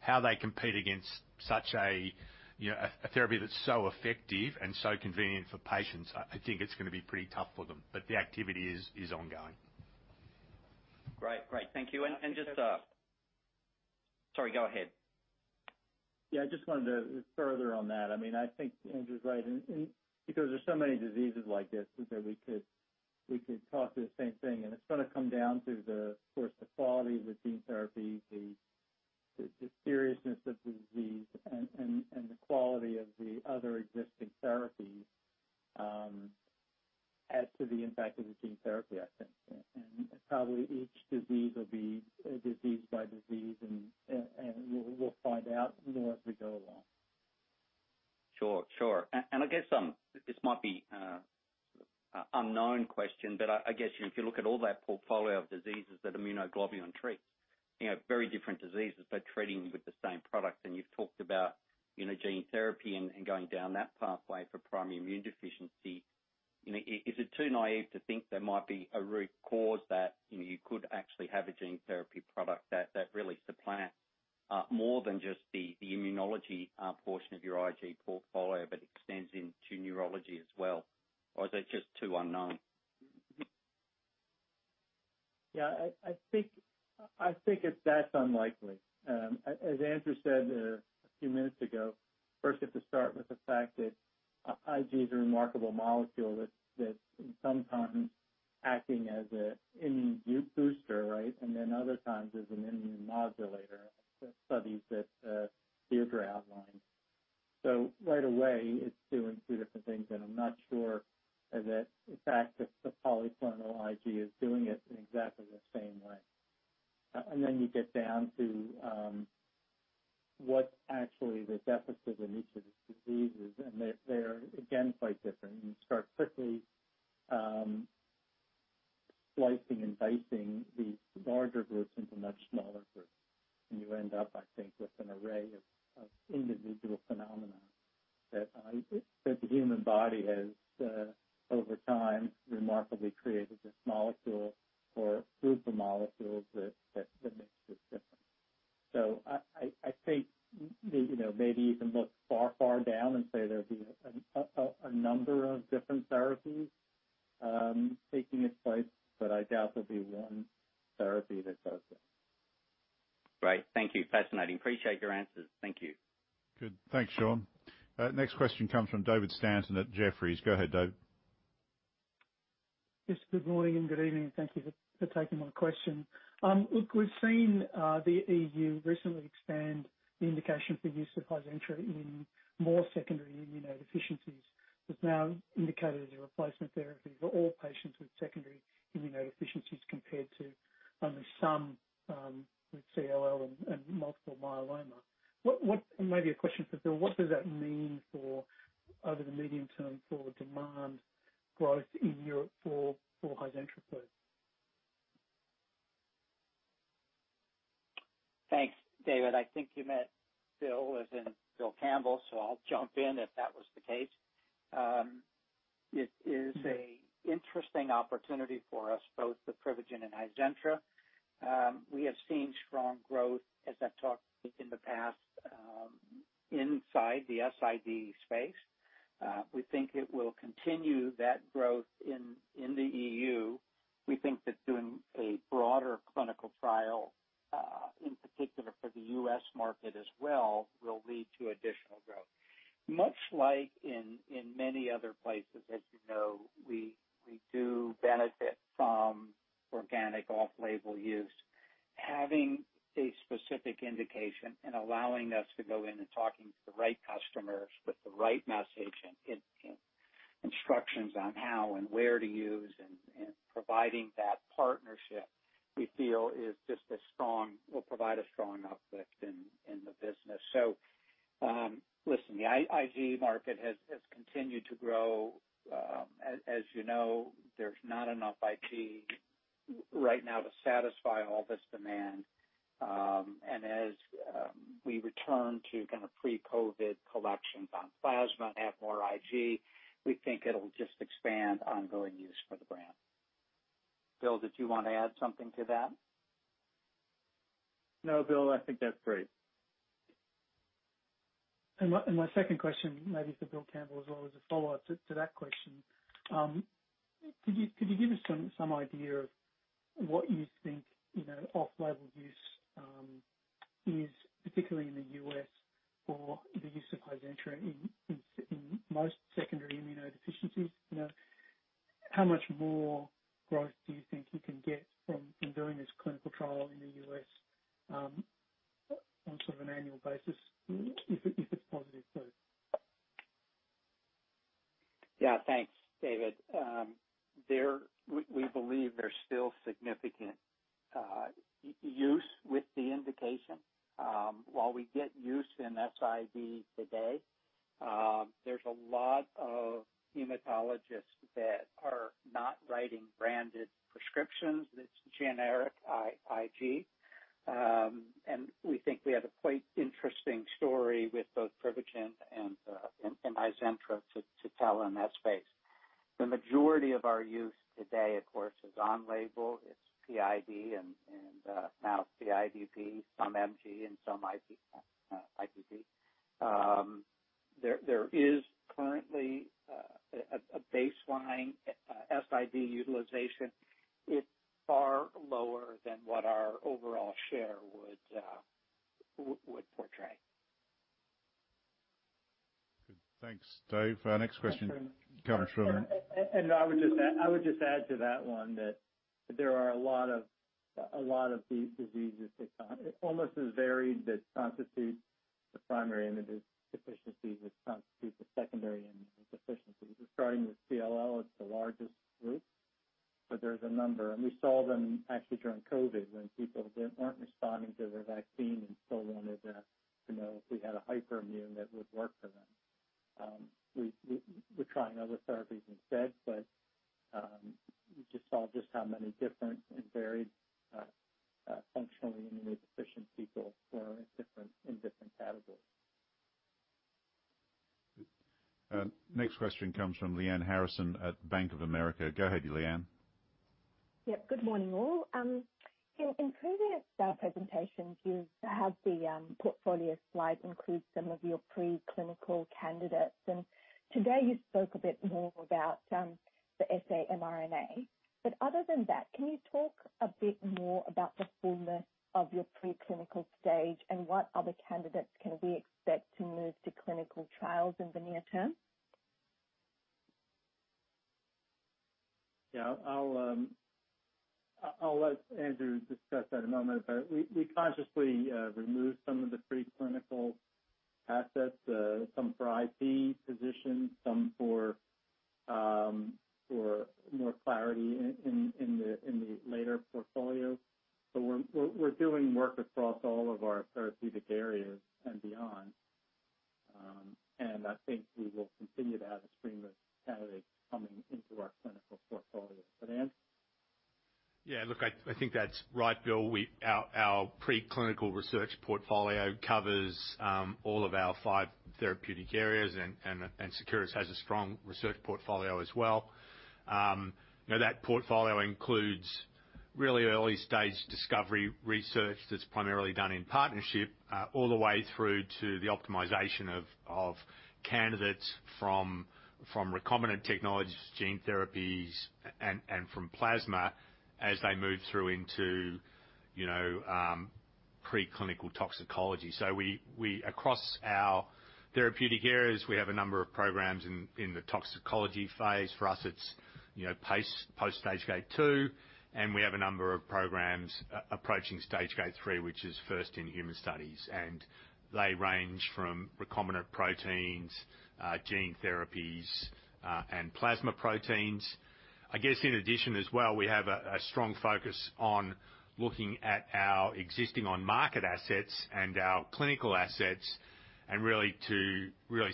How they compete against such a therapy that's so effective and so convenient for patients, I think it's going to be pretty tough for them, but the activity is ongoing. Great. Thank you. Just Sorry, go ahead. Yeah, I just wanted to further on that, I think Andrew's right. Because there's so many diseases like this, that we could talk through the same thing, and it's going to come down to the, of course, the quality of the gene therapy, the seriousness of the disease, and the quality of the other existing therapies add to the impact of the gene therapy, I think. Probably each disease will be a disease by disease, and we'll find out more as we go along. Sure. I guess, this might be a unknown question, but I guess if you look at all that portfolio of diseases that immunoglobulin treats, very different diseases, but treating with the same product, and you've talked about gene therapy and going down that pathway for primary immunodeficiency. Is it too naive to think there might be a root cause that you could actually have a gene therapy product that really supplants more than just the immunology portion of your IG portfolio, but extends into neurology as well? Or is it just too unknown? Yeah, I think that's unlikely. As Andrew said a few minutes ago, first you have to start with the fact that IG is a remarkable molecule that's sometimes acting as a immune booster, right, other times as an immune modulator, the studies that Deirdre outlined. Right away, it's doing two different things, and I'm not sure that the fact that the polyclonal IG is doing it in exactly the same way. You get down to what actually the deficit in each of these diseases, and they're, again, quite different, and you start quickly slicing and dicing the larger groups into much smaller groups. You end up, I think, with an array of individual phenomena that the human body has, over time, remarkably created this molecule or group of molecules that makes this different. I think maybe you can look far, far down and say there'll be a number of different therapies taking its place, but I doubt there'll be one therapy that does it. Great. Thank you. Fascinating. Appreciate your answers. Thank you. Good. Thanks, Sean. Next question comes from David Stanton at Jefferies. Go ahead, Dave. Yes, good morning and good evening, thank you for taking my question. Look, we've seen the EU recently expand the indication for use of Hizentra in more secondary immunodeficiencies. It's now indicated as a replacement therapy for all patients with secondary immunodeficiencies compared to only some with CLL and multiple myeloma. Maybe a question for Bill, what does that mean for over the medium term for demand growth in Europe for Hizentra? Thanks, David. I think you meant Bill as in Bill Campbell, so I'll jump in if that was the case. It is an interesting opportunity for us, both with Privigen and Hizentra. We have seen strong growth, as I've talked in the past, inside the SID. We think it will continue that growth in the EU. We think that doing a broader clinical trial, in particular for the US market as well, will lead to additional growth. Much like in many other places, as you know, we do benefit from organic off-label use. Having a specific indication and allowing us to go in and talking to the right customers with the right message and instructions on how and where to use and providing that partnership, we feel will provide a strong uplift in the business. Listen, the IG market has continued to grow. As you know, there's not enough IG right now to satisfy all this demand. As we return to kind of pre-COVID collections on plasma and have more IG, we think it'll just expand ongoing use for the brand. Bill, did you want to add something to that? No, Bill, I think that's great. My second question, maybe for Bill Campbell as well, as a follow-up to that question. Could you give us some idea of what you think off-label use is, particularly in the U.S., for the use of Hizentra in most secondary immunodeficiencies? How much more growth do you think you can get from doing this clinical trial in the U.S. on sort of an annual basis, if it's positive? Yeah. Thanks, David. We believe there's still significant use with the indication. While we get use in SID today, there's a lot of hematologists that are not writing branded prescriptions, that's generic IG. We think we have a quite interesting story with both Privigen and Hizentra to tell in that space. The majority of our use today, of course, is on-label. It's PID and now CIDP, some MG and some ITP. There is currently A baseline SID utilization is far lower than what our overall share would portray. Good. Thanks, Dave. Next question comes from. I would just add to that one that there are a lot of these diseases, almost as varied that constitute the primary immunodeficiencies, that constitute the secondary immunodeficiencies. Starting with CLL, it's the largest group, but there's a number. We saw them actually during COVID when people aren't responding to the vaccine and still wanted to know if we had a hyperimmune that would work for them. We're trying other therapies instead, but, we just saw just how many different and varied functionally immune deficient people were in different categories. Good. Next question comes from Lyanne Harrison at Bank of America. Go ahead, Lyanne. Yep. Good morning, all. Bill, in previous presentations, you've had the portfolio slide include some of your preclinical candidates, and today you spoke a bit more about the SA mRNA. Other than that, can you talk a bit more about the fullness of your preclinical stage and what other candidates can we expect to move to clinical trials in the near term? Yeah, I'll let Andrew discuss that in a moment, but we consciously removed some of the preclinical assets, some for IP position, some for more clarity in the later portfolio. I think we will continue to have a stream of candidates coming into our clinical portfolio. Andrew. Look, I think that's right, Bill. Our preclinical research portfolio covers all of our five therapeutic areas, and Seqirus has a strong research portfolio as well. That portfolio includes really early-stage discovery research that's primarily done in partnership, all the way through to the optimization of candidates from recombinant technologies, gene therapies, and from plasma as they move through into preclinical toxicology. Across our therapeutic areas, we have a number of programs in the toxicology phase. For us, it's post phase II, and we have a number of programs approaching phase III, which is first in human studies. They range from recombinant proteins, gene therapies, and plasma proteins. I guess in addition as well, we have a strong focus on looking at our existing on-market assets and our clinical assets and really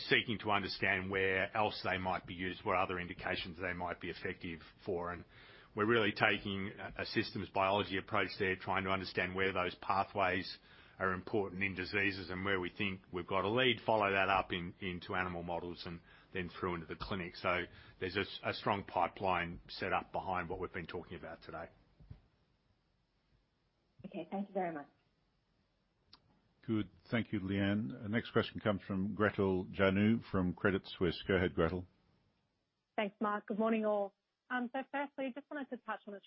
seeking to understand where else they might be used, what other indications they might be effective for. We're really taking a systems biology approach there, trying to understand where those pathways are important in diseases and where we think we've got a lead, follow that up into animal models and then through into the clinic. There's a strong pipeline set up behind what we've been talking about today. Okay. Thank you very much. Good. Thank you, Lyanne. Next question comes from Gretel Janu from Credit Suisse. Go ahead, Gretel. Thanks, Mark. Good morning, all. Firstly, just wanted to touch on the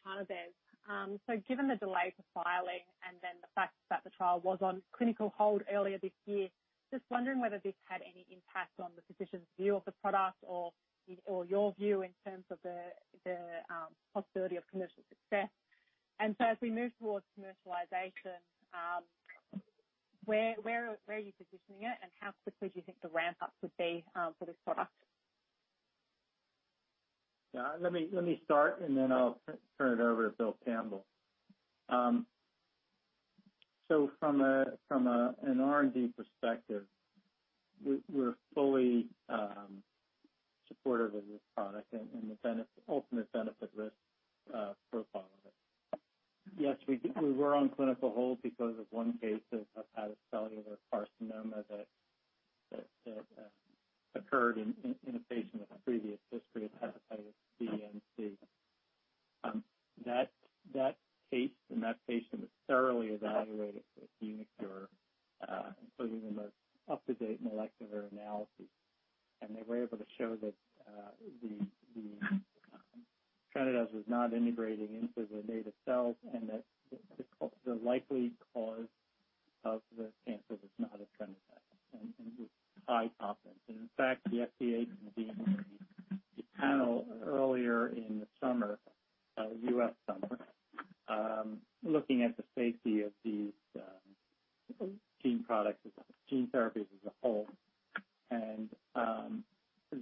EtranaDez. Given the delay to filing and then the fact that the trial was on clinical hold earlier this year, just wondering whether this had any impact on the physician's view of the product or your view in terms of the possibility of commercial success. As we move towards commercialization, where are you positioning it, and how quickly do you think the ramp-up would be for this product? Let me start. I'll turn it over to Bill Campbell. From an R&D perspective, we're fully supportive of this product and the ultimate benefit-risk profile of it. Yes, we were on clinical hold because of one case of hepatocellular carcinoma that occurred in a patient with a previous history of hepatitis B and C. That case and that patient was thoroughly evaluated with uniQure, including the most up-to-date molecular analyses. They were able to show that etranacogene dezaparvovec was not integrating into the native cells and that the likely cause of the cancer was not etranacogene dezaparvovec, and with high confidence. In fact, the FDA convened a panel earlier in the summer, U.S. summer, looking at the safety of these gene products, gene therapies as a whole.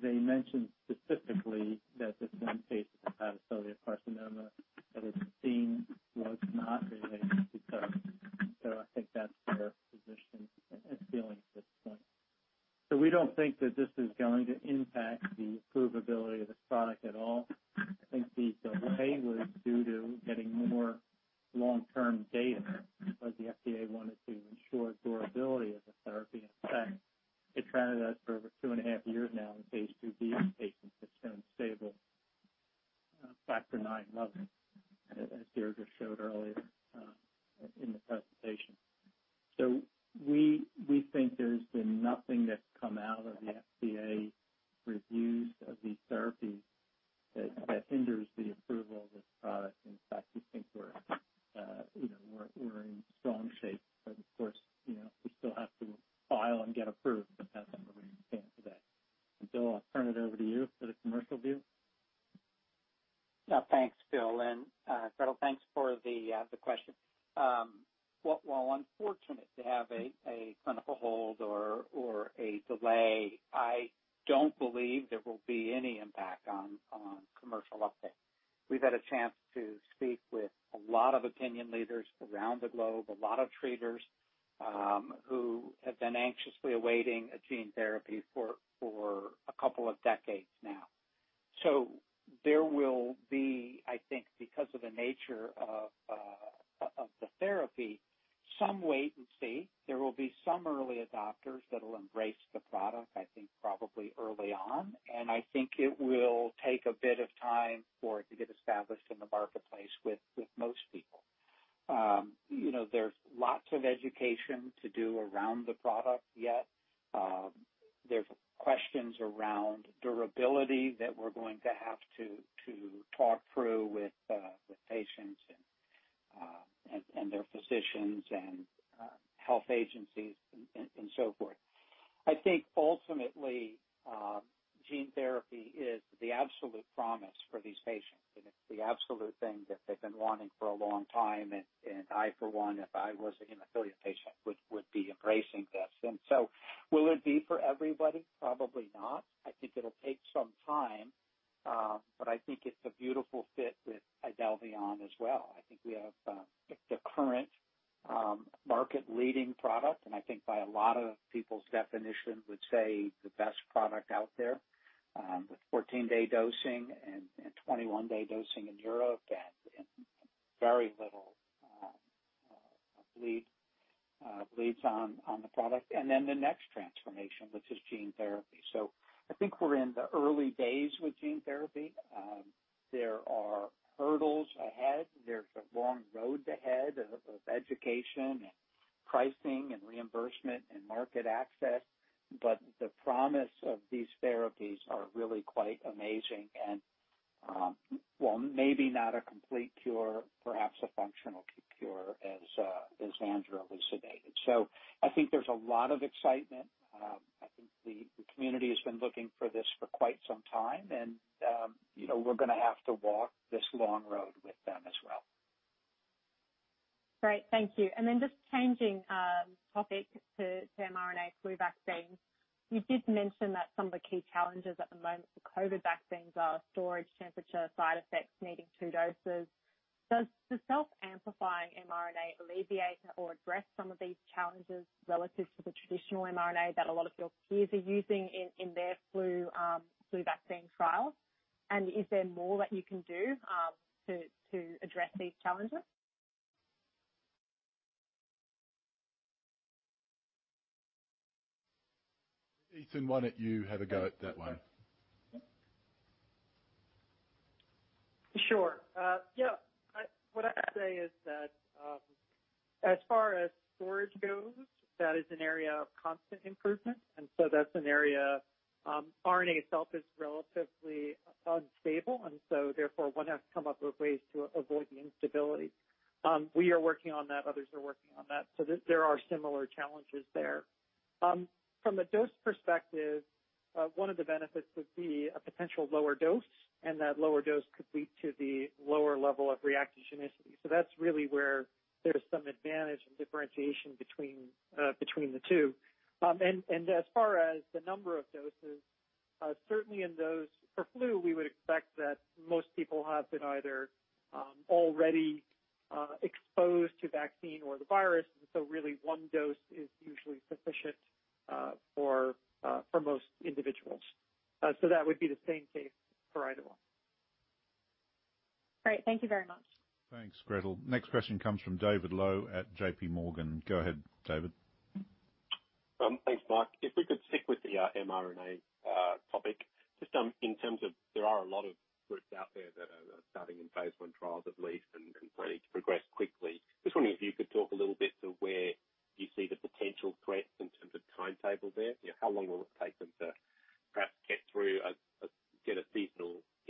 They mentioned specifically that the same case of hepatocellular carcinoma that was seen was not related to EtranaDez. I think that's their position and feeling at this point. We don't think that this is going to impact the approvability of the product at all. The delay was due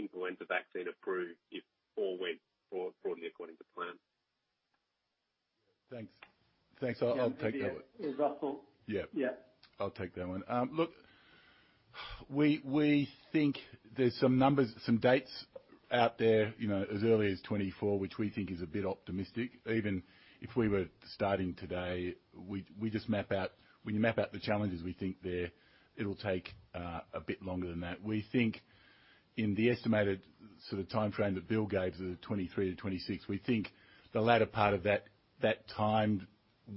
influenza vaccine approved if all went broadly according to plan? Thanks. I'll take that one. Is that for- Yeah. Yeah. I'll take that one. Look, we think there's some dates out there as early as 2024, which we think is a bit optimistic. Even if we were starting today, when you map out the challenges, we think it'll take a bit longer than that. We think in the estimated sort of timeframe that Bill gave, the 2023-2026, we think the latter part of that time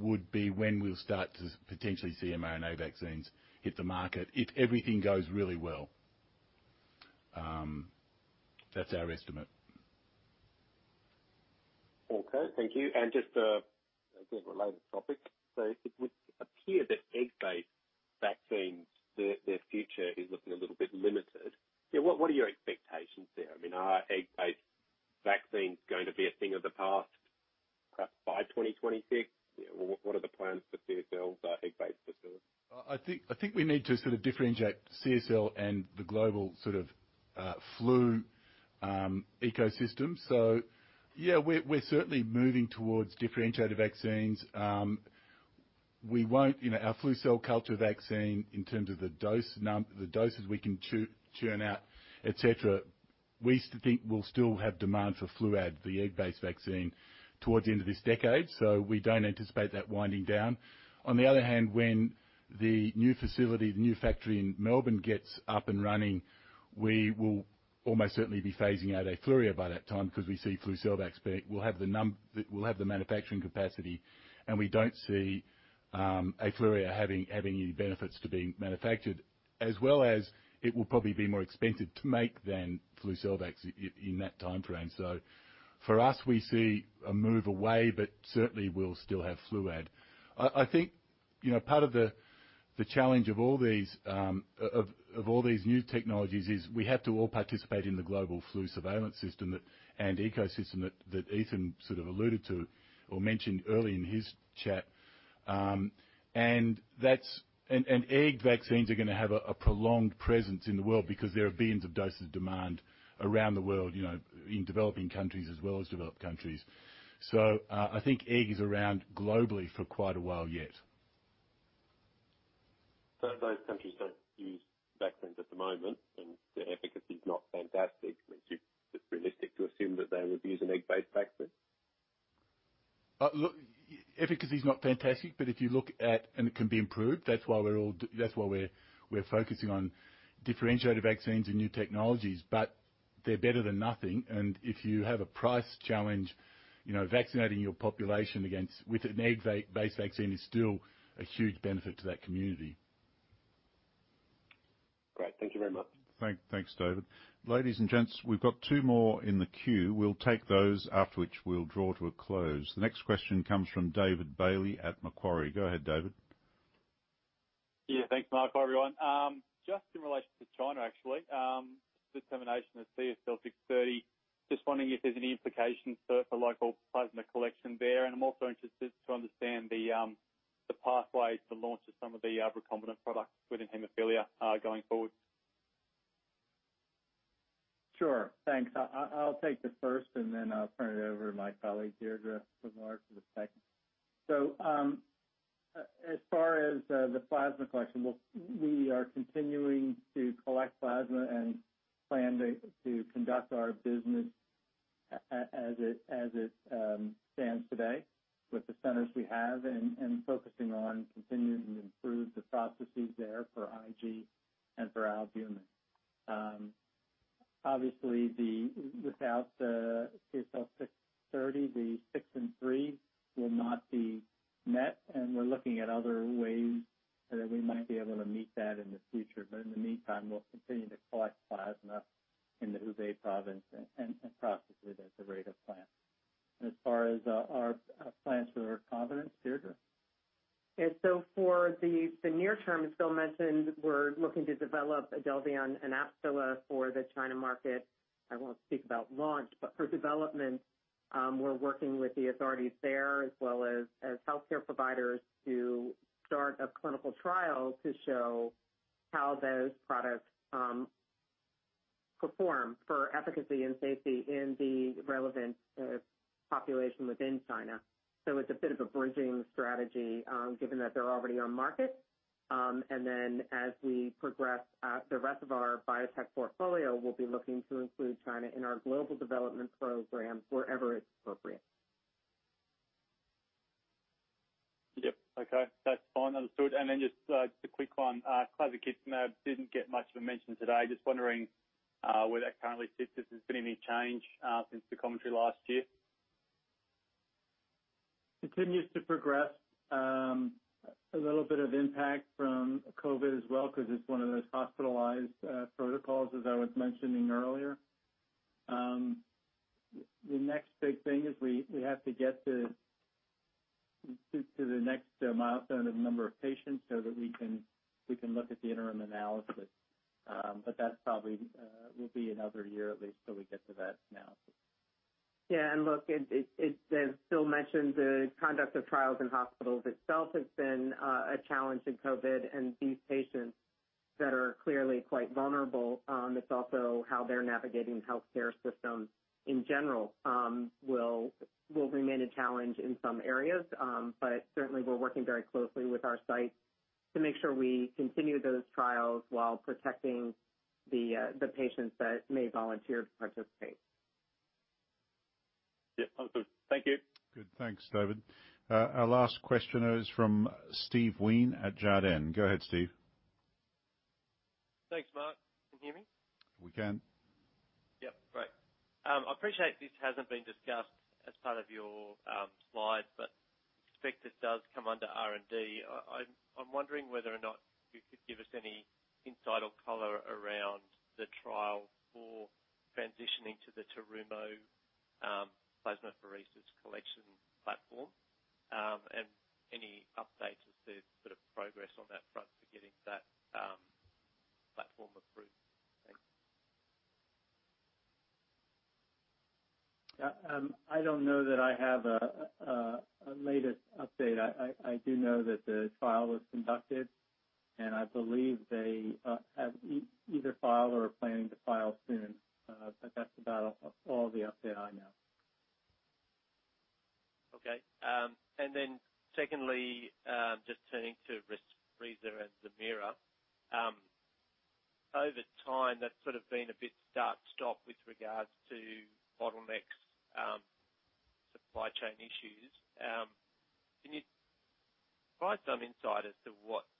would be when we'll start to potentially see mRNA vaccines hit the market, if everything goes really well. That's our estimate. Okay, thank you. Just again, related topic. It would appear that egg-based vaccines, their future is looking a little bit limited. Yeah, what are your expectations there? Are egg-based vaccines going to be a thing of the past, perhaps by 2026? What are the plans for CSL's egg-based facilities? I think we need to sort of differentiate CSL and the global flu ecosystem. Yeah, we're certainly moving towards differentiated vaccines. Our flu cell culture vaccine, in terms of the doses we can churn out, et cetera, we think we'll still have demand for FLUAD, the egg-based vaccine, towards the end of this decade, so we don't anticipate that winding down. On the other hand, when the new factory in Melbourne gets up and running, we will almost certainly be phasing out AFLURIA by that time because we see FLUCELVAX, we'll have the manufacturing capacity, and we don't see AFLURIA having any benefits to being manufactured. As well as, it will probably be more expensive to make than FLUCELVAX in that timeframe. For us, we see a move away, but certainly we'll still have FLUAD. I think, part of the challenge of all these new technologies is we have to all participate in the global flu surveillance system and ecosystem that Ethan sort of alluded to or mentioned early in his chat. Egg vaccines are going to have a prolonged presence in the world because there are billions of doses demand around the world, in developing countries as well as developed countries. I think egg is around globally for quite a while yet. Those countries don't use vaccines at the moment, and their efficacy is not fantastic. I mean, is it realistic to assume that they would use an egg-based vaccine? Efficacy is not fantastic, and it can be improved. That's why we're focusing on differentiated vaccines and new technologies. They're better than nothing, and if you have a price challenge, vaccinating your population with an egg-based vaccine is still a huge benefit to that community. Great. Thank you very much. Thanks, David. Ladies and gents, we've got two more in the queue. We'll take those, after which we'll draw to a close. The next question comes from David Bailey at Macquarie. Go ahead, David. Yeah, thanks Mark. Hi, everyone. Just in relation to China, actually, the termination of CSL630. Just wondering if there's any implications for local plasma collection there, and I'm also interested to understand the pathway to launch of some of the recombinant products within hemophilia going forward? Sure. Thanks. I'll take the first, and then I'll turn it over to my colleague, Deirdre, for the second. As far as the plasma collection, we are continuing to collect plasma and plan to conduct our business as it stands today with the centers we have, and focusing on continuing to improve the processes there for IG and for albumin. Obviously, without the CSL630, the six and three will not be met, and we're looking at other ways that we might be able to meet that in the future. In the meantime, we'll continue to collect plasma in the Hubei province and process it at the Ruide plant. As far as our plans for our recombinants, Deirdre. Yeah, for the near term, as Bill mentioned, we're looking to develop IDELVION and AFSTYLA for the China market. I won't speak about launch, for development, we're working with the authorities there, as well as healthcare providers to start a clinical trial to show how those products perform for efficacy and safety in the relevant population within China. It's a bit of a bridging strategy, given that they're already on market. As we progress the rest of our biotech portfolio, we'll be looking to include China in our global development programs wherever it's appropriate. Yep. Okay, that's fine. Understood. Just a quick one. Clazakizumab didn't get much of a mention today. Just wondering where that currently sits. If there's been any change since the commentary last year. Continues to progress. A little bit of impact from COVID as well, because it's one of those hospitalized protocols, as I was mentioning earlier. The next big thing is we have to get to the next milestone of number of patients so that we can look at the interim analysis. That probably will be another year at least till we get to that analysis. Yeah, look, as Phil mentioned, the conduct of trials in hospitals itself has been a challenge in COVID. These patients that are clearly quite vulnerable, it's also how they're navigating healthcare systems in general will remain a challenge in some areas. Certainly we're working very closely with our sites to make sure we continue those trials while protecting the patients that may volunteer to participate. Yeah. All good. Thank you. Good, thanks, David. Our last questioner is from Steve Wheen at Jarden. Go ahead, Steve. Thanks, Mark. Can you hear me? We can. Yep, great. I appreciate this hasn't been discussed as part of your slides but I suspect this does come under R&D. I'm wondering whether or not you could give us any insight or color around the trial for transitioning to the Terumo plasmapheresis collection platform, and any updates as to progress on that front for getting that platform approved. Thanks. I don't know that I have a latest update. I do know that the trial was conducted, and I believe they have either filed or are planning to file soon. That's about all the update I know. Okay. Then secondly, just turning to Respreeza and ZEMAIRA. Over time, that's sort of been a bit start-stop with regards to bottlenecks, supply chain issues. Can you provide some insight as to what's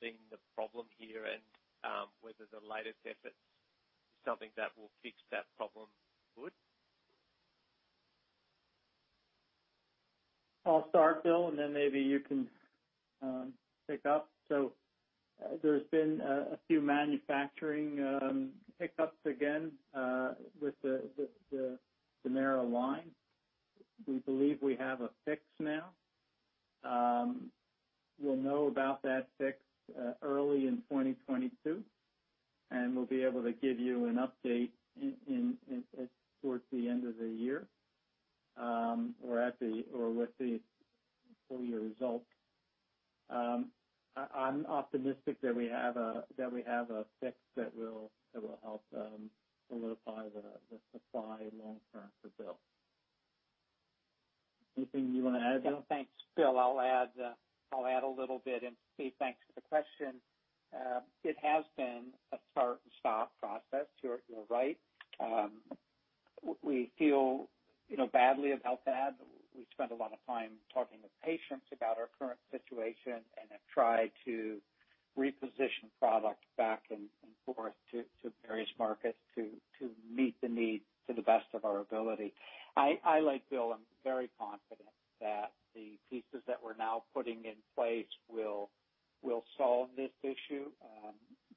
been the problem here, and whether the latest effort is something that will fix that problem for good? I'll start, Bill, then maybe you can pick up. There's been a few manufacturing hiccups again with the ZEMAIRA line. We believe we have a fix now. We'll know about that fix early in 2022, we'll be able to give you an update towards the end of the year or with the full year results. I'm optimistic that we have a fix that will help solidify the supply long-term for Bill. Anything you want to add, Bill? Yeah. Thanks, Bill. I'll add a little bit, and Steve, thanks for the question. It has been a start-and-stop process. You're right. We feel badly about that. We spend a lot of time talking with patients about our current situation and have tried to reposition product back and forth to various markets to meet the needs to the best of our ability. I, like Bill, am very confident that the pieces that we're now putting in place will solve this issue.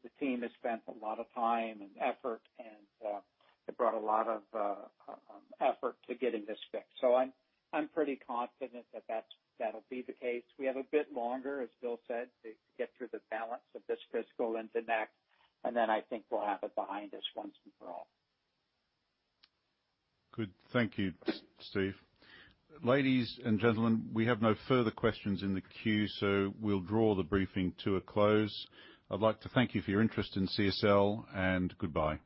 The team has spent a lot of time and effort, and have brought a lot of effort to getting this fixed. I'm pretty confident that's that'll be the case. We have a bit longer, as Bill said, to get through the balance of this fiscal into next. I think we'll have it behind us once and for all. Good. Thank you, Steve. Ladies and gentlemen, we have no further questions in the queue. We'll draw the briefing to a close. I'd like to thank you for your interest in CSL. Goodbye.